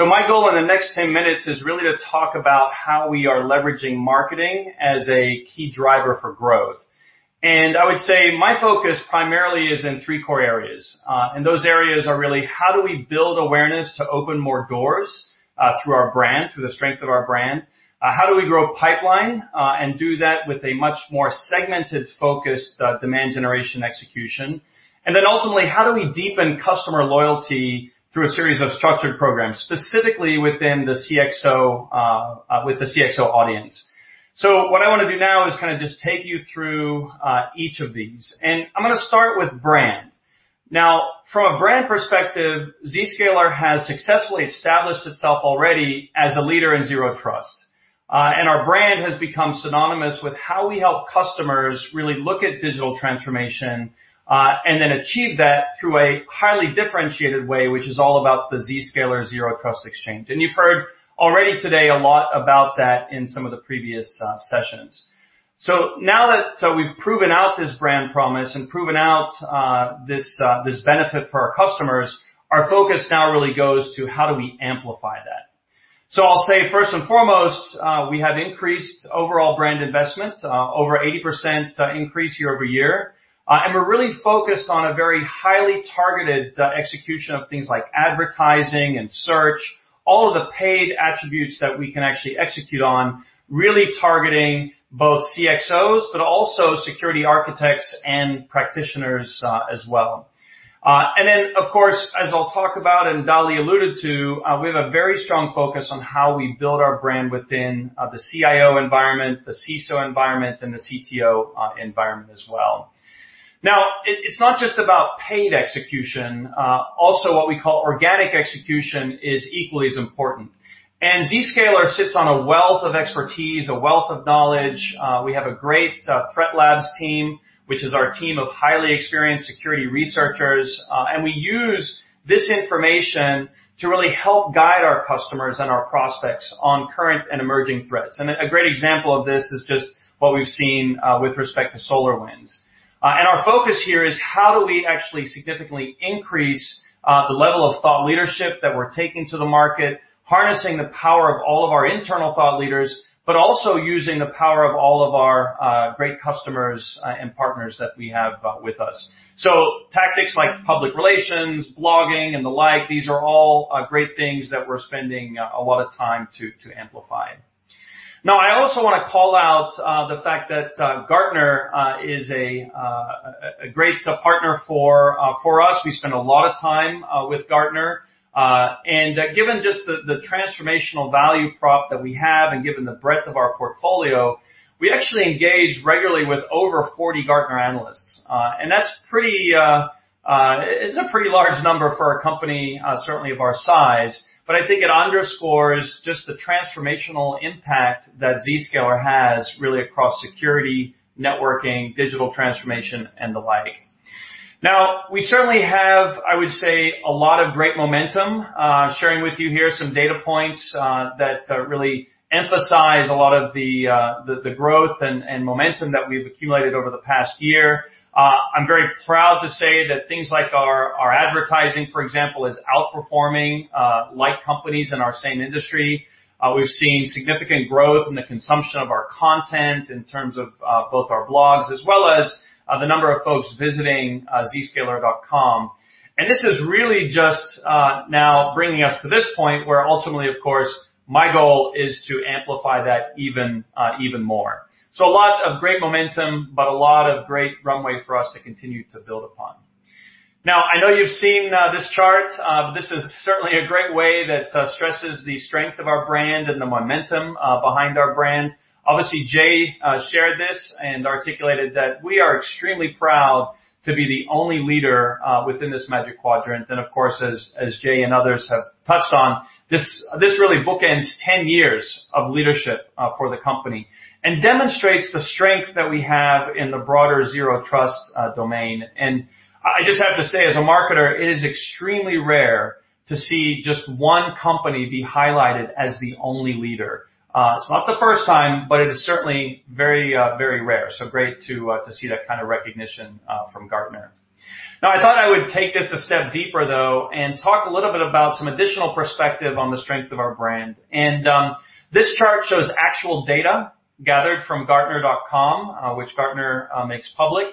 My goal in the next 10 minutes is really to talk about how we are leveraging marketing as a key driver for growth. I would say my focus primarily is in three core areas. Those areas are really how do we build awareness to open more doors through our brand, through the strength of our brand? How do we grow pipeline, and do that with a much more segmented, focused, demand generation execution? Ultimately, how do we deepen customer loyalty through a series of structured programs, specifically with the CXO audience? What I want to do now is just take you through each of these. I'm going to start with brand. Now, from a brand perspective, Zscaler has successfully established itself already as a leader in Zero Trust. Our brand has become synonymous with how we help customers really look at digital transformation, and then achieve that through a highly differentiated way, which is all about the Zscaler Zero Trust Exchange. You've heard already today a lot about that in some of the previous sessions. Now that we've proven out this brand promise and proven out this benefit for our customers, our focus now really goes to how do we amplify that. I'll say first and foremost, we have increased overall brand investment, over 80% increase year-over-year. We're really focused on a very highly targeted execution of things like advertising and search, all of the paid attributes that we can actually execute on, really targeting both CXOs, but also security architects and practitioners as well. Then, of course, as I'll talk about and Dali alluded to, we have a very strong focus on how we build our brand within the CIO environment, the CISO environment, and the CTO environment as well. It's not just about paid execution. Also, what we call organic execution is equally as important. Zscaler sits on a wealth of expertise, a wealth of knowledge. We have a great ThreatLabz team, which is our team of highly experienced security researchers. We use this information to really help guide our customers and our prospects on current and emerging threats. A great example of this is just what we've seen with respect to SolarWinds. Our focus here is how do we actually significantly increase the level of thought leadership that we're taking to the market. Harnessing the power of all of our internal thought leaders, but also using the power of all of our great customers and partners that we have with us. Tactics like public relations, blogging, and the like, these are all great things that we're spending a lot of time to amplify. I also want to call out the fact that Gartner is a great partner for us. We spend a lot of time with Gartner. Given just the transformational value prop that we have, and given the breadth of our portfolio, we actually engage regularly with over 40 Gartner analysts. That's a pretty large number for a company, certainly of our size. I think it underscores just the transformational impact that Zscaler has really across security, networking, digital transformation, and the like. We certainly have, I would say, a lot of great momentum. Sharing with you here some data points that really emphasize a lot of the growth and momentum that we've accumulated over the past year. I'm very proud to say that things like our advertising, for example, is outperforming like companies in our same industry. We've seen significant growth in the consumption of our content in terms of both our blogs as well as the number of folks visiting zscaler.com. This is really just now bringing us to this point where ultimately, of course, my goal is to amplify that even more. A lot of great momentum, but a lot of great runway for us to continue to build upon. I know you've seen this chart. This is certainly a great way that stresses the strength of our brand and the momentum behind our brand. Jay shared this and articulated that we are extremely proud to be the only leader within this Magic Quadrant. As Jay and others have touched on, this really bookends 10 years of leadership for the company and demonstrates the strength that we have in the broader Zero Trust domain. I just have to say, as a marketer, it is extremely rare to see just one company be highlighted as the only leader. It's not the first time, but it is certainly very rare. Great to see that kind of recognition from Gartner. Now, I thought I would take this a step deeper, though, and talk a little bit about some additional perspective on the strength of our brand. This chart shows actual data gathered from gartner.com, which Gartner makes public.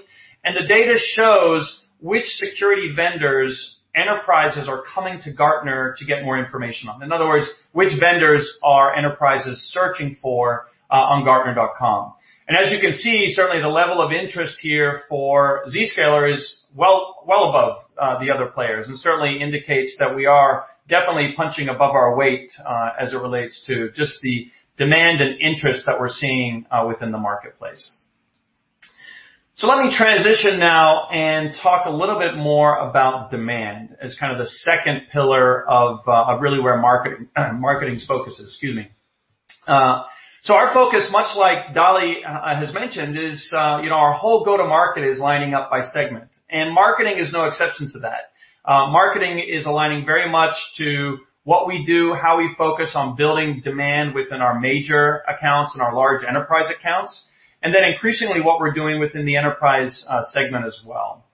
The data shows which security vendors enterprises are coming to Gartner to get more information on. In other words, which vendors are enterprises searching for on gartner.com. As you can see, certainly the level of interest here for Zscaler is well above the other players and certainly indicates that we are definitely punching above our weight as it relates to just the demand and interest that we're seeing within the marketplace. Let me transition now and talk a little bit more about demand as the second pillar of really where marketing's focus is. Excuse me. Our focus, much like Dali has mentioned, is our whole Go-to-Market is lining up by segment, and marketing is no exception to that. Marketing is aligning very much to what we do, how we focus on building demand within our major accounts and our large enterprise accounts, and then increasingly what we're doing within the enterprise segment as well.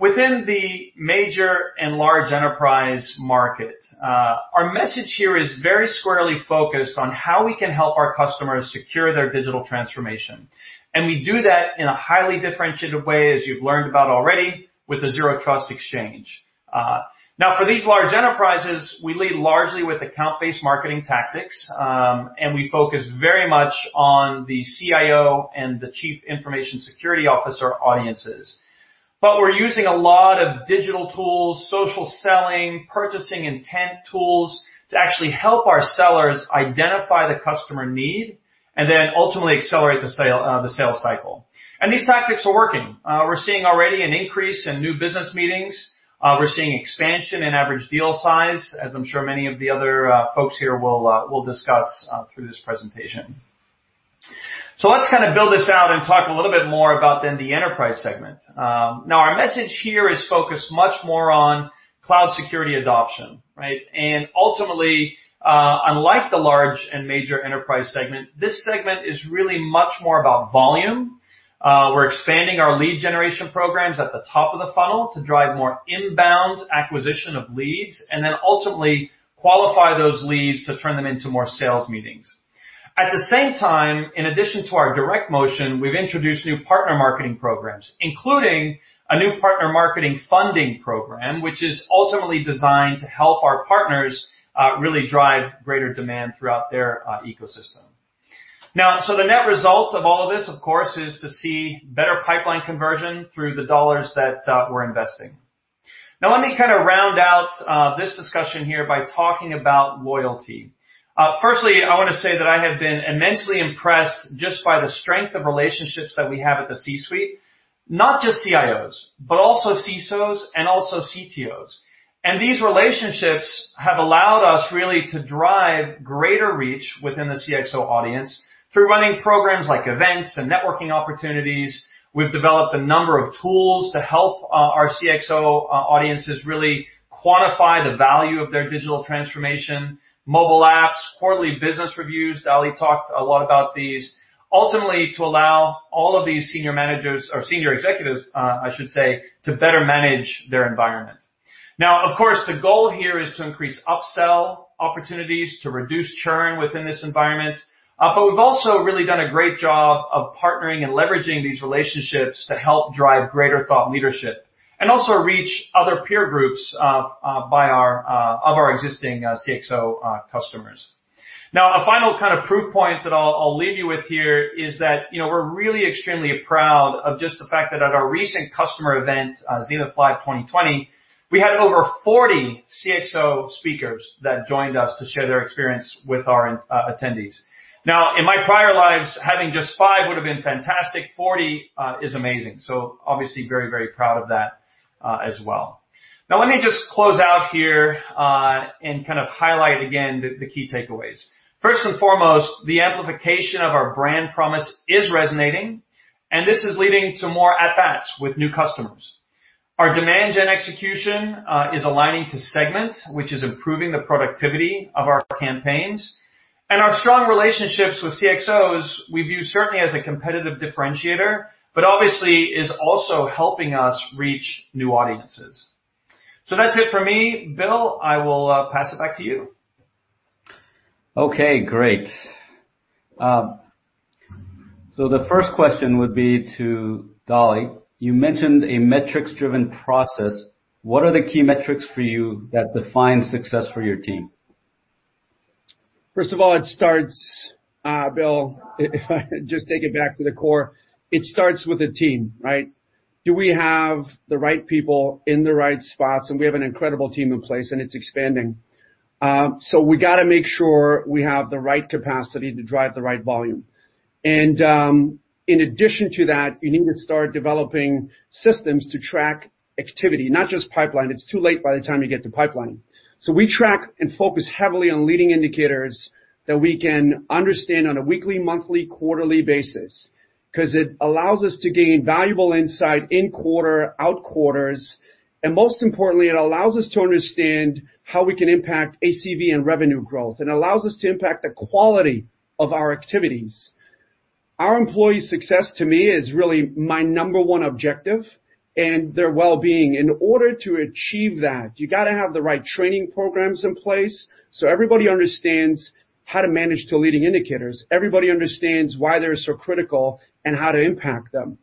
Within the major and large enterprise market, our message here is very squarely focused on how we can help our customers secure their digital transformation. We do that in a highly differentiated way, as you've learned about already, with the Zero Trust Exchange. For these large enterprises, we lead largely with account-based marketing tactics, and we focus very much on the CIO and the Chief Information Security Officer audiences. We're using a lot of digital tools, social selling, purchasing intent tools to actually help our sellers identify the customer need and then ultimately accelerate the sales cycle. These tactics are working. We're seeing already an increase in new business meetings. We're seeing expansion in average deal size, as I'm sure many of the other folks here will discuss through this presentation. Let's build this out and talk a little bit more about then the enterprise segment. Now, our message here is focused much more on cloud security adoption, right? Ultimately, unlike the large and major enterprise segment, this segment is really much more about volume. We're expanding our lead generation programs at the top of the funnel to drive more inbound acquisition of leads and then ultimately qualify those leads to turn them into more sales meetings. At the same time, in addition to our direct motion, we've introduced new partner marketing programs, including a new partner marketing funding program, which is ultimately designed to help our partners really drive greater demand throughout their ecosystem. The net result of all of this, of course, is to see better pipeline conversion through the dollars that we're investing. Let me round out this discussion here by talking about loyalty. Firstly, I want to say that I have been immensely impressed just by the strength of relationships that we have at the C-suite, not just CIOs, but also CISOs and also CTOs. These relationships have allowed us really to drive greater reach within the CXO audience through running programs like events and networking opportunities. We've developed a number of tools to help our CXO audiences really quantify the value of their digital transformation, mobile apps, quarterly business reviews, Dali talked a lot about these, ultimately to allow all of these senior managers, or senior executives, I should say, to better manage their environment. Of course, the goal here is to increase upsell opportunities, to reduce churn within this environment. We've also really done a great job of partnering and leveraging these relationships to help drive greater thought leadership. Also reach other peer groups of our existing CXO customers. A final proof point that I'll leave you with here is that we're really extremely proud of just the fact that at our recent customer event, Zenith Live 2020, we had over 40 CXO speakers that joined us to share their experience with our attendees. In my prior lives, having just five would've been fantastic, 40 is amazing. Obviously very, very proud of that as well. Let me just close out here, and highlight again the key takeaways. First and foremost, the amplification of our brand promise is resonating, and this is leading to more at-bats with new customers. Our demand gen execution is aligning to segment, which is improving the productivity of our campaigns. Our strong relationships with CXOs, we view certainly as a competitive differentiator, but obviously is also helping us reach new audiences. That's it for me. Bill, I will pass it back to you. Okay, great. The first question would be to Dali. You mentioned a metrics-driven process. What are the key metrics for you that define success for your team? First of all, it starts, Bill, if I just take it back to the core, it starts with the team, right? Do we have the right people in the right spots? We have an incredible team in place, and it's expanding. We got to make sure we have the right capacity to drive the right volume. In addition to that, you need to start developing systems to track activity, not just pipeline. It's too late by the time you get to pipeline. We track and focus heavily on leading indicators that we can understand on a weekly, monthly, quarterly basis, because it allows us to gain valuable insight in quarter, out quarters, and most importantly, it allows us to understand how we can impact ACV and revenue growth, and allows us to impact the quality of our activities. Our employees' success, to me, is really my number one objective, and their well-being. In order to achieve that, you got to have the right training programs in place so everybody understands how to manage to leading indicators, everybody understands why they're so critical, and how to impact them.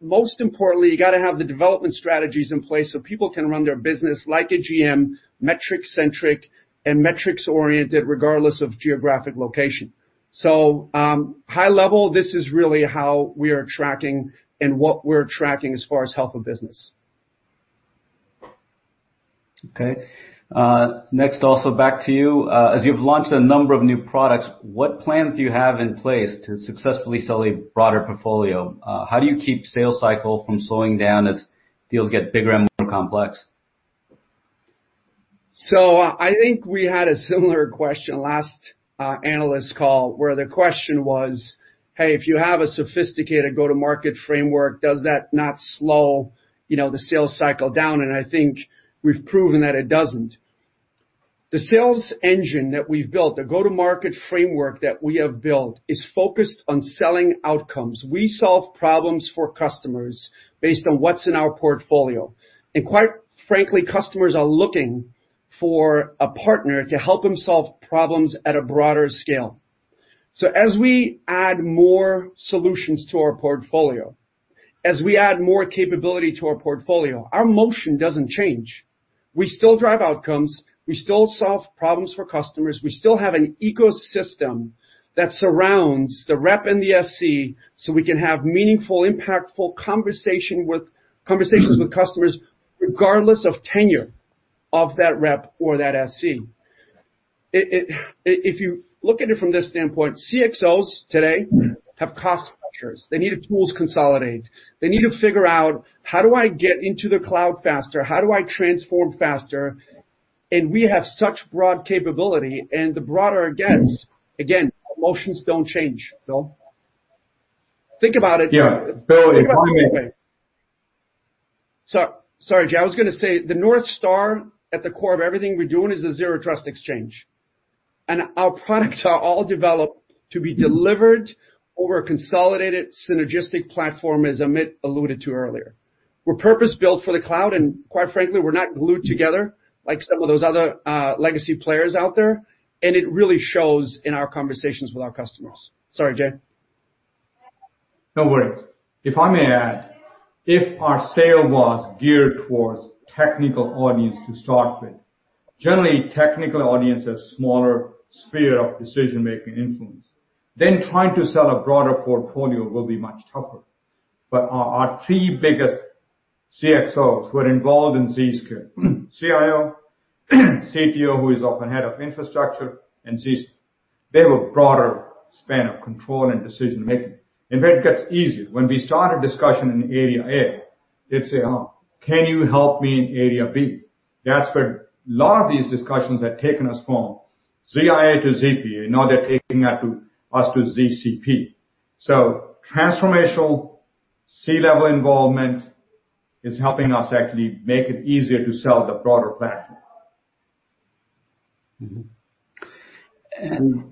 Most importantly, you got to have the development strategies in place so people can run their business like a GM, metric-centric and metrics-oriented, regardless of geographic location. High-level, this is really how we are tracking and what we're tracking as far as health of business. Okay. Next also back to you. As you've launched a number of new products, what plans do you have in place to successfully sell a broader portfolio? How do you keep sales cycle from slowing down as deals get bigger and more complex? I think we had a similar question last analyst call where the question was, hey, if you have a sophisticated go-to-market framework, does that not slow the sales cycle down? I think we've proven that it doesn't. The sales engine that we've built, the go-to-market framework that we have built is focused on selling outcomes. We solve problems for customers based on what's in our portfolio. Quite frankly, customers are looking for a partner to help them solve problems at a broader scale. As we add more solutions to our portfolio, as we add more capability to our portfolio, our motion doesn't change. We still drive outcomes, we still solve problems for customers, we still have an ecosystem that surrounds the rep and the SC so we can have meaningful, impactful conversations with customers regardless of tenure of that rep or that SC. If you look at it from this standpoint, CXOs today have cost pressures. They need the tools consolidate. They need to figure out, how do I get into the cloud faster? How do I transform faster? We have such broad capability, and the broader it gets, again, our motions don't change, Bill. Think about it. Yeah. Bill, if I may. Sorry, Jay. I was going to say, the North Star at the core of everything we're doing is the Zero Trust Exchange, and our products are all developed to be delivered over a consolidated, synergistic platform, as Amit alluded to earlier. We're purpose-built for the cloud, and quite frankly, we're not glued together like some of those other legacy players out there, and it really shows in our conversations with our customers. Sorry, Jay. No worries. If I may add, if our sale was geared towards technical audience to start with, generally technical audience is smaller sphere of decision-making influence, then trying to sell a broader portfolio will be much tougher. Our three biggest CXOs who are involved in Zscaler, CIO, CTO, who is often head of infrastructure, and CISO, they have a broader span of control and decision-making. In fact, it gets easier. When we start a discussion in area A, they'd say, "Oh, can you help me in area B?" That's where a lot of these discussions have taken us from ZIA to ZPA, now they're taking us to Zscaler Cloud Protection. Transformational C-level involvement is helping us actually make it easier to sell the broader platform.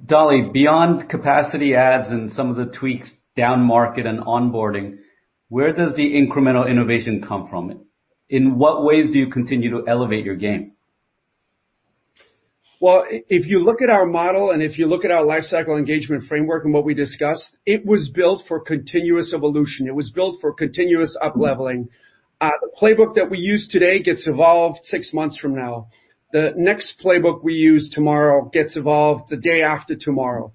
Dali, beyond capacity adds and some of the tweaks down market and onboarding, where does the incremental innovation come from? In what ways do you continue to elevate your game? If you look at our model and if you look at our lifecycle engagement framework and what we discussed, it was built for continuous evolution. It was built for continuous upleveling. The playbook that we use today gets evolved six months from now. The next playbook we use tomorrow gets evolved the day after tomorrow.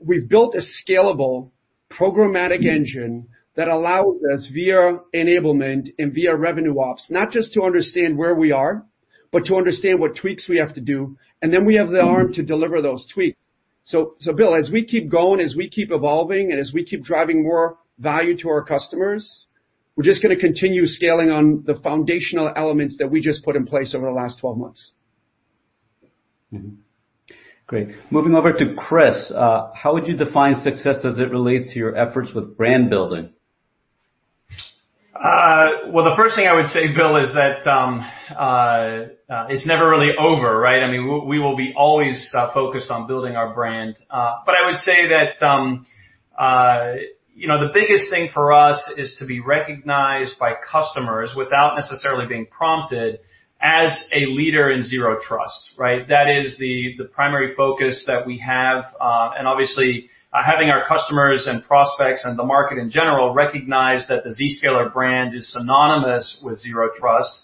We've built a scalable programmatic engine that allows us via enablement and via revenue ops, not just to understand where we are, but to understand what tweaks we have to do, and then we have the arm to deliver those tweaks. Bill, as we keep going, as we keep evolving, and as we keep driving more value to our customers, we're just going to continue scaling on the foundational elements that we just put in place over the last 12 months. Great. Moving over to Chris. How would you define success as it relates to your efforts with brand building? Well, the first thing I would say, Bill, is that it's never really over, right? We will be always focused on building our brand. I would say that the biggest thing for us is to be recognized by customers without necessarily being prompted as a leader in Zero Trust, right? That is the primary focus that we have. Obviously, having our customers and prospects and the market, in general, recognize that the Zscaler brand is synonymous with Zero Trust,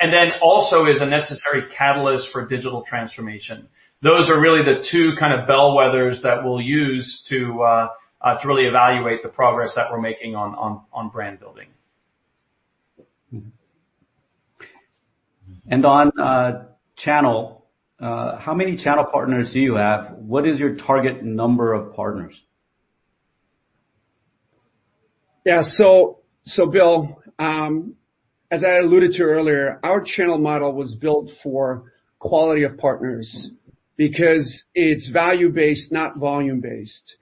and then also is a necessary catalyst for digital transformation. Those are really the two bellwethers that we'll use to really evaluate the progress that we're making on brand building. On channel, how many channel partners do you have? What is your target number of partners? Bill, as I alluded to earlier, our channel model was built for quality of partners because it's value-based, not volume-based.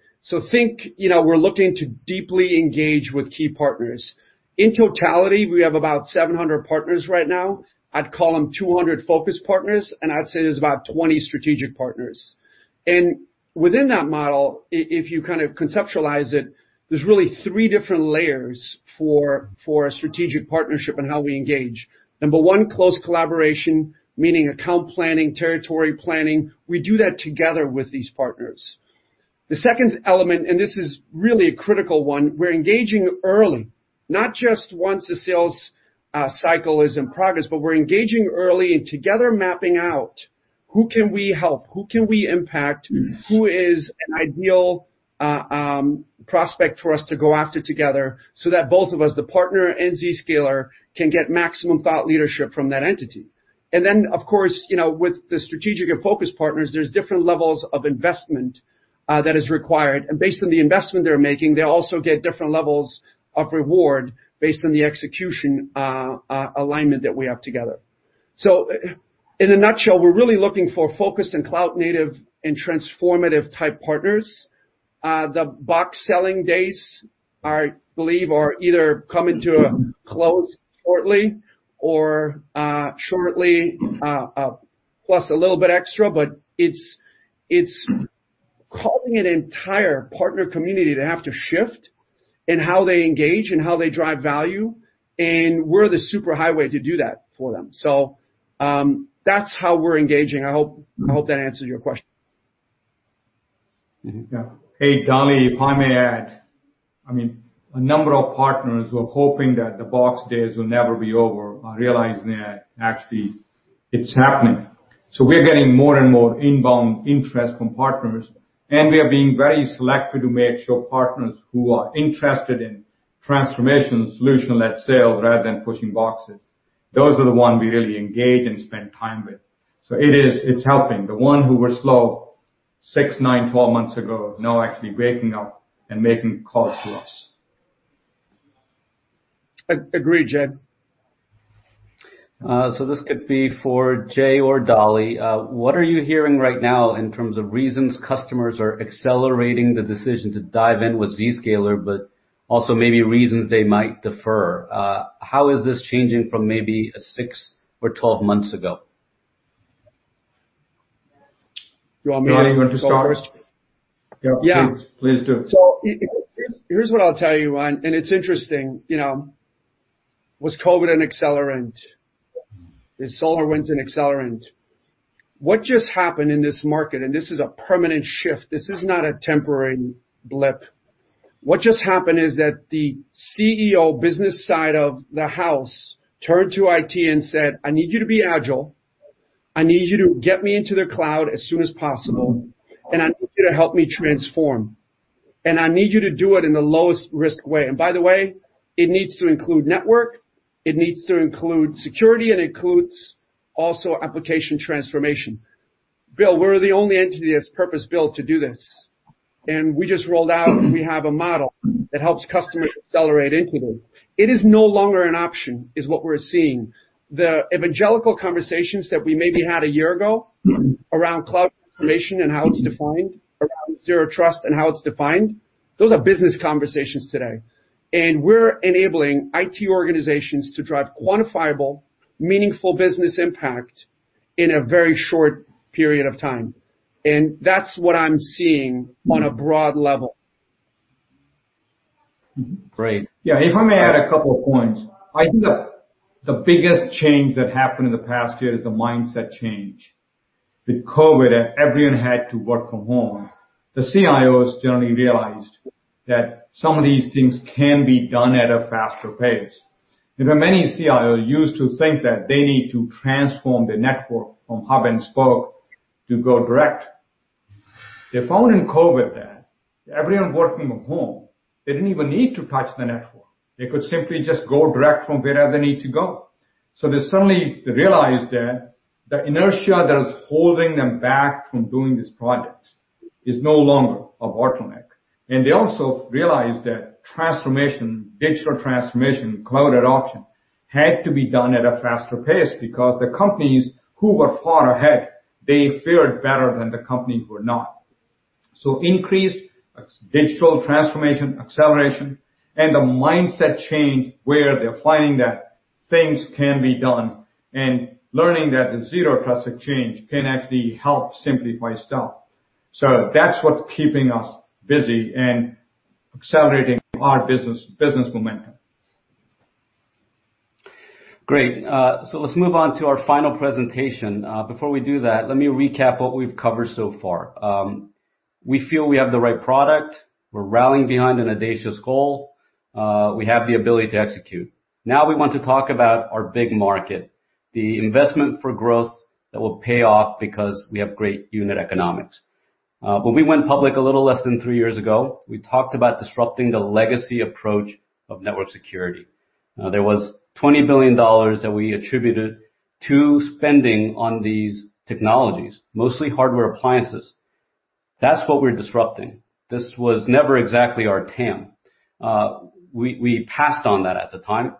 Think we're looking to deeply engage with key partners. In totality, we have about 700 partners right now. I'd call them 200 focus partners, and I'd say there's about 20 strategic partners. Within that model, if you conceptualize it, there's really three different layers for a strategic partnership and how we engage. Number one, close collaboration, meaning account planning, territory planning. We do that together with these partners. The second element, and this is really a critical one. We're engaging early, not just once a sales cycle is in progress, but we're engaging early and together mapping out who can we help, who can we impact, who is an ideal prospect for us to go after together so that both of us, the partner and Zscaler, can get maximum thought leadership from that entity. Then, of course, with the strategic and focus partners, there's different levels of investment that is required. Based on the investment they're making, they also get different levels of reward based on the execution alignment that we have together. In a nutshell, we're really looking for focus and cloud-native and transformative type partners. The box selling days, I believe, are either coming to a close shortly or shortly, plus a little bit extra. It's calling an entire partner community to have to shift in how they engage and how they drive value, and we're the super highway to do that for them. That's how we're engaging. I hope that answers your question. Yeah. Hey, Dali, if I may add, a number of partners were hoping that the box days will never be over, are realizing that actually it is happening. We are getting more and more inbound interest from partners, and we are being very selective to make sure partners who are interested in transformation solution led sales rather than pushing boxes, those are the ones we really engage and spend time with. It is helping. The one who were slow six, nine, 12 months ago, now actually waking up and making calls to us. Agreed, Jay. This could be for Jay or Dali. What are you hearing right now in terms of reasons customers are accelerating the decision to dive in with Zscaler, but also maybe reasons they might defer? How is this changing from maybe six or 12 months ago? You want me to go first? Dali, you want to start? Yep, please. Yeah. Please do. Here's what I'll tell you, and it's interesting. Was COVID an accelerant? Is SolarWinds an accelerant? What just happened in this market, this is a permanent shift. This is not a temporary blip. What just happened is that the CEO business side of the house turned to IT and said, "I need you to be agile. I need you to get me into the cloud as soon as possible, and I need you to help me transform. I need you to do it in the lowest risk way. By the way, it needs to include network, it needs to include security, and includes also application transformation." Bill, we're the only entity that's purpose-built to do this. We just rolled out, we have a model that helps customers accelerate into this. It is no longer an option is what we're seeing. The evangelical conversations that we maybe had a year ago around cloud transformation and how it's defined, around Zero Trust and how it's defined, those are business conversations today. We're enabling IT organizations to drive quantifiable, meaningful business impact in a very short period of time. That's what I'm seeing on a broad level. Great. Yeah, if I may add a couple of points. I think the biggest change that happened in the past year is the mindset change. With COVID-19 and everyone had to work from home, the CIOs generally realized that some of these things can be done at a faster pace. You know, many CIOs used to think that they need to transform the network from hub and spoke to go direct. They found in COVID-19 that everyone worked from home, they didn't even need to touch the network. They could simply just go direct from wherever they need to go. They suddenly realized that the inertia that is holding them back from doing these projects is no longer a bottleneck. They also realized that transformation, digital transformation, cloud adoption, had to be done at a faster pace because the companies who were far ahead, they fared better than the companies who are not. Increased digital transformation, acceleration, and the mindset change where they're finding that things can be done and learning that the Zero Trust Exchange can actually help simplify stuff. That's what's keeping us busy and accelerating our business momentum. Great. Let's move on to our final presentation. Before we do that, let me recap what we've covered so far. We feel we have the right product. We're rallying behind an audacious goal. We have the ability to execute. Now we want to talk about our big market, the investment for growth that will pay off because we have great unit economics. When we went public a little less than three years ago, we talked about disrupting the legacy approach of network security. There was $20 billion that we attributed to spending on these technologies, mostly hardware appliances. That's what we're disrupting. This was never exactly our TAM. We passed on that at the time.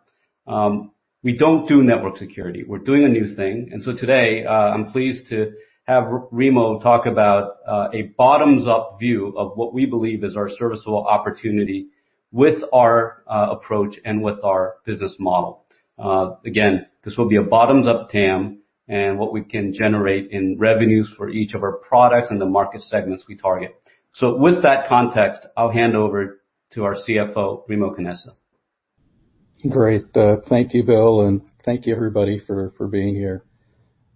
We don't do network security. We're doing a new thing. Today, I'm pleased to have Remo talk about a bottoms-up view of what we believe is our serviceable opportunity with our approach and with our business model. Again, this will be a bottoms-up TAM and what we can generate in revenues for each of our products and the market segments we target. With that context, I'll hand over to our CFO, Remo Canessa. Great. Thank you, Bill, and thank you everybody for being here.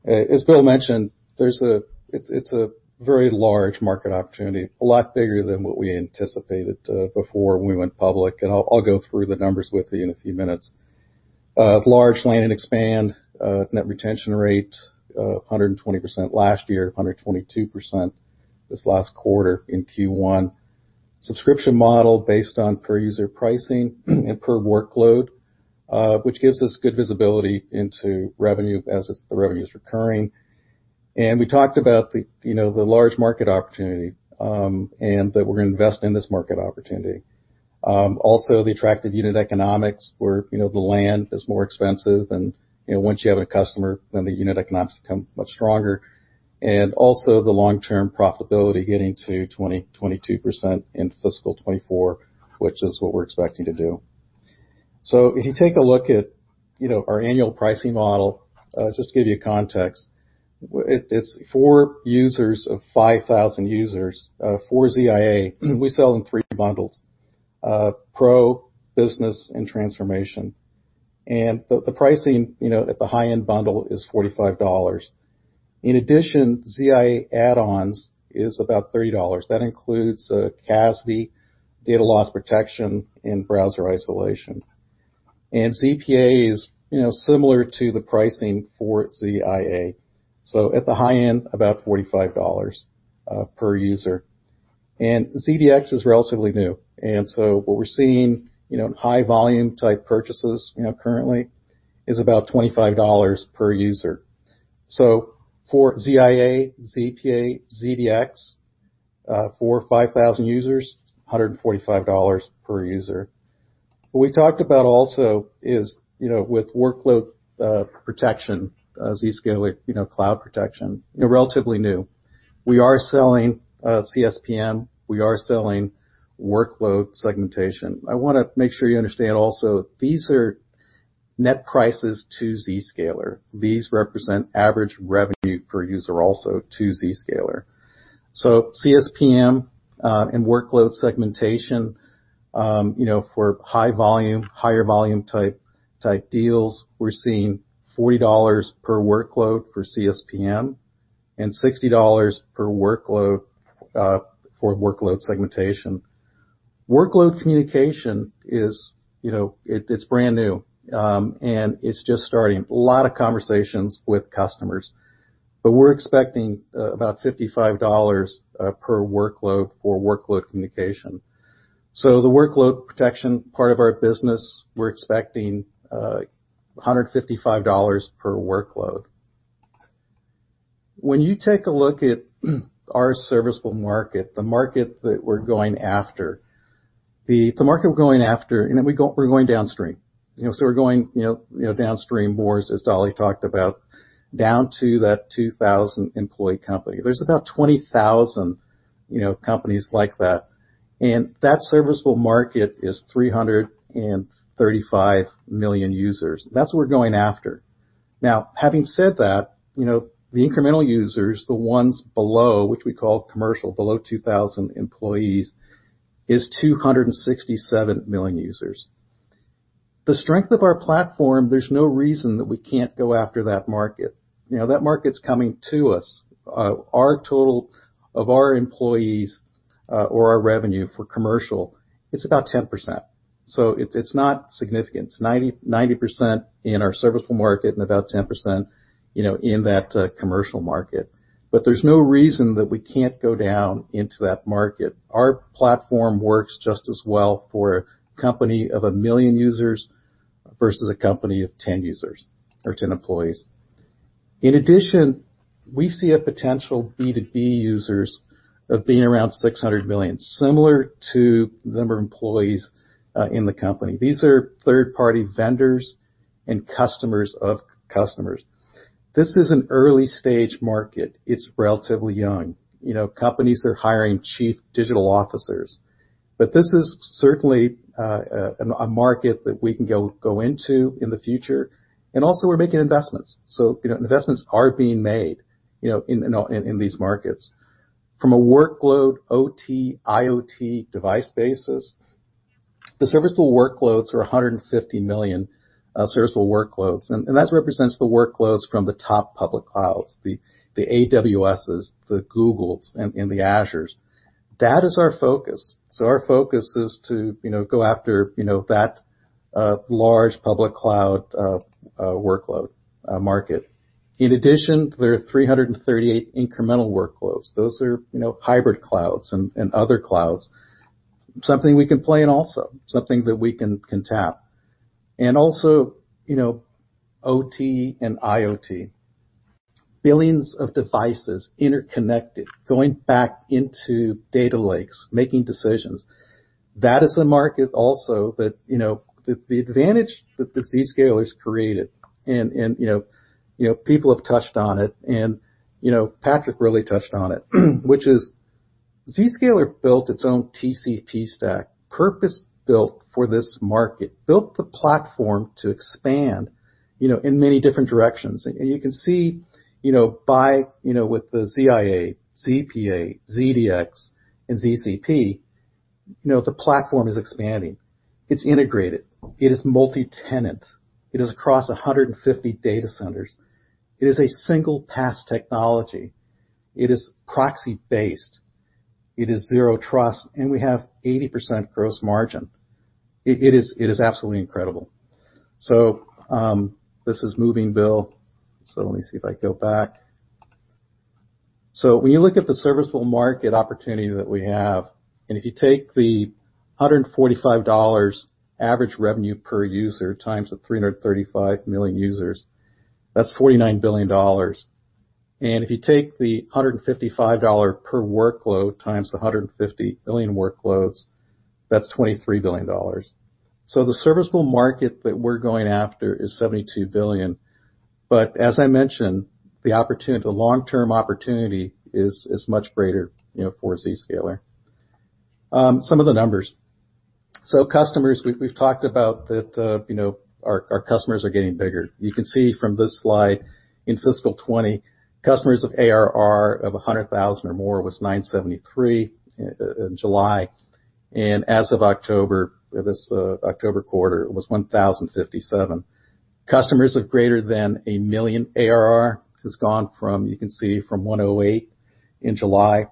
As Bill mentioned, it's a very large market opportunity, a lot bigger than what we anticipated before we went public, and I'll go through the numbers with you in a few minutes. Large land and expand net retention rate, 120% last year, 122% this last quarter in Q1. Subscription model based on per-user pricing and per workload, which gives us good visibility into revenue as the revenue's recurring. We talked about the large market opportunity, and that we're going to invest in this market opportunity. Also, the attractive unit economics where the land is more expensive and once you have a customer, then the unit economics become much stronger. Also the long-term profitability getting to 22% in fiscal 2024, which is what we're expecting to do. If you take a look at our annual pricing model, just to give you context, it's for users of 5,000 users, for ZIA. We sell in three bundles, Pro, Business, and Transformation. The pricing at the high-end bundle is $45. In addition, ZIA add-ons is about $30. That includes CASB, data loss protection, and browser isolation. ZPA is similar to the pricing for ZIA. At the high end, about $45 per user. ZDX is relatively new, what we're seeing in high volume type purchases currently is about $25 per user. For ZIA, ZPA, ZDX, for 5,000 users, $145 per user. What we talked about also is with workload protection, Zscaler Cloud Protection, relatively new. We are selling CSPM, we are selling workload segmentation. I want to make sure you understand also, these are net prices to Zscaler. These represent average revenue per user also to Zscaler. CSPM and workload segmentation, for higher volume type deals, we're seeing $40 per workload for CSPM and $60 per workload for workload segmentation. Workload communication is brand new, and it's just starting. A lot of conversations with customers, we're expecting about $55 per workload for workload communication. The workload protection part of our business, we're expecting $155 per workload. When you take a look at our serviceable market, the market we're going after, we're going downstream. We're going downstream more, as Dali talked about, down to that 2,000-employee company. There's about 20,000 companies like that. That serviceable market is 335 million users. That's what we're going after. Having said that, the incremental users, the ones below, which we call commercial, below 2,000 employees, is 267 million users. The strength of our platform, there's no reason that we can't go after that market. That market's coming to us. Our total of our employees, or our revenue for commercial, it's about 10%. It's not significant. It's 90% in our serviceable market and about 10% in that commercial market. There's no reason that we can't go down into that market. Our platform works just as well for a company of 1 million users versus a company of 10 users or 10 employees. In addition, we see a potential B2B users of being around 600 million, similar to the number of employees in the company. These are third-party vendors and customers of customers. This is an early-stage market. It's relatively young. Companies are hiring chief digital officers. This is certainly a market that we can go into in the future. We're making investments. Investments are being made in these markets. From a workload, OT, IoT device basis, the serviceable workloads are 150 million serviceable workloads, and that represents the workloads from the top public clouds, the AWSes, the Googles, and the Azures. That is our focus. Our focus is to go after that large public cloud workload market. In addition, there are 338 incremental workloads. Those are hybrid clouds and other clouds. Something we can play in also, something that we can tap. OT and IoT. Billions of devices interconnected, going back into data lakes, making decisions. That is the market also that the advantage that the Zscaler's created, and people have touched on it, and Patrick really touched on it, which is Zscaler built its own TCP stack, purpose-built for this market. Built the platform to expand in many different directions. You can see with the ZIA, ZPA, ZDX, and ZCP, the platform is expanding. It's integrated. It is multi-tenant. It is across 150 data centers. It is a single pass technology. It is proxy based. It is Zero Trust, and we have 80% gross margin. It is absolutely incredible. This is moving, Bill. Let me see if I go back. When you look at the serviceable market opportunity that we have, and if you take the $145 average revenue per user times the 335 million users, that's $49 billion. If you take the $155 per workload times the 150 million workloads, that's $23 billion. The serviceable market that we're going after is $72 billion. As I mentioned, the long-term opportunity is much greater for Zscaler. Some of the numbers. Customers, we've talked about that our customers are getting bigger. You can see from this slide, in fiscal 2020, customers of ARR of 100,000 or more was 973 in July. As of October, this October quarter, it was 1,057. Customers of greater than 1 million ARR has gone from, you can see, from 108 in July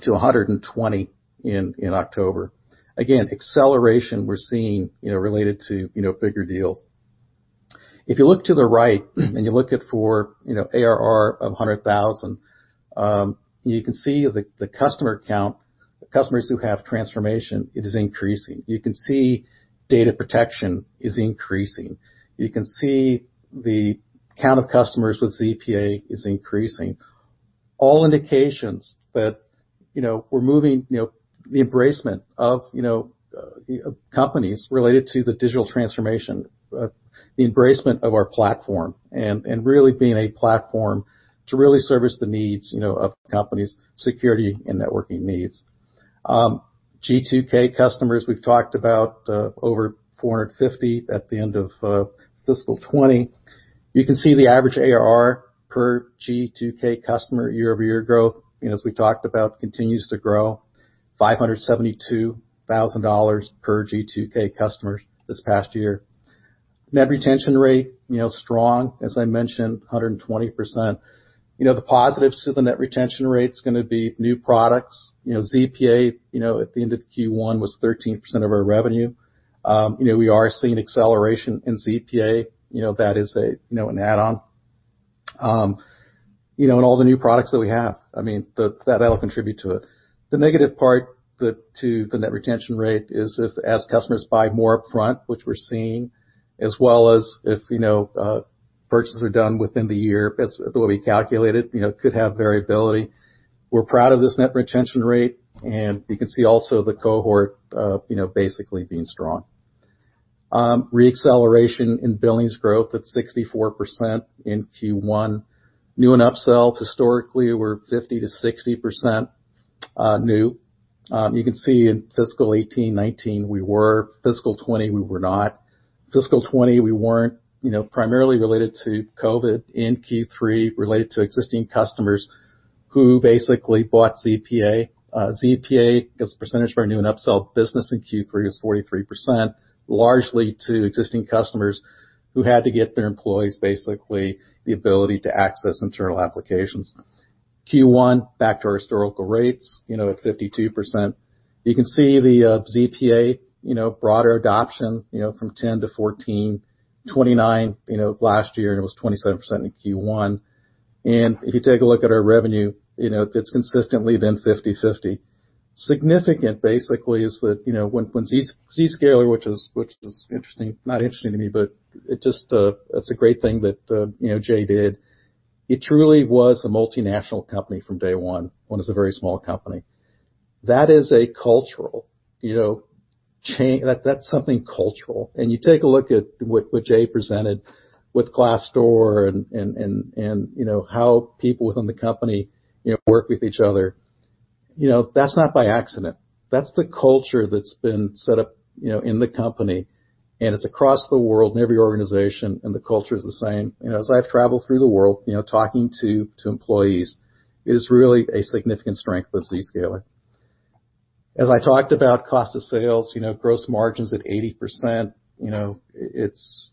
to 120 in October. Again, acceleration we're seeing related to bigger deals. If you look to the right and you look at for ARR of 100,000, you can see the customer count, the customers who have transformation, it is increasing. You can see data protection is increasing. You can see the count of customers with ZPA is increasing. All indications that we're moving the embracement of companies related to the digital transformation. The embracement of our platform, and really being a platform to really service the needs of companies' security and networking needs. G2K customers, we've talked about over 450 at the end of fiscal 2020. You can see the average ARR per G2K customer year-over-year growth, as we talked about, continues to grow, $572,000 per G2K customer this past year. Net retention rate, strong, as I mentioned, 120%. The positives to the net retention rate's going to be new products. ZPA, at the end of Q1, was 13% of our revenue. We are seeing acceleration in ZPA. That is an add-on. All the new products that we have. That'll contribute to it. The negative part to the net retention rate is if as customers buy more upfront, which we're seeing, as well as if purchases are done within the year. The way we calculate it, could have variability. We're proud of this net retention rate, and you can see also the cohort basically being strong. Re-acceleration in billings growth at 64% in Q1. New and upsells historically were 50%-60% new. You can see in fiscal 2018-2019 we were, fiscal 2020, we were not. Fiscal 2020, we weren't primarily related to COVID in Q3, related to existing customers who basically bought ZPA. ZPA, as a percentage of our new and upsell business in Q3, is 43%, largely to existing customers who had to give their employees basically the ability to access internal applications. Q1, back to our historical rates, at 52%. You can see the ZPA broader adoption from 10-14, 29 last year, and it was 27% in Q1. If you take a look at our revenue, it's consistently been 50/50. Significant basically is that when Zscaler, which is interesting, not interesting to me, but it's a great thing that Jay did. It truly was a multinational company from day one, when it was a very small company. That is a cultural change. That's something cultural. You take a look at what Jay presented with Glassdoor and how people within the company work with each other. That's not by accident. That's the culture that's been set up in the company, and it's across the world in every organization and the culture is the same. As I've traveled through the world talking to employees, it is really a significant strength of Zscaler. As I talked about cost of sales, gross margins at 80%, it's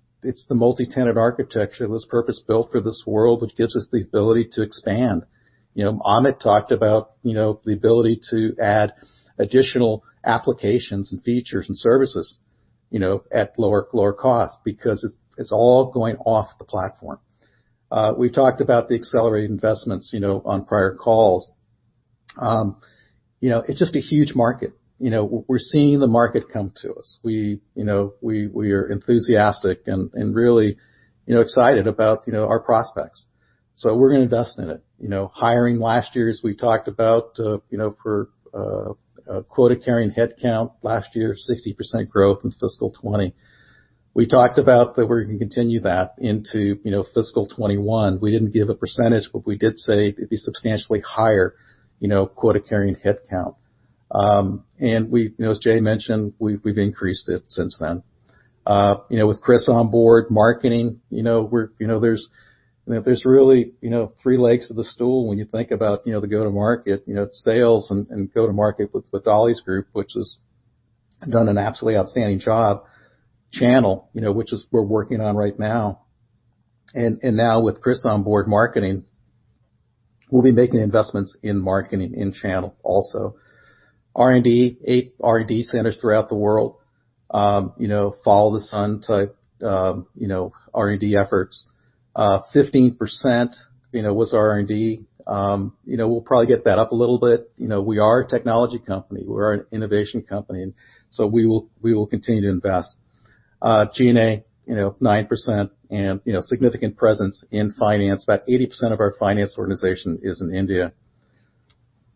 the multi-tenant architecture that's purpose-built for this world, which gives us the ability to expand. Amit talked about the ability to add additional applications and features and services at lower cost because it's all going off the platform. We've talked about the accelerated investments on prior calls. It's just a huge market. We're seeing the market come to us. We are enthusiastic and really excited about our prospects, so we're going to invest in it. Hiring last year, as we talked about, for quota-carrying headcount last year, 60% growth in fiscal 20. We talked about that we're going to continue that into fiscal 21. We didn't give a percentage, but we did say it'd be substantially higher quota-carrying headcount. As Jay mentioned, we've increased it since then. With Chris on board, marketing, there's really three legs of the stool when you think about the go-to-market. It's sales and go-to-market with Dali's group, which has done an absolutely outstanding job. Channel, which we're working on right now. Now with Chris on board, marketing. We'll be making investments in marketing in channel also. R&D, eight R&D centers throughout the world. Follow the sun type R&D efforts. 15% was R&D. We'll probably get that up a little bit. We are a technology company. We're an innovation company. We will continue to invest. G&A, 9% and significant presence in finance. About 80% of our finance organization is in India.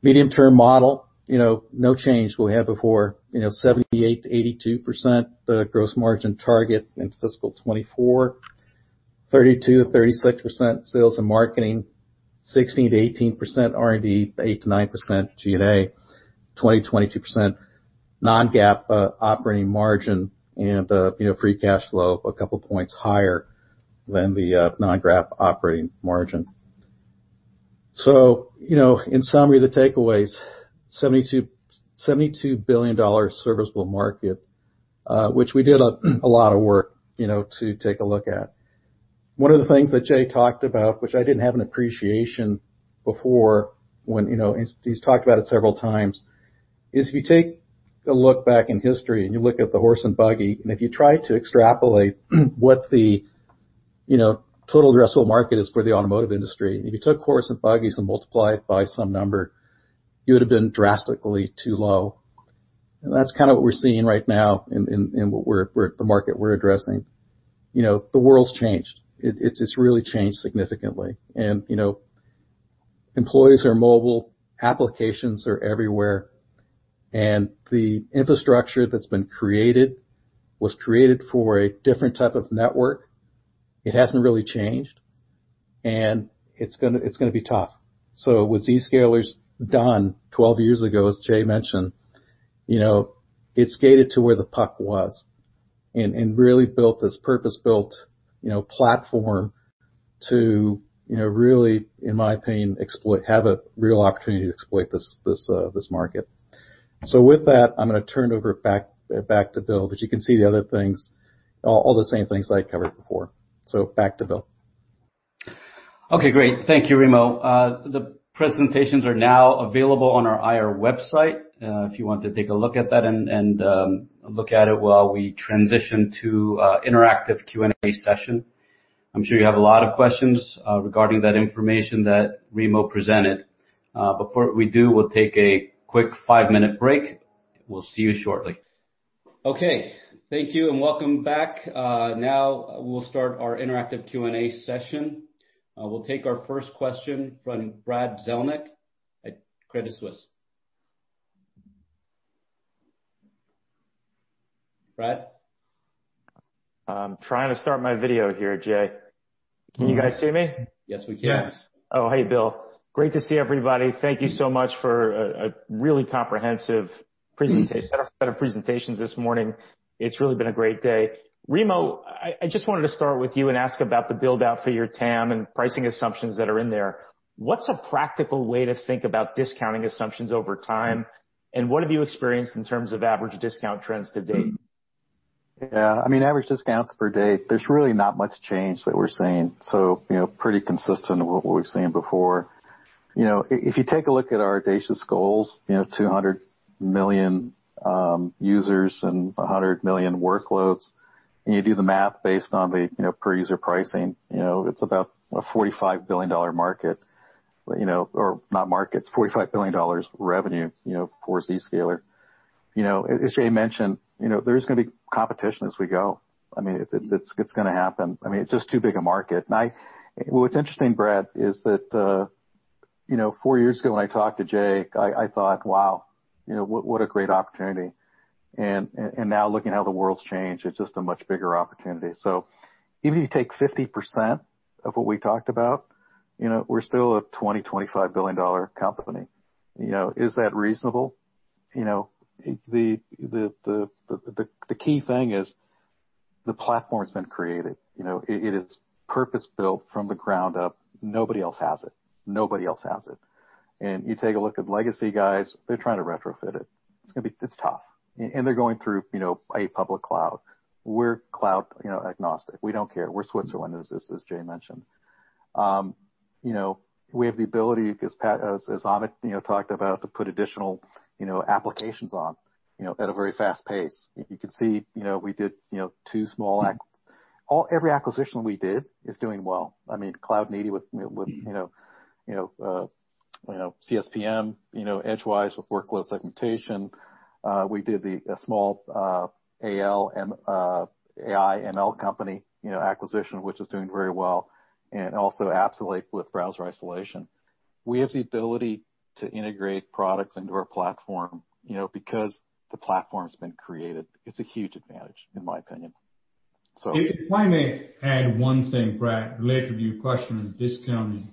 Medium-term model, no change. We had before, 78%-82% gross margin target in FY 2024, 32%-36% sales and marketing, 16%-18% R&D, 8%-9% G&A, 20%-22% non-GAAP operating margin. The free cash flow a couple of points higher than the non-GAAP operating margin. In summary, the takeaways, $72 billion serviceable market, which we did a lot of work to take a look at. One of the things that Jay talked about, which I didn't have an appreciation before, and he's talked about it several times, is if you take a look back in history and you look at the horse and buggy, and if you try to extrapolate what the total addressable market is for the automotive industry, and if you took horse and buggies and multiplied it by some number, you would have been drastically too low. That's kind of what we're seeing right now in the market we're addressing. The world's changed. It's really changed significantly. Employees are mobile, applications are everywhere, and the infrastructure that's been created was created for a different type of network. It hasn't really changed, and it's going to be tough. What Zscaler's done 12 years ago, as Jay mentioned, it skated to where the puck was and really built this purpose-built platform to really, in my opinion, have a real opportunity to exploit this market. With that, I'm going to turn it over back to Bill. You can see the other things, all the same things that I covered before. Back to Bill. Okay, great. Thank you, Remo. The presentations are now available on our IR website. If you want to take a look at that and look at it while we transition to interactive Q&A session. I'm sure you have a lot of questions regarding that information that Remo presented. Before we do, we'll take a quick five-minute break. We'll see you shortly. Okay. Thank you, and welcome back. Now we'll start our interactive Q&A session. We'll take our first question from Brad Zelnick at Credit Suisse. Brad? I'm trying to start my video here, Jay. Can you guys see me? Yes, we can. Yes. Hey, Bill. Great to see everybody. Thank you so much for a really comprehensive set of presentations this morning. It has really been a great day. Remo, I just wanted to start with you and ask about the build-out for your TAM and pricing assumptions that are in there. What's a practical way to think about discounting assumptions over time, and what have you experienced in terms of average discount trends to date? Yeah. Average discounts per date, there's really not much change that we're seeing. Pretty consistent with what we've seen before. If you take a look at our audacious goals, 200 million users and 100 million workloads, and you do the math based on the per-user pricing, it's about a $45 billion market. Not market, it's $45 billion revenue, for Zscaler. As Jay mentioned, there is going to be competition as we go. It's going to happen. It's just too big a market. What's interesting, Brad, is that four years ago when I talked to Jay, I thought, "Wow, what a great opportunity." Now looking at how the world's changed, it's just a much bigger opportunity. Even if you take 50% of what we talked about, we're still a $20, $25 billion company. Is that reasonable? The key thing is the platform's been created. It is purpose-built from the ground up. Nobody else has it. You take a look at legacy guys, they're trying to retrofit it. It's tough. They're going through a public cloud. We're cloud agnostic. We don't care. We're Switzerland as Jay mentioned. We have the ability, because as Amit talked about, to put additional applications on at a very fast pace. You can see, Every acquisition we did is doing well. Cloudneeti with CSPM, Edgewise with workload segmentation. We did a small AI/ML company acquisition, which is doing very well, and also Appsulate with browser isolation. We have the ability to integrate products into our platform, because the platform's been created. It's a huge advantage, in my opinion. If I may add one thing, Brad, related to your question on discounting.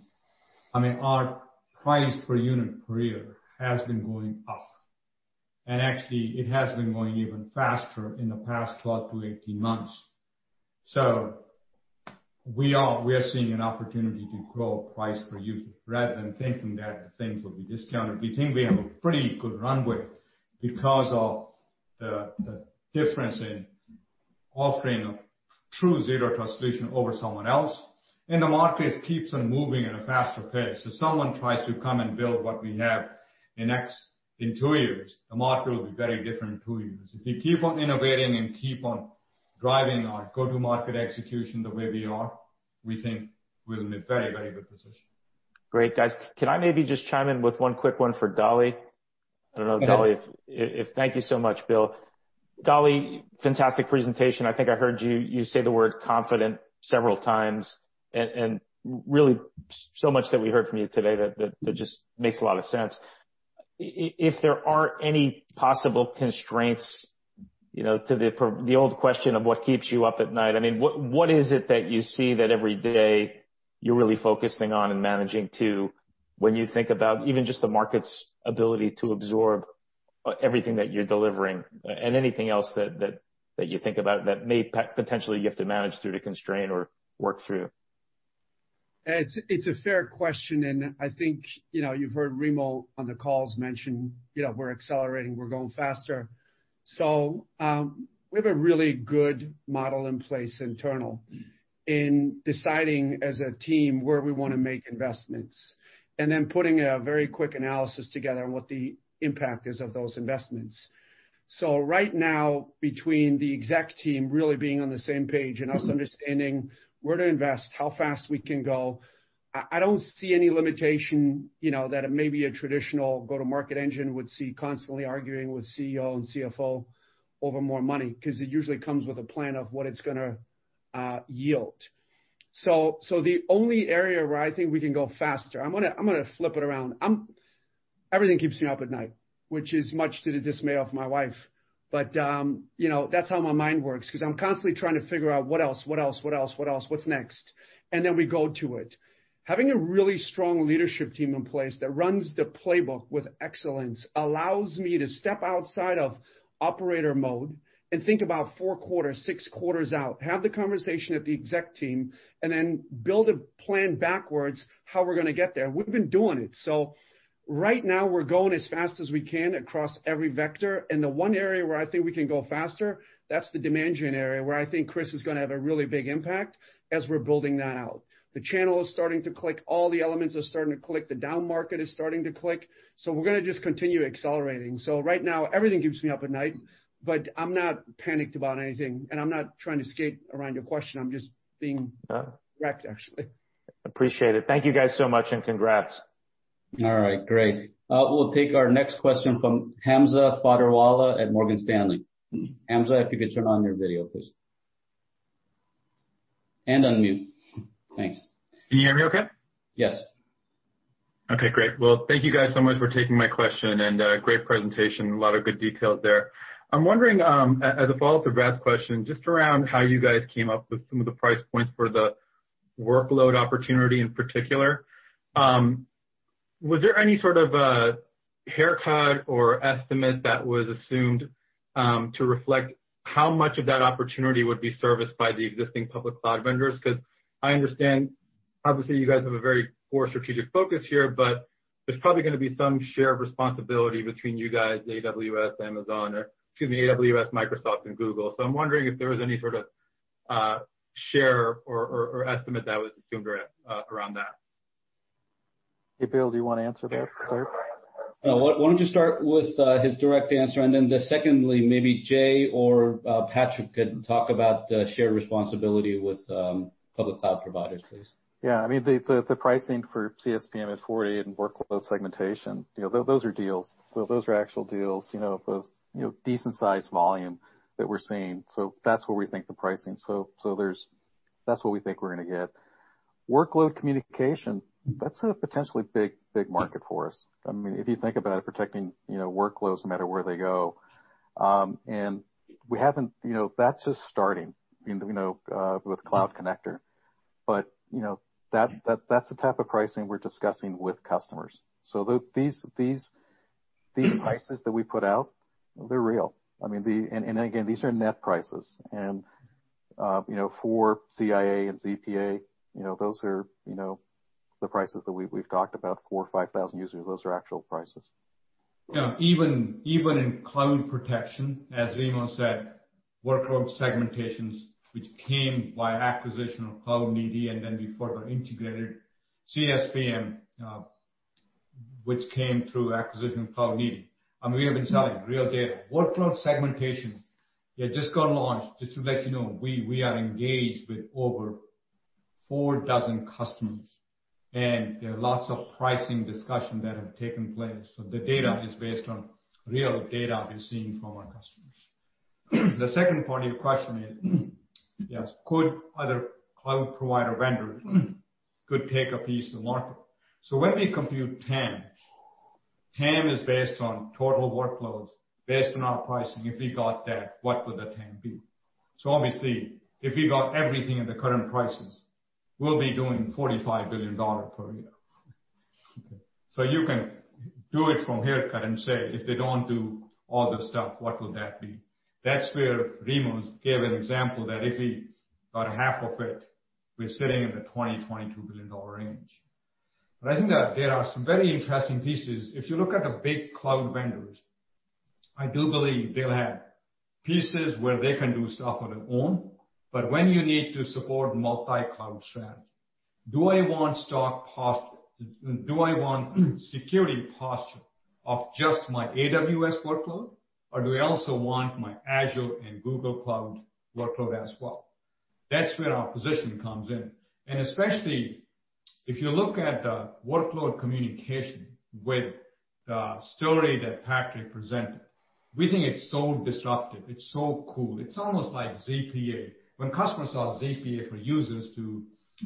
Our price per unit per year has been going up. Actually, it has been going even faster in the past 12 to 18 months. We are seeing an opportunity to grow price per unit rather than thinking that things will be discounted. We think we have a pretty good runway because of the difference in offering a true Zero Trust solution over someone else. The market keeps on moving at a faster pace. Someone tries to come and build what we have in two years, the market will be very different in two years. If we keep on innovating and keep on driving our go-to-market execution the way we are, we think we're in a very good position. Great, guys. Can I maybe just chime in with one quick one for Dali? I don't know, Dali. Thank you so much, Bill. Dali, fantastic presentation. I think I heard you say the word confident several times, and really so much that we heard from you today that just makes a lot of sense. If there are any possible constraints, to the old question of what keeps you up at night, what is it that you see that every day you're really focusing on and managing to when you think about even just the market's ability to absorb everything that you're delivering and anything else that you think about that may potentially you have to manage through to constrain or work through? It's a fair question, and I think you've heard Remo on the calls mention we're accelerating, we're going faster. We have a really good model in place internal in deciding as a team where we want to make investments, then putting a very quick analysis together on what the impact is of those investments. Right now, between the exec team really being on the same page and us understanding where to invest, how fast we can go, I don't see any limitation, that maybe a traditional go-to-market engine would see constantly arguing with CEO and CFO over more money, because it usually comes with a plan of what it's going to yield. The only area where I think we can go faster, I'm going to flip it around. Everything keeps me up at night, which is much to the dismay of my wife. That's how my mind works, because I'm constantly trying to figure out what else, what's next. Then we go to it. Having a really strong leadership team in place that runs the playbook with excellence allows me to step outside of operator mode and think about four quarters, six quarters out, have the conversation at the exec team, and then build a plan backwards how we're going to get there. We've been doing it. Right now, we're going as fast as we can across every vector, and the one area where I think we can go faster, that's the demand gen area, where I think Chris is going to have a really big impact as we're building that out. The channel is starting to click. All the elements are starting to click. The down market is starting to click. We're going to just continue accelerating. Right now, everything keeps me up at night, but I'm not panicked about anything, and I'm not trying to skate around your question. I'm just being direct, actually. Appreciate it. Thank you guys so much, and congrats. All right, great. We'll take our next question from Hamza Fodderwala at Morgan Stanley. Hamza, if you could turn on your video, please. Unmute. Thanks. Can you hear me okay? Yes. Okay, great. Thank you guys so much for taking my question and great presentation. A lot of good details there. I'm wondering, as a follow-up to Brad's question, just around how you guys came up with some of the price points for the workload opportunity in particular. Was there any sort of haircut or estimate that was assumed to reflect how much of that opportunity would be serviced by the existing public cloud vendors? I understand, obviously, you guys have a very core strategic focus here, but there's probably going to be some share of responsibility between you guys, AWS, Amazon, or excuse me, AWS, Microsoft, and Google. I'm wondering if there was any sort of share or estimate that was assumed around that. Hey, Bill, do you want to answer that part? Why don't you start with his direct answer, and then secondly, maybe Jay or Patrick could talk about share responsibility with public cloud providers, please. Yeah. The pricing for CSPM at $40 and workload segmentation, those are deals. Those are actual deals of decent size volume that we're seeing. That's where we think the pricing. That's what we think we're going to get. Workload communication, that's a potentially big market for us. If you think about it, protecting workloads no matter where they go. That's just starting with Cloud Connector. That's the type of pricing we're discussing with customers. These prices that we put out, they're real. Again, these are net prices. For ZIA and ZPA, those are the prices that we've talked about, 4,000 or 5,000 users. Those are actual prices. Even in cloud protection, as Remo said, workload segmentations, which came via acquisition of Cloudneeti, we further integrated CSPM which came through acquisition of Cloudneeti. We have been selling real data. Workload segmentation, it just got launched. Just to let you know, we are engaged with over four dozen customers, and there are lots of pricing discussions that have taken place. The data is based on real data we're seeing from our customers. The second part of your question is, yes, could other cloud provider vendors could take a piece of the market. When we compute TAM is based on total workloads based on our pricing. If we got that, what would the TAM be? Obviously, if we got everything at the current prices, we'll be doing $45 billion per year. You can do it from haircut and say, if they don't do all the stuff, what would that be? That's where Remo gave an example that if we got half of it, we're sitting in the $20 billion-$22 billion range. I think that there are some very interesting pieces. If you look at the big cloud vendors, I do believe they'll have pieces where they can do stuff on their own. When you need to support multi-cloud strategy, do I want security posture of just my AWS workload, or do I also want my Azure and Google Cloud workload as well? That's where our position comes in. Especially if you look at the workload communication with the story that Patrick presented, we think it's so disruptive. It's so cool. It's almost like ZPA. When customers saw ZPA for users to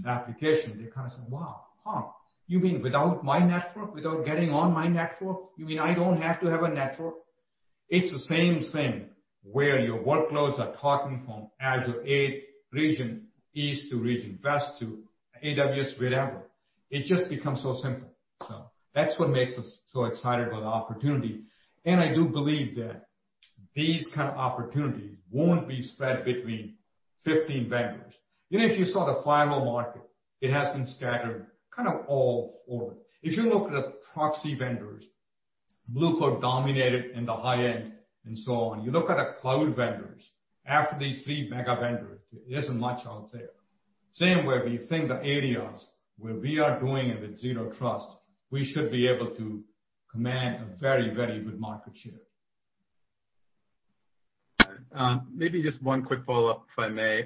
application, they kind of said, "Wow, huh? You mean without my network, without getting on my network? You mean I don't have to have a network?" It's the same thing where your workloads are talking from Azure region east to region west to AWS, wherever. It just becomes so simple. That's what makes us so excited about the opportunity. I do believe that these kind of opportunities won't be spread between 15 vendors. Even if you saw the firewall market, it has been scattered kind of all over. If you look at the proxy vendors, Blue Coat dominated in the high end and so on. You look at the cloud vendors, after these three mega vendors, there isn't much out there. Same way we think the ADCs, where we are doing it with Zero Trust, we should be able to command a very good market share. Maybe just one quick follow-up, if I may.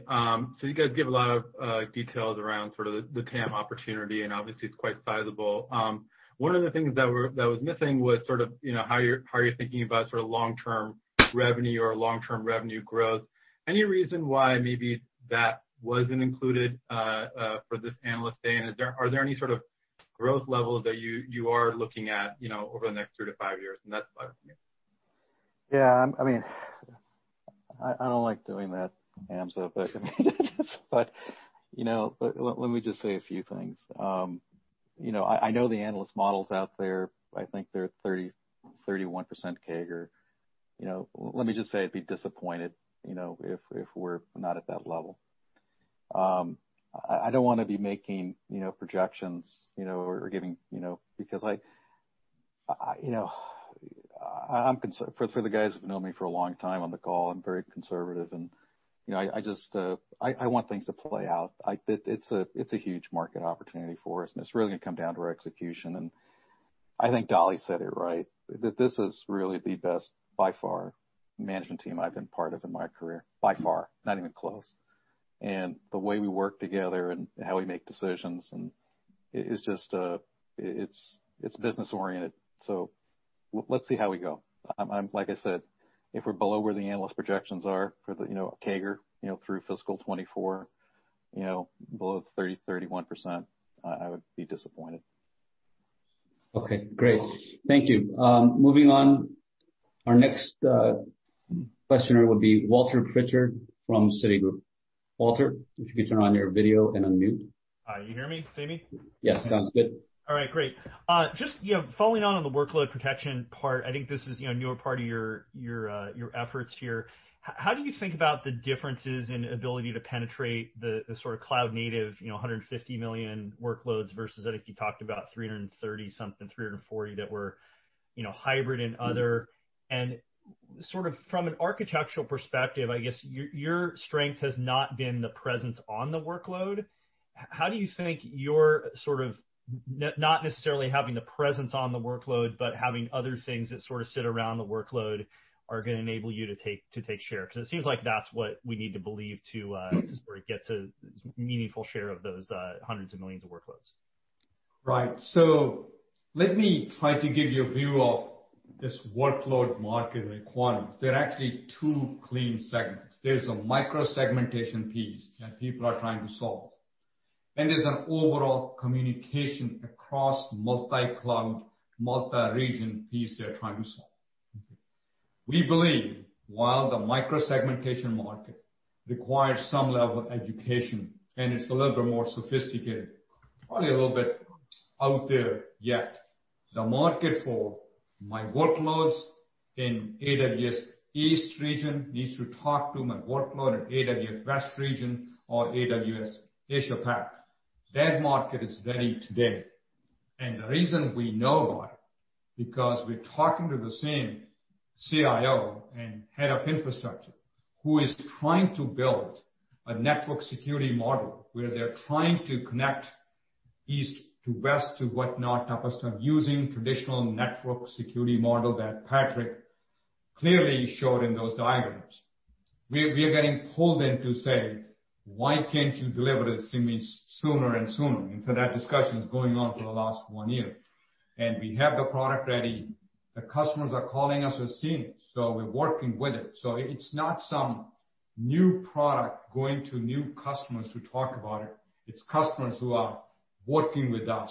You guys give a lot of details around sort of the TAM opportunity, and obviously it's quite sizable. One of the things that was missing was sort of how you're thinking about sort of long-term revenue or long-term revenue growth. Any reason why maybe that wasn't included for this Analyst Day, and are there any sort of growth levels that you are looking at over the next three to five years? That's about it for me. Yeah. I don't like doing that, Hamza, let me just say a few things. I know the analyst models out there, I think they're 30%, 31% CAGR. Let me just say I'd be disappointed if we're not at that level. I don't want to be making projections. For the guys who've known me for a long time on the call, I'm very conservative, and I want things to play out. It's a huge market opportunity for us, it's really going to come down to our execution. I think Dali said it right, that this is really the best, by far, management team I've been part of in my career, by far, not even close. The way we work together and how we make decisions, and it's business-oriented. Let's see how we go. Like I said, if we're below where the analyst projections are for the CAGR through fiscal 2024, below 30%-31%, I would be disappointed. Okay, great. Thank you. Moving on, our next questioner would be Walter Pritchard from Citigroup. Walter, if you could turn on your video and unmute. Hi, you hear me? See me? Yes, sounds good. All right, great. Just following on the workload protection part, I think this is a newer part of your efforts here. How do you think about the differences in ability to penetrate the cloud native, 150 million workloads versus, I think you talked about 330 something, 340 that were hybrid and other. From an architectural perspective, I guess your strength has not been the presence on the workload. How do you think your, not necessarily having the presence on the workload, but having other things that sit around the workload are going to enable you to take share? It seems like that's what we need to believe to sort of get to meaningful share of those hundreds of millions of workloads. Right. Let me try to give you a view of this workload market requirements. There are actually two clean segments. There's a micro-segmentation piece that people are trying to solve, and there's an overall communication across multi-cloud, multi-region piece they're trying to solve. We believe while the micro-segmentation market requires some level of education and it's a little bit more sophisticated, probably a little bit out there yet. The market for my workloads in AWS East Region needs to talk to my workload at AWS West Region or AWS Asia Pac. That market is ready today. The reason we know about it, because we're talking to the same CIO and head of infrastructure who is trying to build a network security model where they're trying to connect east to west to whatnot. First of all, using traditional network security model that Patrick clearly showed in those diagrams. We are getting pulled into say, "Why can't you deliver this to me sooner and sooner?" That discussion is going on for the last one year. We have the product ready. The customers are calling us, they're seeing it, so we're working with it. It's not some new product going to new customers who talk about it. It's customers who are working with us,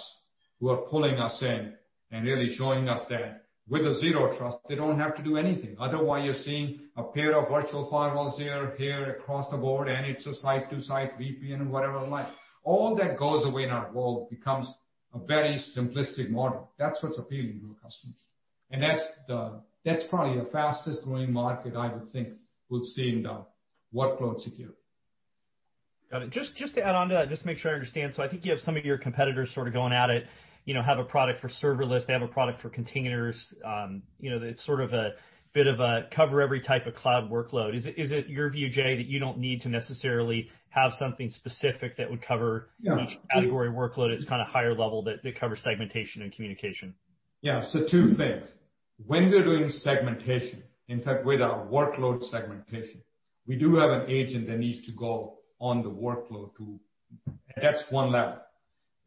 who are pulling us in and really showing us that with the Zero Trust, they don't have to do anything. Otherwise, you're seeing a pair of virtual firewalls here, across the board, and it's a site-to-site VPN and whatever like. All that goes away now. It all becomes a very simplistic model. That's what's appealing to the customers. That's probably the fastest growing market I would think we'll see in the workload security. Got it. Just to add onto that, just to make sure I understand. I think you have some of your competitors sort of going at it, have a product for serverless, they have a product for containers. It's sort of a bit of a cover every type of cloud workload. Is it your view, Jay, that you don't need to necessarily have something specific that would cover each category workload? It's kind of higher level that covers segmentation and communication. Yeah. Two things. When we're doing segmentation, in fact, with our workload segmentation, we do have an agent that needs to go on the workload too. That's one level.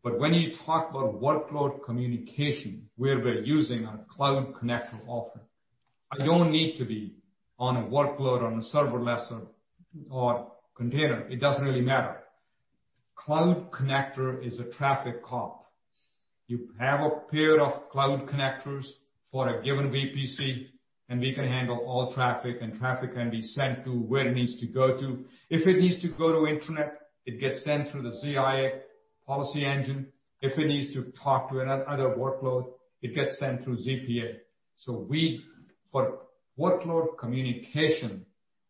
When you talk about workload communication, where we're using a Cloud Connector offer, I don't need to be on a workload, on a serverless or container. It doesn't really matter. Cloud Connector is a traffic cop. You have a pair of Cloud Connectors for a given VPC, and we can handle all traffic, and traffic can be sent to where it needs to go to. If it needs to go to internet, it gets sent through the ZIA policy engine. If it needs to talk to another workload, it gets sent through ZPA. For workload communication,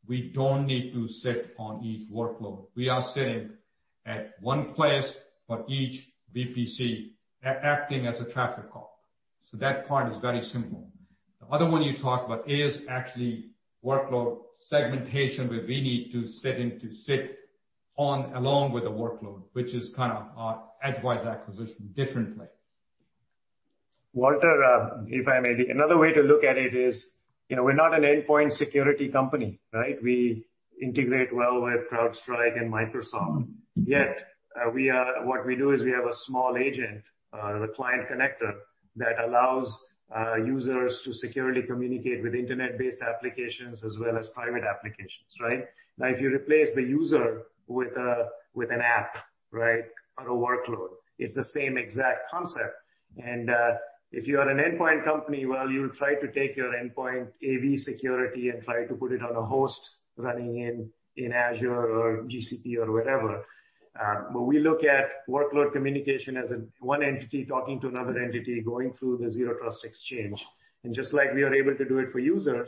we don't need to sit on each workload. We are sitting at one place for each VPC, acting as a traffic cop. That part is very simple. The other one you talked about is actually workload segmentation, where we need to sit on along with the workload, which is kind of our Edgewise acquisition, different layers. Walter, if I may. Another way to look at it is, we're not an endpoint security company, right? We integrate well with CrowdStrike and Microsoft. Yet, what we do is we have a small agent, the Client Connector, that allows users to securely communicate with internet-based applications as well as private applications, right? If you replace the user with an app, right, or a workload, it's the same exact concept. If you are an endpoint company, well, you'll try to take your endpoint AV security and try to put it on a host running in Azure or GCP or whatever. We look at workload communication as one entity talking to another entity going through the Zero Trust Exchange. Just like we are able to do it for users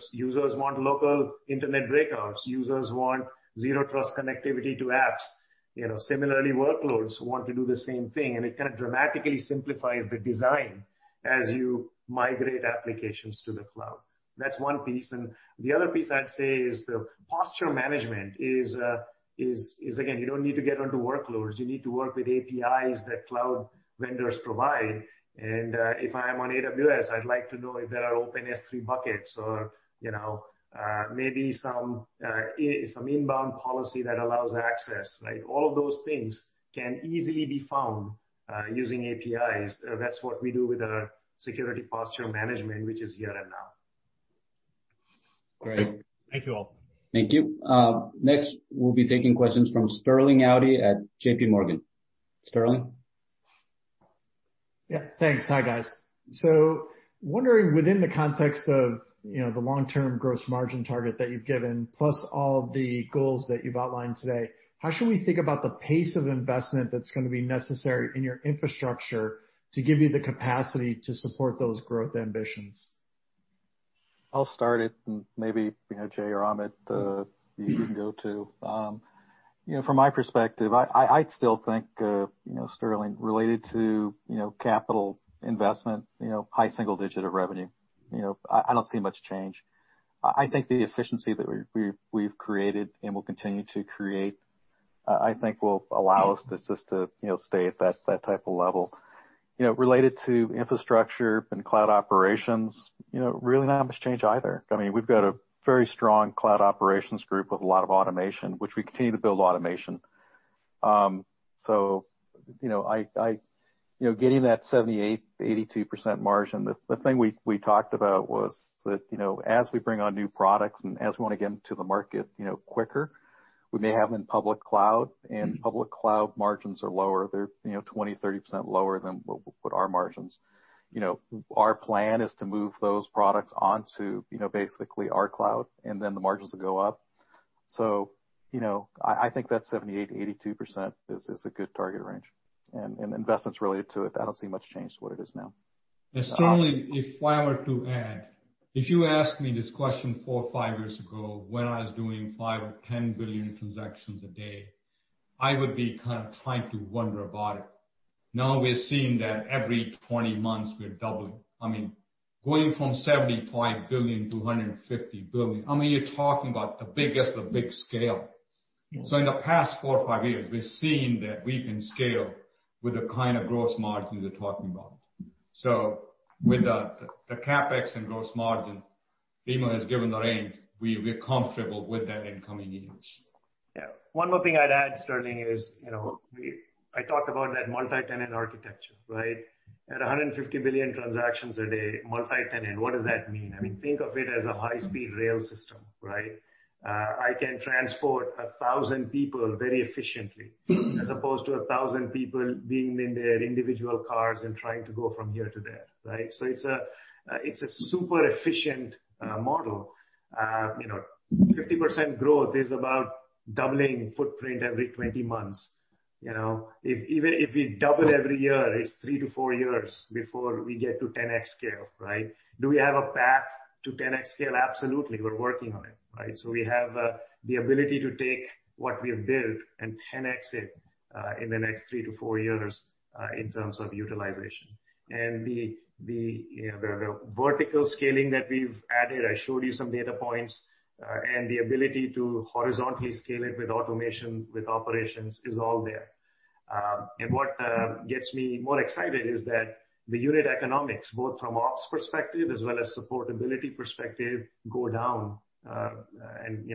want local internet breakouts. Users want Zero Trust connectivity to apps. Similarly, workloads want to do the same thing. It kind of dramatically simplifies the design as you migrate applications to the cloud. That's one piece. The other piece I'd say is the posture management is, again, you don't need to get onto workloads. You need to work with APIs that cloud vendors provide. If I am on AWS, I'd like to know if there are open S3 buckets or maybe some inbound policy that allows access, right? All of those things can easily be found using APIs. That's what we do with our security posture management, which is here and now. Great. Thank you all. Thank you. Next, we'll be taking questions from Sterling Auty at JPMorgan. Sterling? Yeah, thanks. Hi, guys. Wondering, within the context of the long-term gross margin target that you've given, plus all the goals that you've outlined today, how should we think about the pace of investment that's going to be necessary in your infrastructure to give you the capacity to support those growth ambitions? I'll start it, and maybe, Jay or Amit, you can go too. From my perspective, I still think, Sterling, related to capital investment, high single digit of revenue. I don't see much change. I think the efficiency that we've created and will continue to create, I think will allow us just to stay at that type of level. Related to infrastructure and cloud operations, really not much change either. We've got a very strong cloud operations group with a lot of automation, which we continue to build automation. Getting that 78%-82% margin, the thing we talked about was that as we bring on new products and as we want to get them to the market quicker, we may have them in public cloud, and public cloud margins are lower. They're 20%, 30% lower than what our margin's. Our plan is to move those products onto basically our cloud, and then the margins will go up. I think that 78%-82% is a good target range, and investments related to it, I don't see much change to what it is now. Sterling, if I were to add, if you asked me this question four or five years ago when I was doing 5 billion or 10 billion transactions a day, I would be trying to wonder about it. Now we're seeing that every 20 months we're doubling. Going from 75 billion to 150 billion, you're talking about big scale. In the past four or five years, we're seeing that we can scale with the kind of gross margins you're talking about. With the CapEx and gross margin, Remo has given the range. We're comfortable with that in coming years. Yeah. One more thing I'd add, Sterling, is I talked about that multi-tenant architecture, right? At 150 billion transactions a day, multi-tenant, what does that mean? Think of it as a high-speed rail system. Right? I can transport 1,000 people very efficiently as opposed to 1,000 people being in their individual cars and trying to go from here to there. Right? It's a super efficient model. 50% growth is about doubling footprint every 20 months. Even if we double every year, it's three to four years before we get to 10X scale. Right? Do we have a path to 10X scale? Appsulate. We're working on it. Right? We have the ability to take what we have built and 10X it in the next three to four years in terms of utilization. The vertical scaling that we've added, I showed you some data points, and the ability to horizontally scale it with automation, with operations is all there. What gets me more excited is that the unit economics, both from ops perspective as well as supportability perspective, go down.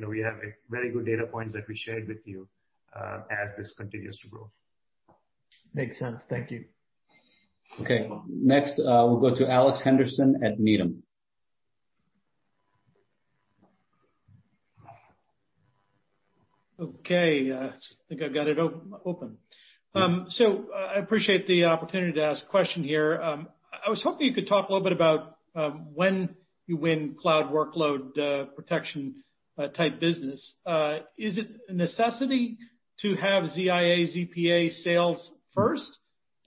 We have very good data points that we shared with you as this continues to grow. Makes sense. Thank you. Okay. Next, we'll go to Alex Henderson at Needham. Okay. I think I've got it open. I appreciate the opportunity to ask a question here. I was hoping you could talk a little bit about when you win cloud workload protection type business. Is it a necessity to have ZIA, ZPA sales first,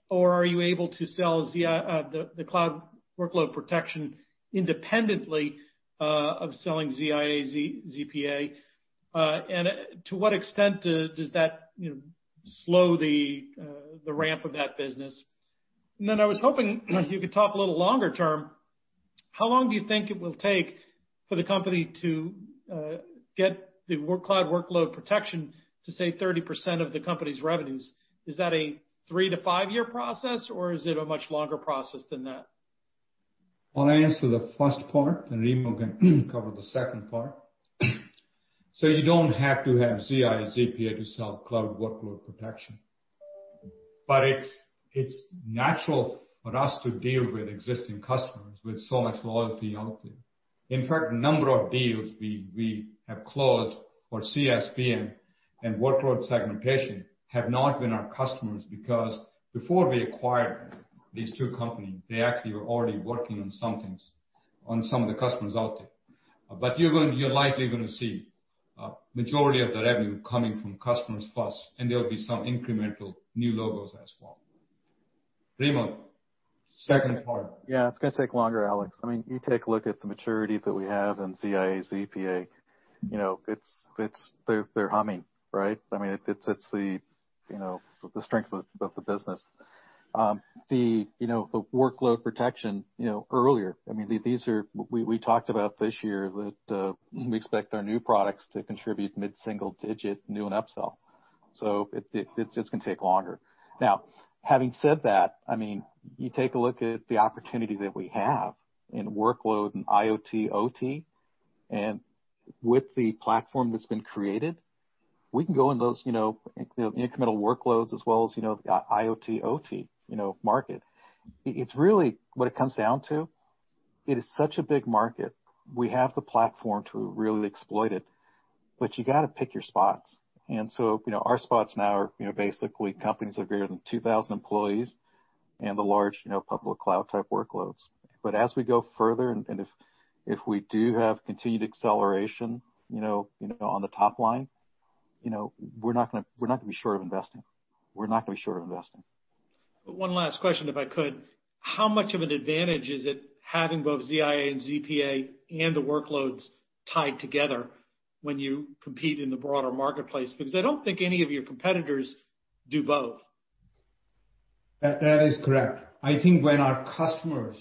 or are you able to sell the cloud workload protection independently of selling ZIA, ZPA? To what extent does that slow the ramp of that business? I was hoping you could talk a little longer term, how long do you think it will take for the company to get the cloud workload protection to, say, 30% of the company's revenues? Is that a three to five-year process, or is it a much longer process than that? I'll answer the first part, and Remo can cover the second part. You don't have to have ZIA, ZPA to sell cloud workload protection. It's natural for us to deal with existing customers with so much loyalty out there. In fact, a number of deals we have closed for CSPM and workload segmentation have not been our customers because before we acquired these two companies, they actually were already working on some of the customers out there. You're likely going to see a majority of the revenue coming from customers first, and there will be some incremental new logos as well. Remo, second part. Yeah, it's going to take longer, Alex. You take a look at the maturity that we have in ZIA, ZPA. They're humming, right? It's the strength of the business. The workload protection earlier, we talked about this year that we expect our new products to contribute mid-single digit new and upsell. It's going to take longer. Now, having said that, you take a look at the opportunity that we have in workload and IoT, OT, and with the platform that's been created. We can go in those incremental workloads as well as IoT, OT market. It's really what it comes down to. It is such a big market. We have the platform to really exploit it, but you got to pick your spots. Our spots now are basically companies that are greater than 2,000 employees and the large public cloud type workloads. As we go further, and if we do have continued acceleration on the top line, we're not going to be short of investing. One last question, if I could. How much of an advantage is it having both ZIA and ZPA and the workloads tied together when you compete in the broader marketplace? I don't think any of your competitors do both. That is correct. I think when our customers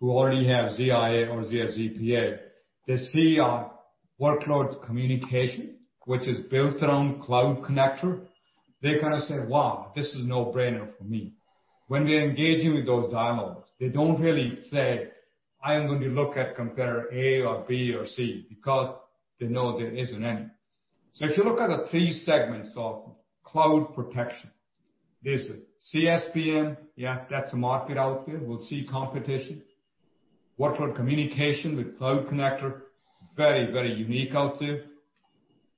who already have ZIA or ZPA, they see our workloads communication, which is built around Cloud Connector, they're going to say, "Wow, this is a no-brainer for me." When we're engaging with those dialogues, they don't really say, "I am going to look at competitor A or B or C," because they know there isn't any. If you look at the three segments of cloud protection, there's CSPM. Yes, that's a market out there. We'll see competition. Workload communication with Cloud Connector, very unique out there.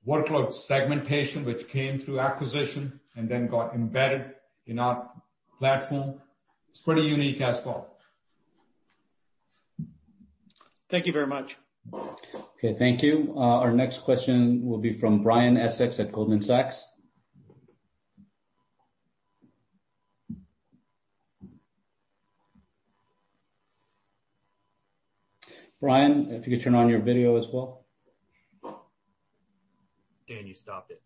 Workload segmentation, which came through acquisition and then got embedded in our platform. It's pretty unique as well. Thank you very much. Okay, thank you. Our next question will be from Brian Essex at Goldman Sachs. Brian, if you could turn on your video as well. Dan, you stopped it.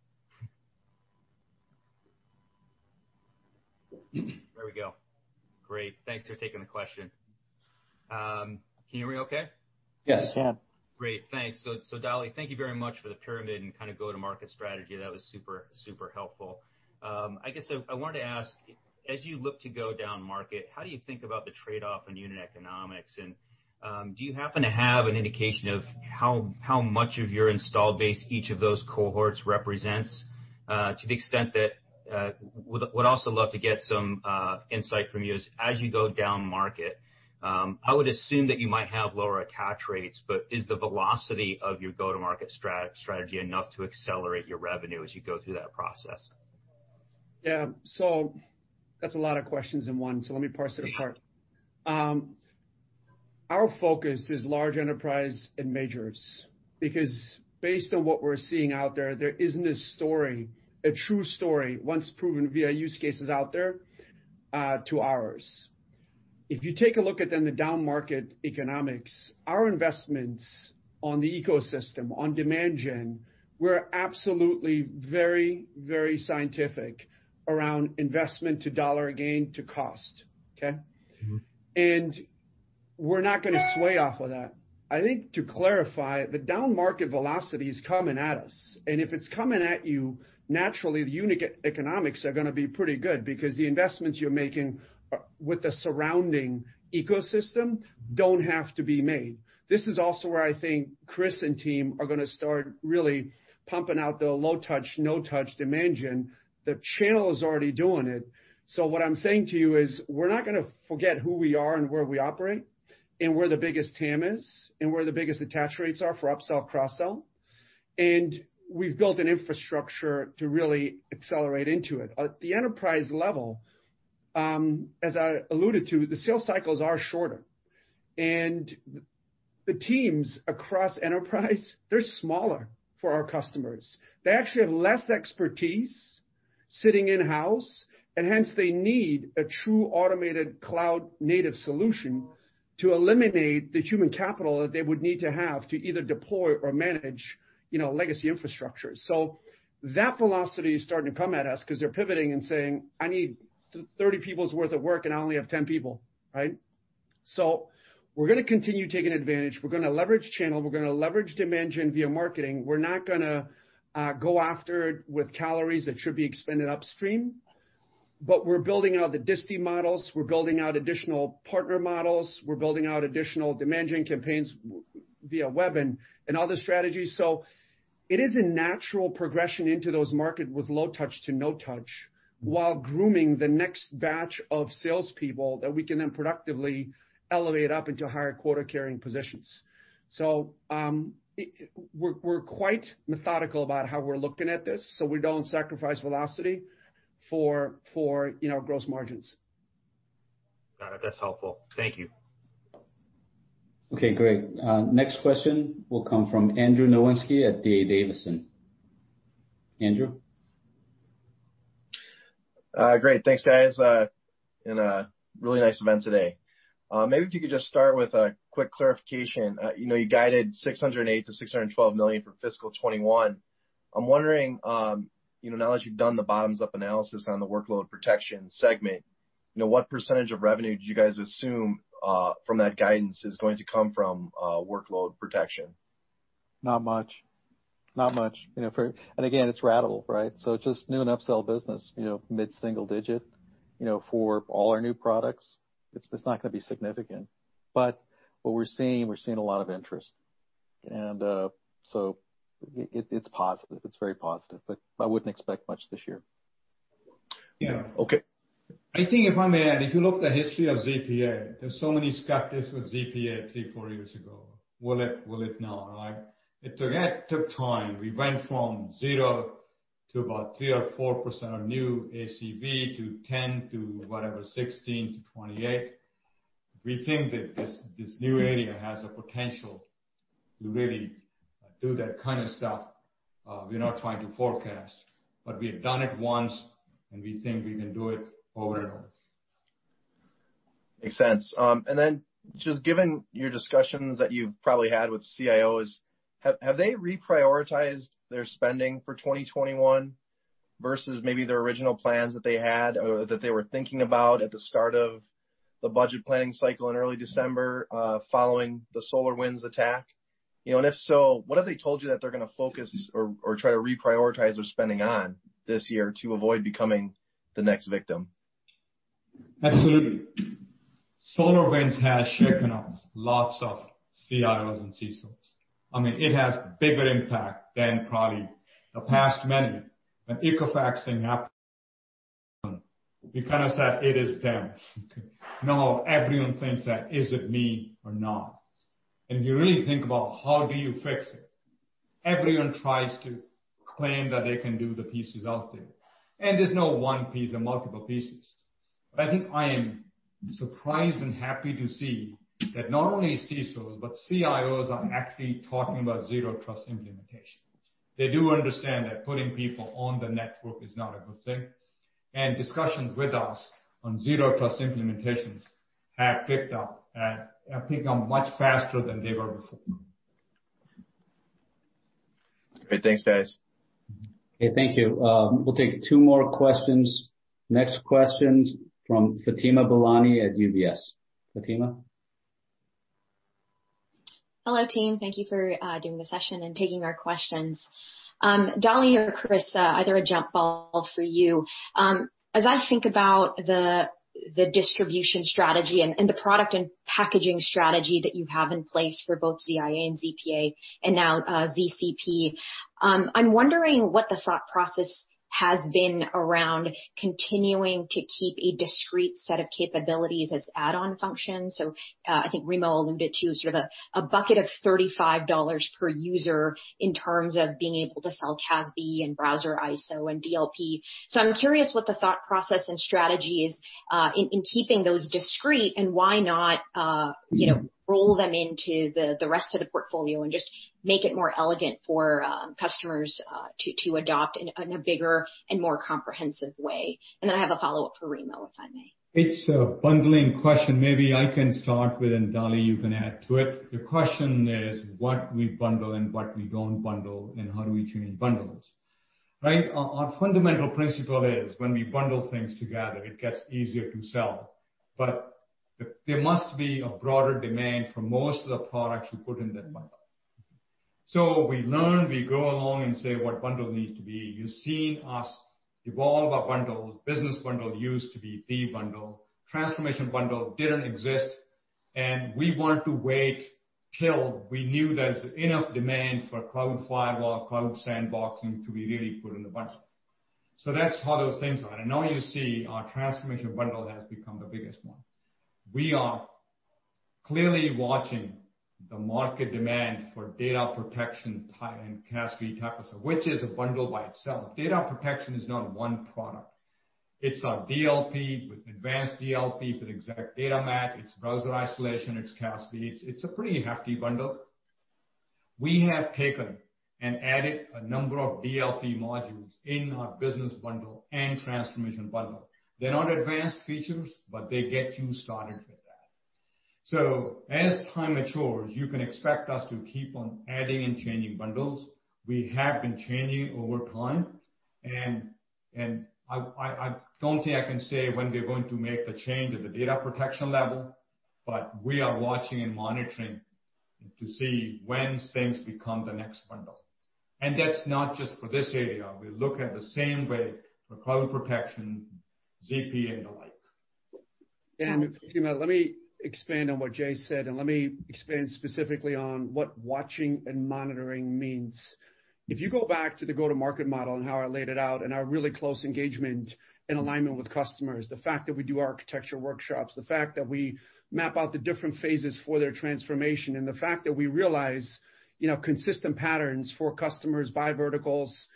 There we go. Great. Thanks for taking the question. Can you hear me okay? Yes. Great, thanks. Dali, thank you very much for the pyramid and go-to-market strategy. That was super helpful. I guess I wanted to ask, as you look to go down market, how do you think about the trade-off in unit economics? Do you happen to have an indication of how much of your installed base each of those cohorts represents? To the extent that, would also love to get some insight from you is, as you go down market, I would assume that you might have lower attach rates, but is the velocity of your go-to-market strategy enough to accelerate your revenue as you go through that process? Yeah. That's a lot of questions in one, so let me parse it apart. Our focus is large enterprise and majors because based on what we're seeing out there isn't a story, a true story, once proven via use cases out there, to ours. If you take a look at then the down-market economics, our investments on the ecosystem, on demand gen, we're absolutely very scientific around investment to dollar gain to cost. Okay? We're not going to sway off of that. I think to clarify, the down-market velocity is coming at us, and if it's coming at you, naturally, the unit economics are going to be pretty good because the investments you're making with the surrounding ecosystem don't have to be made. This is also where I think Chris and team are going to start really pumping out the low touch, no touch demand gen. The channel is already doing it. What I'm saying to you is, we're not going to forget who we are and where we operate and where the biggest TAM is and where the biggest attach rates are for upsell, cross-sell. We've built an infrastructure to really accelerate into it. At the enterprise level, as I alluded to, the sales cycles are shorter, and the teams across enterprise they're smaller for our customers. They actually have less expertise sitting in-house, hence, they need a true automated cloud-native solution to eliminate the human capital that they would need to have to either deploy or manage legacy infrastructure. That velocity is starting to come at us because they're pivoting and saying, "I need 30 people's worth of work, and I only have 10 people." Right? We're going to continue taking advantage. We're going to leverage channel. We're going to leverage demand gen via marketing. We're not going to go after with calories that should be expended upstream. We're building out the distie models. We're building out additional partner models. We're building out additional demand gen campaigns via web and other strategies. It is a natural progression into those market with low touch to no touch while grooming the next batch of salespeople that we can then productively elevate up into higher quota-carrying positions. We're quite methodical about how we're looking at this, so we don't sacrifice velocity for gross margins. Got it. That's helpful. Thank you. Okay, great. Next question will come from Andrew Nowinski at D.A. Davidson. Andrew? Great. Thanks, guys, a really nice event today. Maybe if you could just start with a quick clarification. You guided $608 million-$612 million for FY 2021. I'm wondering, now that you've done the bottoms-up analysis on the workload protection segment, what % of revenue do you guys assume from that guidance is going to come from workload protection? Not much. Again, it's ratable, right? It's just new and upsell business, mid-single digit. For all our new products, it's not going to be significant. What we're seeing, a lot of interest. It's positive, it's very positive, but I wouldn't expect much this year. Okay. I think if I may add, if you look at the history of ZPA, there's so many skeptics of ZPA three, four years ago. Will it not, right? It took time. We went from zero to about 3% or 4% of new ACV to 10% to whatever, 16% to 28%. We think that this new area has a potential to really do that kind of stuff. We're not trying to forecast, but we've done it once, and we think we can do it over and over. Makes sense. Given your discussions that you've probably had with CIOs, have they reprioritized their spending for 2021 versus maybe their original plans that they had or that they were thinking about at the start of the budget planning cycle in early December, following the SolarWinds attack? If so, what have they told you that they're going to focus or try to reprioritize their spending on this year to avoid becoming the next victim? Absolutely. SolarWinds has shaken up lots of CIOs and CSOs. I mean, it has bigger impact than probably the past many. When Equifax thing happened, we kind of said it is them. Now everyone thinks that, is it me or not? You really think about how do you fix it. Everyone tries to claim that they can do the pieces out there, and there's no one piece, they're multiple pieces. I think I am surprised and happy to see that not only CSOs but CIOs are actually talking about Zero Trust implementation. They do understand that putting people on the network is not a good thing, and discussions with us on Zero Trust implementations have picked up, and have picked up much faster than they were before. Great. Thanks, guys. Okay. Thank you. We'll take two more questions. Next question's from Fatima Boolani at UBS. Fatima. Hello, team. Thank you for doing the session and taking our questions. Dali or Chris, either a jump ball for you. As I think about the distribution strategy and the product and packaging strategy that you have in place for both ZIA and ZPA and now ZCP, I'm wondering what the thought process has been around continuing to keep a discrete set of capabilities as add-on functions. So I think Remo alluded to sort of a bucket of $35 per user in terms of being able to sell CASB and browser iso and DLP. I'm curious what the thought process and strategy is, in keeping those discrete and why not roll them into the rest of the portfolio and just make it more elegant for customers to adopt in a bigger and more comprehensive way. And then I have a follow-up for Remo, if I may. It's a bundling question. Maybe I can start with, and Dali, you can add to it. The question is what we bundle and what we don't bundle, and how do we change bundles, right? Our fundamental principle is when we bundle things together, it gets easier to sell. There must be a broader demand for most of the products we put in that bundle. We learn, we go along and say what bundle needs to be. You've seen us evolve our bundles. Business bundle used to be the bundle. Transformation bundle didn't exist, and we want to wait till we knew there's enough demand for cloud firewall, cloud sandboxing to be really put in the bundle. That's how those things are. Now you see our transformation bundle has become the biggest one. We are clearly watching the market demand for data protection and CASB types of, which is a bundle by itself. Data protection is not one product. It's our DLP with advanced DLP with exact data match, it's browser isolation, it's CASB. It's a pretty hefty bundle. We have taken and added a number of DLP modules in our business bundle and transformation bundle. They're not advanced features, but they get you started with that. As time matures, you can expect us to keep on adding and changing bundles. We have been changing over time, and I don't think I can say when we're going to make the change at the data protection level, but we are watching and monitoring to see when things become the next bundle. That's not just for this area. We look at the same way for cloud protection, ZPA, and the like. Fatima, let me expand on what Jay said, and let me expand specifically on what watching and monitoring means. If you go back to the go-to-market model and how I laid it out and our really close engagement and alignment with customers, the fact that we do architecture workshops, the fact that we map out the different phases for their transformation, and the fact that we realize consistent patterns for customers by verticals,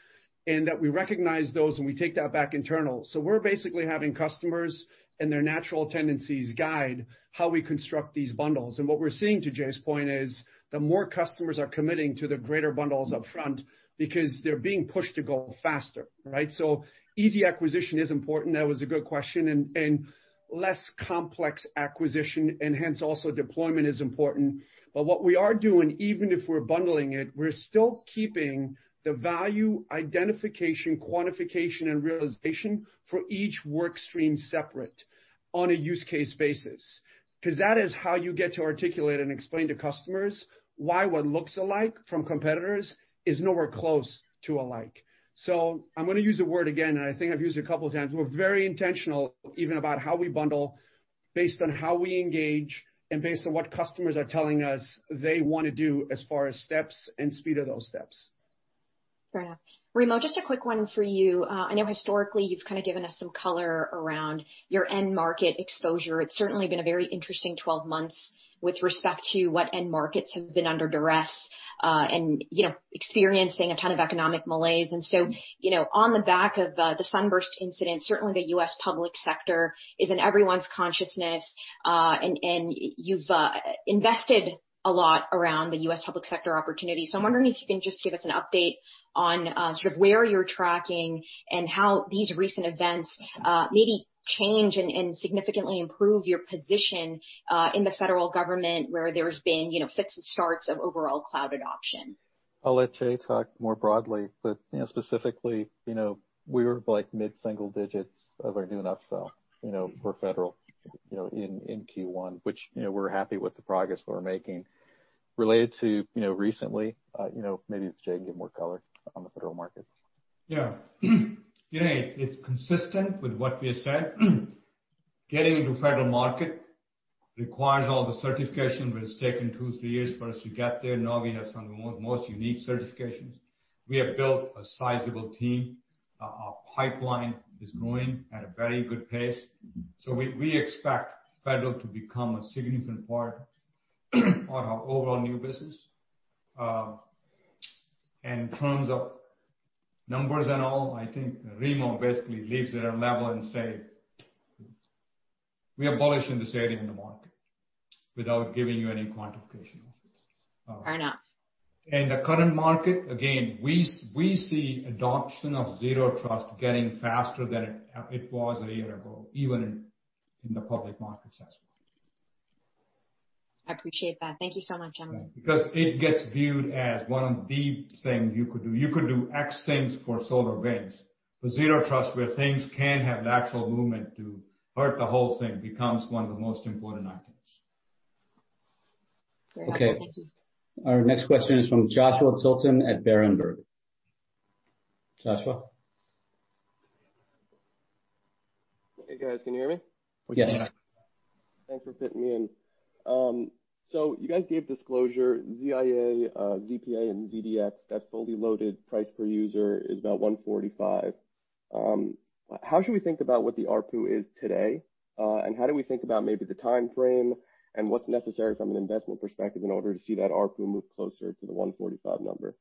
and that we recognize those, and we take that back internal. We're basically having customers and their natural tendencies guide how we construct these bundles. What we're seeing to Jay's point is, the more customers are committing to the greater bundles upfront because they're being pushed to go faster, right? Easy acquisition is important. That was a good question, and less complex acquisition and hence also deployment is important. What we are doing, even if we're bundling it, we're still keeping the value identification, quantification, and realization for each work stream separate. On a use case basis, because that is how you get to articulate and explain to customers why what looks alike from competitors is nowhere close to alike. I'm going to use the word again, and I think I've used it a couple of times. We're very intentional even about how we bundle based on how we engage and based on what customers are telling us they want to do as far as steps and speed of those steps. Fair enough. Remo, just a quick one for you. I know historically you've kind of given us some color around your end market exposure. It's certainly been a very interesting 12 months with respect to what end markets have been under duress, experiencing a ton of economic malaise. On the back of the Sunburst incident, certainly the U.S. public sector is in everyone's consciousness. You've invested a lot around the U.S. public sector opportunity. I'm wondering if you can just give us an update on sort of where you're tracking and how these recent events maybe change and significantly improve your position, in the federal government, where there's been fits and starts of overall cloud adoption. I'll let Jay talk more broadly. Specifically, we were mid-single digits of our new and upsell for federal in Q1, which we're happy with the progress we're making. Related to recently, maybe Jay can give more color on the federal market. It's consistent with what we have said. Getting into federal market requires all the certifications, it's taken two, three years for us to get there. We have some of the most unique certifications. We have built a sizable team. Our pipeline is growing at a very good pace. We expect federal to become a significant part of our overall new business. In terms of numbers and all, I think Remo basically leaves it at a level and say we are bullish in this area in the market without giving you any quantification of it. Fair enough. In the current market, again, we see adoption of Zero Trust getting faster than it was a year ago, even in the public markets as well. I appreciate that. Thank you so much, gentlemen. Because it gets viewed as one of the things you could do. You could do X things for SolarWinds. Zero Trust, where things can have lateral movement to hurt the whole thing becomes one of the most important items. Fair enough. Okay. Our next question is from Joshua Tilton at Berenberg. Joshua? Hey, guys. Can you hear me? Yes. Thanks for fitting me in. You guys gave disclosure, ZIA, ZPA, and ZDX, that fully loaded price per user is about $145. How should we think about what the ARPU is today? How do we think about maybe the timeframe and what's necessary from an investment perspective in order to see that ARPU move closer to the $145 number?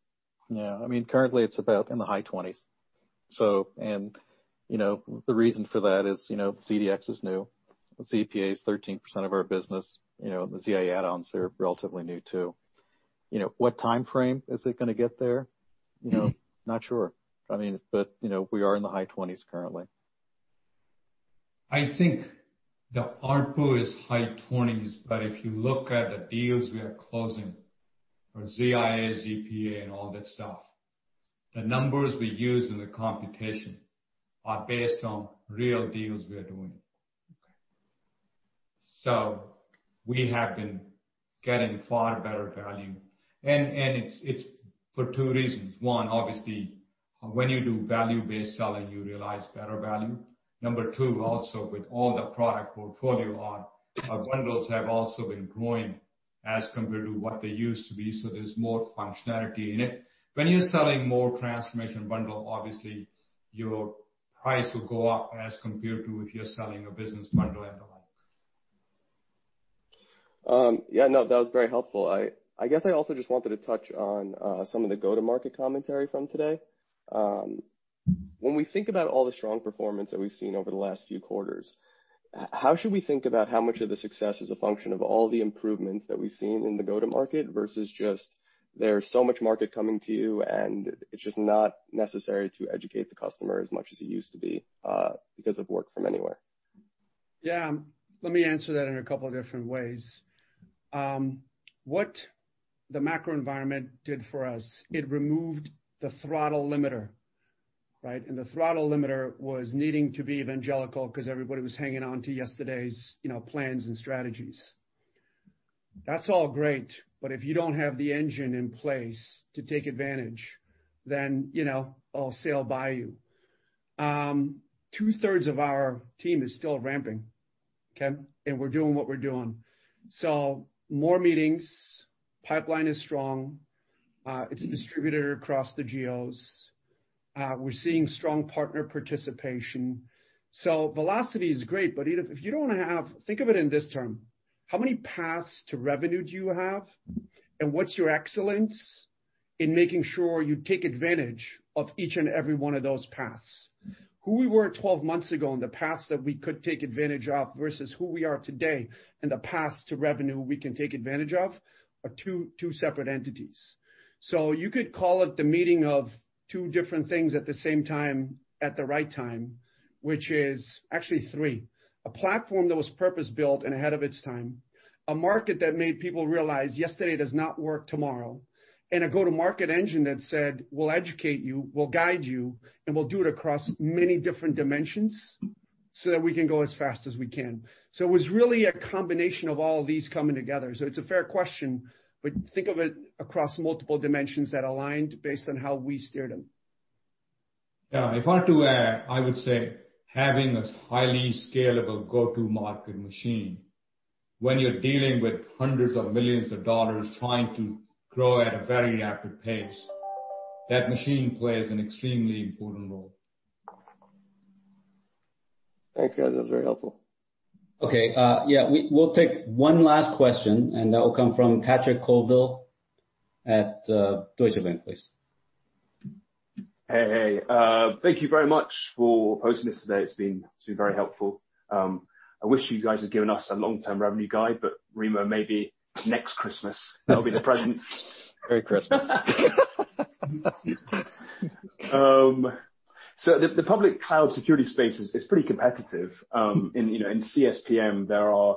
Yeah, currently it's about in the high twenties. The reason for that is ZDX is new. ZPA is 13% of our business. The ZIA add-ons, they're relatively new, too. What time frame is it going to get there? Not sure. We are in the high twenties currently. I think the ARPU is high 20s, if you look at the deals we are closing for ZIA, ZPA, and all that stuff, the numbers we use in the computation are based on real deals we are doing. We have been getting far better value, and it's for two reasons. One, obviously, when you do value-based selling, you realize better value. Number two, also with all the product portfolio on, our bundles have also been growing as compared to what they used to be, there's more functionality in it. When you're selling more transformation bundle, obviously your price will go up as compared to if you're selling a business bundle and the like. Yeah, no, that was very helpful. I guess I also just wanted to touch on some of the go-to-market commentary from today. When we think about all the strong performance that we've seen over the last few quarters, how should we think about how much of the success is a function of all the improvements that we've seen in the go-to-market versus just there's so much market coming to you, and it's just not necessary to educate the customer as much as it used to be, because of work from anywhere? Yeah. Let me answer that in a couple different ways. What the macro environment did for us, it removed the throttle limiter, right? The throttle limiter was needing to be evangelical because everybody was hanging on to yesterday's plans and strategies. That's all great, but if you don't have the engine in place to take advantage, then I'll sail by you. Two-thirds of our team is still ramping, okay? We're doing what we're doing. More meetings, pipeline is strong. It's distributed across the geos. We're seeing strong partner participation. Velocity is great, but if you don't want to have. Think of it in this term, how many paths to revenue do you have, and what's your excellence in making sure you take advantage of each and every one of those paths? Who we were 12 months ago and the paths that we could take advantage of versus who we are today and the paths to revenue we can take advantage of are two separate entities. You could call it the meeting of two different things at the same time, at the right time, which is actually three. A platform that was purpose-built and ahead of its time, a market that made people realize yesterday does not work tomorrow, and a go-to-market engine that said, "We'll educate you, we'll guide you, and we'll do it across many different dimensions." That we can go as fast as we can. It was really a combination of all these coming together. It's a fair question, but think of it across multiple dimensions that aligned based on how we steered them. Yeah, if I were to add, I would say having a highly scalable go-to-market machine when you're dealing with hundreds of millions of dollars trying to grow at a very rapid pace, that machine plays an extremely important role. Thanks, guys. That was very helpful. Okay. Yeah, we'll take one last question, and that will come from Patrick Colville at Deutsche Bank, please. Hey. Thank you very much for hosting us today. It's been very helpful. I wish you guys had given us a long-term revenue guide, but Remo, maybe next Christmas that'll be the present. Merry Christmas. The public cloud security space is pretty competitive. In CSPM, there are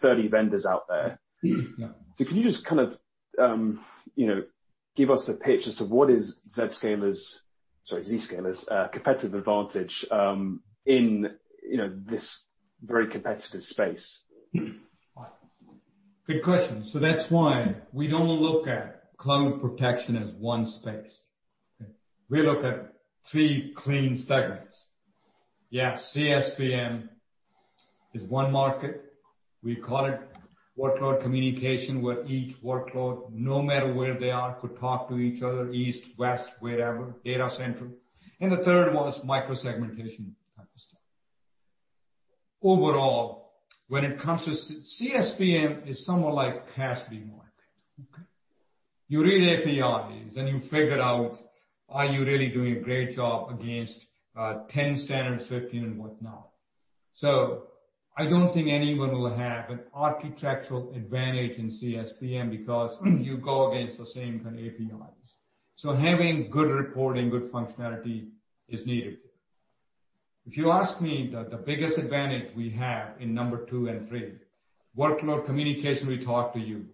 30 vendors out there. Can you just give us a pitch as to what is Zscaler's competitive advantage in this very competitive space? Good question. That's why we don't look at Zscaler Cloud Protection as one space. Okay. We look at three clean segments. Yeah, CSPM is one market. We call it workload communication, where each workload, no matter where they are, could talk to each other, east, west, wherever, data center. The third one is micro-segmentation type of stuff. Overall, when it comes to CSPM is somewhat like CASB market. Okay. You read APIs, and you figure out, are you really doing a great job against 10 standards, 15, and whatnot. I don't think anyone will have an architectural advantage in CSPM because you go against the same kind of APIs. Having good reporting, good functionality is needed. If you ask me, the biggest advantage we have in number two and three, workload communication we talked to you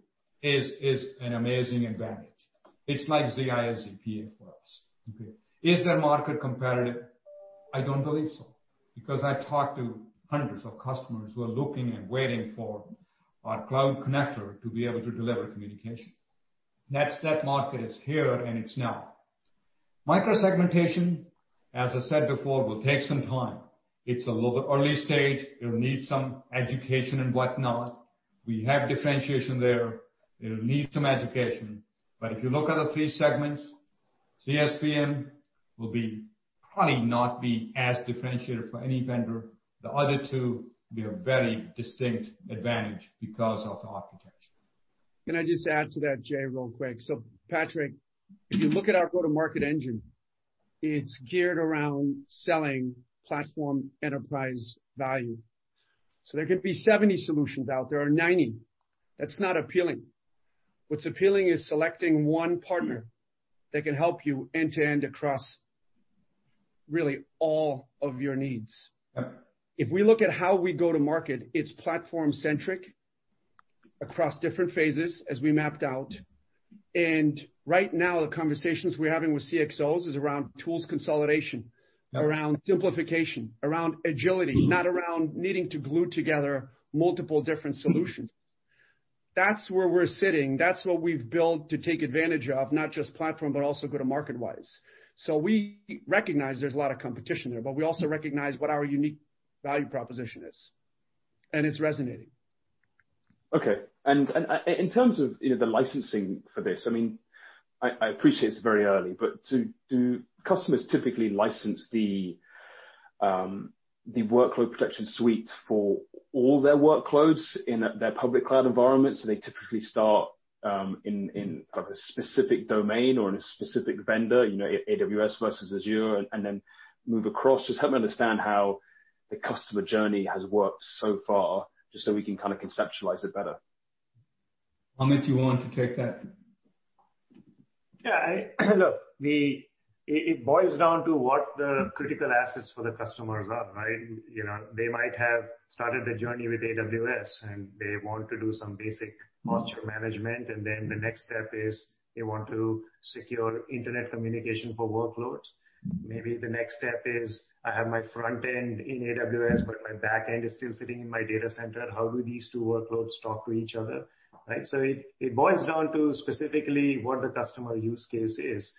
is an amazing advantage. It's like ZPA for us. Is that market competitive? I don't believe so. I've talked to hundreds of customers who are looking and waiting for our Cloud Connector to be able to deliver communication. That market is here and it's now. Micro-segmentation, as I said before, will take some time. It's a little bit early stage. It'll need some education and whatnot. We have differentiation there. It'll need some education. If you look at the three segments, CSPM will be probably not be as differentiator for any vendor. The other two will be a very distinct advantage because of the architecture. Can I just add to that, Jay, real quick? Patrick, if you look at our go-to-market engine, it's geared around selling platform enterprise value. There can be 70 solutions out there or 90. That's not appealing. What's appealing is selecting one partner that can help you end-to-end across really all of your needs. If we look at how we go to market, it's platform centric across different phases as we mapped out. Right now the conversations we're having with CXOs is around tools consolidation, around simplification, around agility, not around needing to glue together multiple different solutions. That's where we're sitting. That's what we've built to take advantage of not just platform, but also go-to-market-wise. We recognize there's a lot of competition there, but we also recognize what our unique value proposition is, and it's resonating. Okay. In terms of the licensing for this, I appreciate it's very early, but do customers typically license the workload protection suite for all their workloads in their public cloud environment, so they typically start in a specific domain or in a specific vendor, AWS versus Azure, and then move across? Just help me understand how the customer journey has worked so far, just so we can conceptualize it better. Amit, do you want to take that? Look, it boils down to what the critical assets for the customers are, right? They might have started a journey with AWS, and they want to do some basic posture management, and then the next step is they want to secure internet communication for workloads. Maybe the next step is I have my front end in AWS, but my back end is still sitting in my data center. How do these two workloads talk to each other, right? It boils down to specifically what the customer use case is.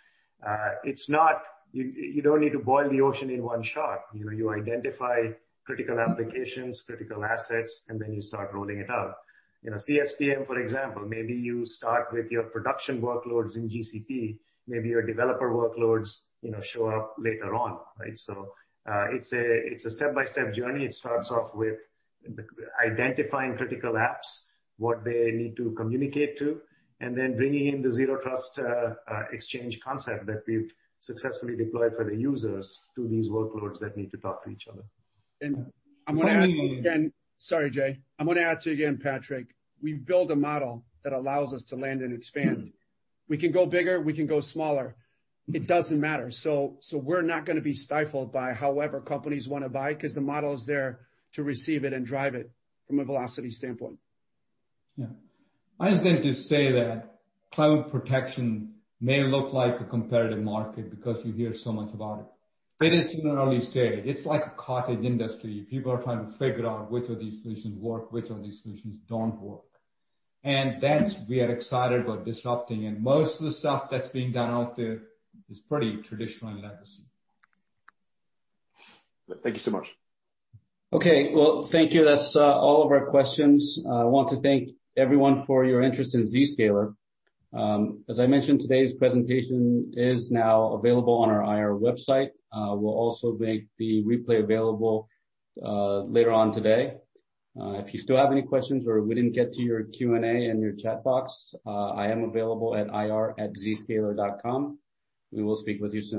You don't need to boil the ocean in one shot. You identify critical applications, critical assets, and then you start rolling it out. CSPM, for example, maybe you start with your production workloads in GCP, maybe your developer workloads show up later on, right? It's a step-by-step journey. It starts off with identifying critical apps, what they need to communicate to, and then bringing in the Zero Trust Exchange concept that we've successfully deployed for the users to these workloads that need to talk to each other. I'm going to add again. Sorry, Jay. I'm going to add to you again, Patrick. We've built a model that allows us to land and expand. We can go bigger, we can go smaller. It doesn't matter. We're not going to be stifled by however companies want to buy, because the model is there to receive it and drive it from a velocity standpoint. Yeah. I was going to say that cloud protection may look like a competitive market because you hear so much about it. It is in an early stage. It's like a cottage industry. People are trying to figure out which of these solutions work, which of these solutions don't work. That we are excited about disrupting, and most of the stuff that's being done out there is pretty traditional and legacy. Thank you so much. Okay. Well, thank you. That's all of our questions. I want to thank everyone for your interest in Zscaler. As I mentioned, today's presentation is now available on our IR website. We'll also make the replay available later on today. If you still have any questions or we didn't get to your Q&A in your chat box, I am available at ir@zscaler.com. We will speak with you soon.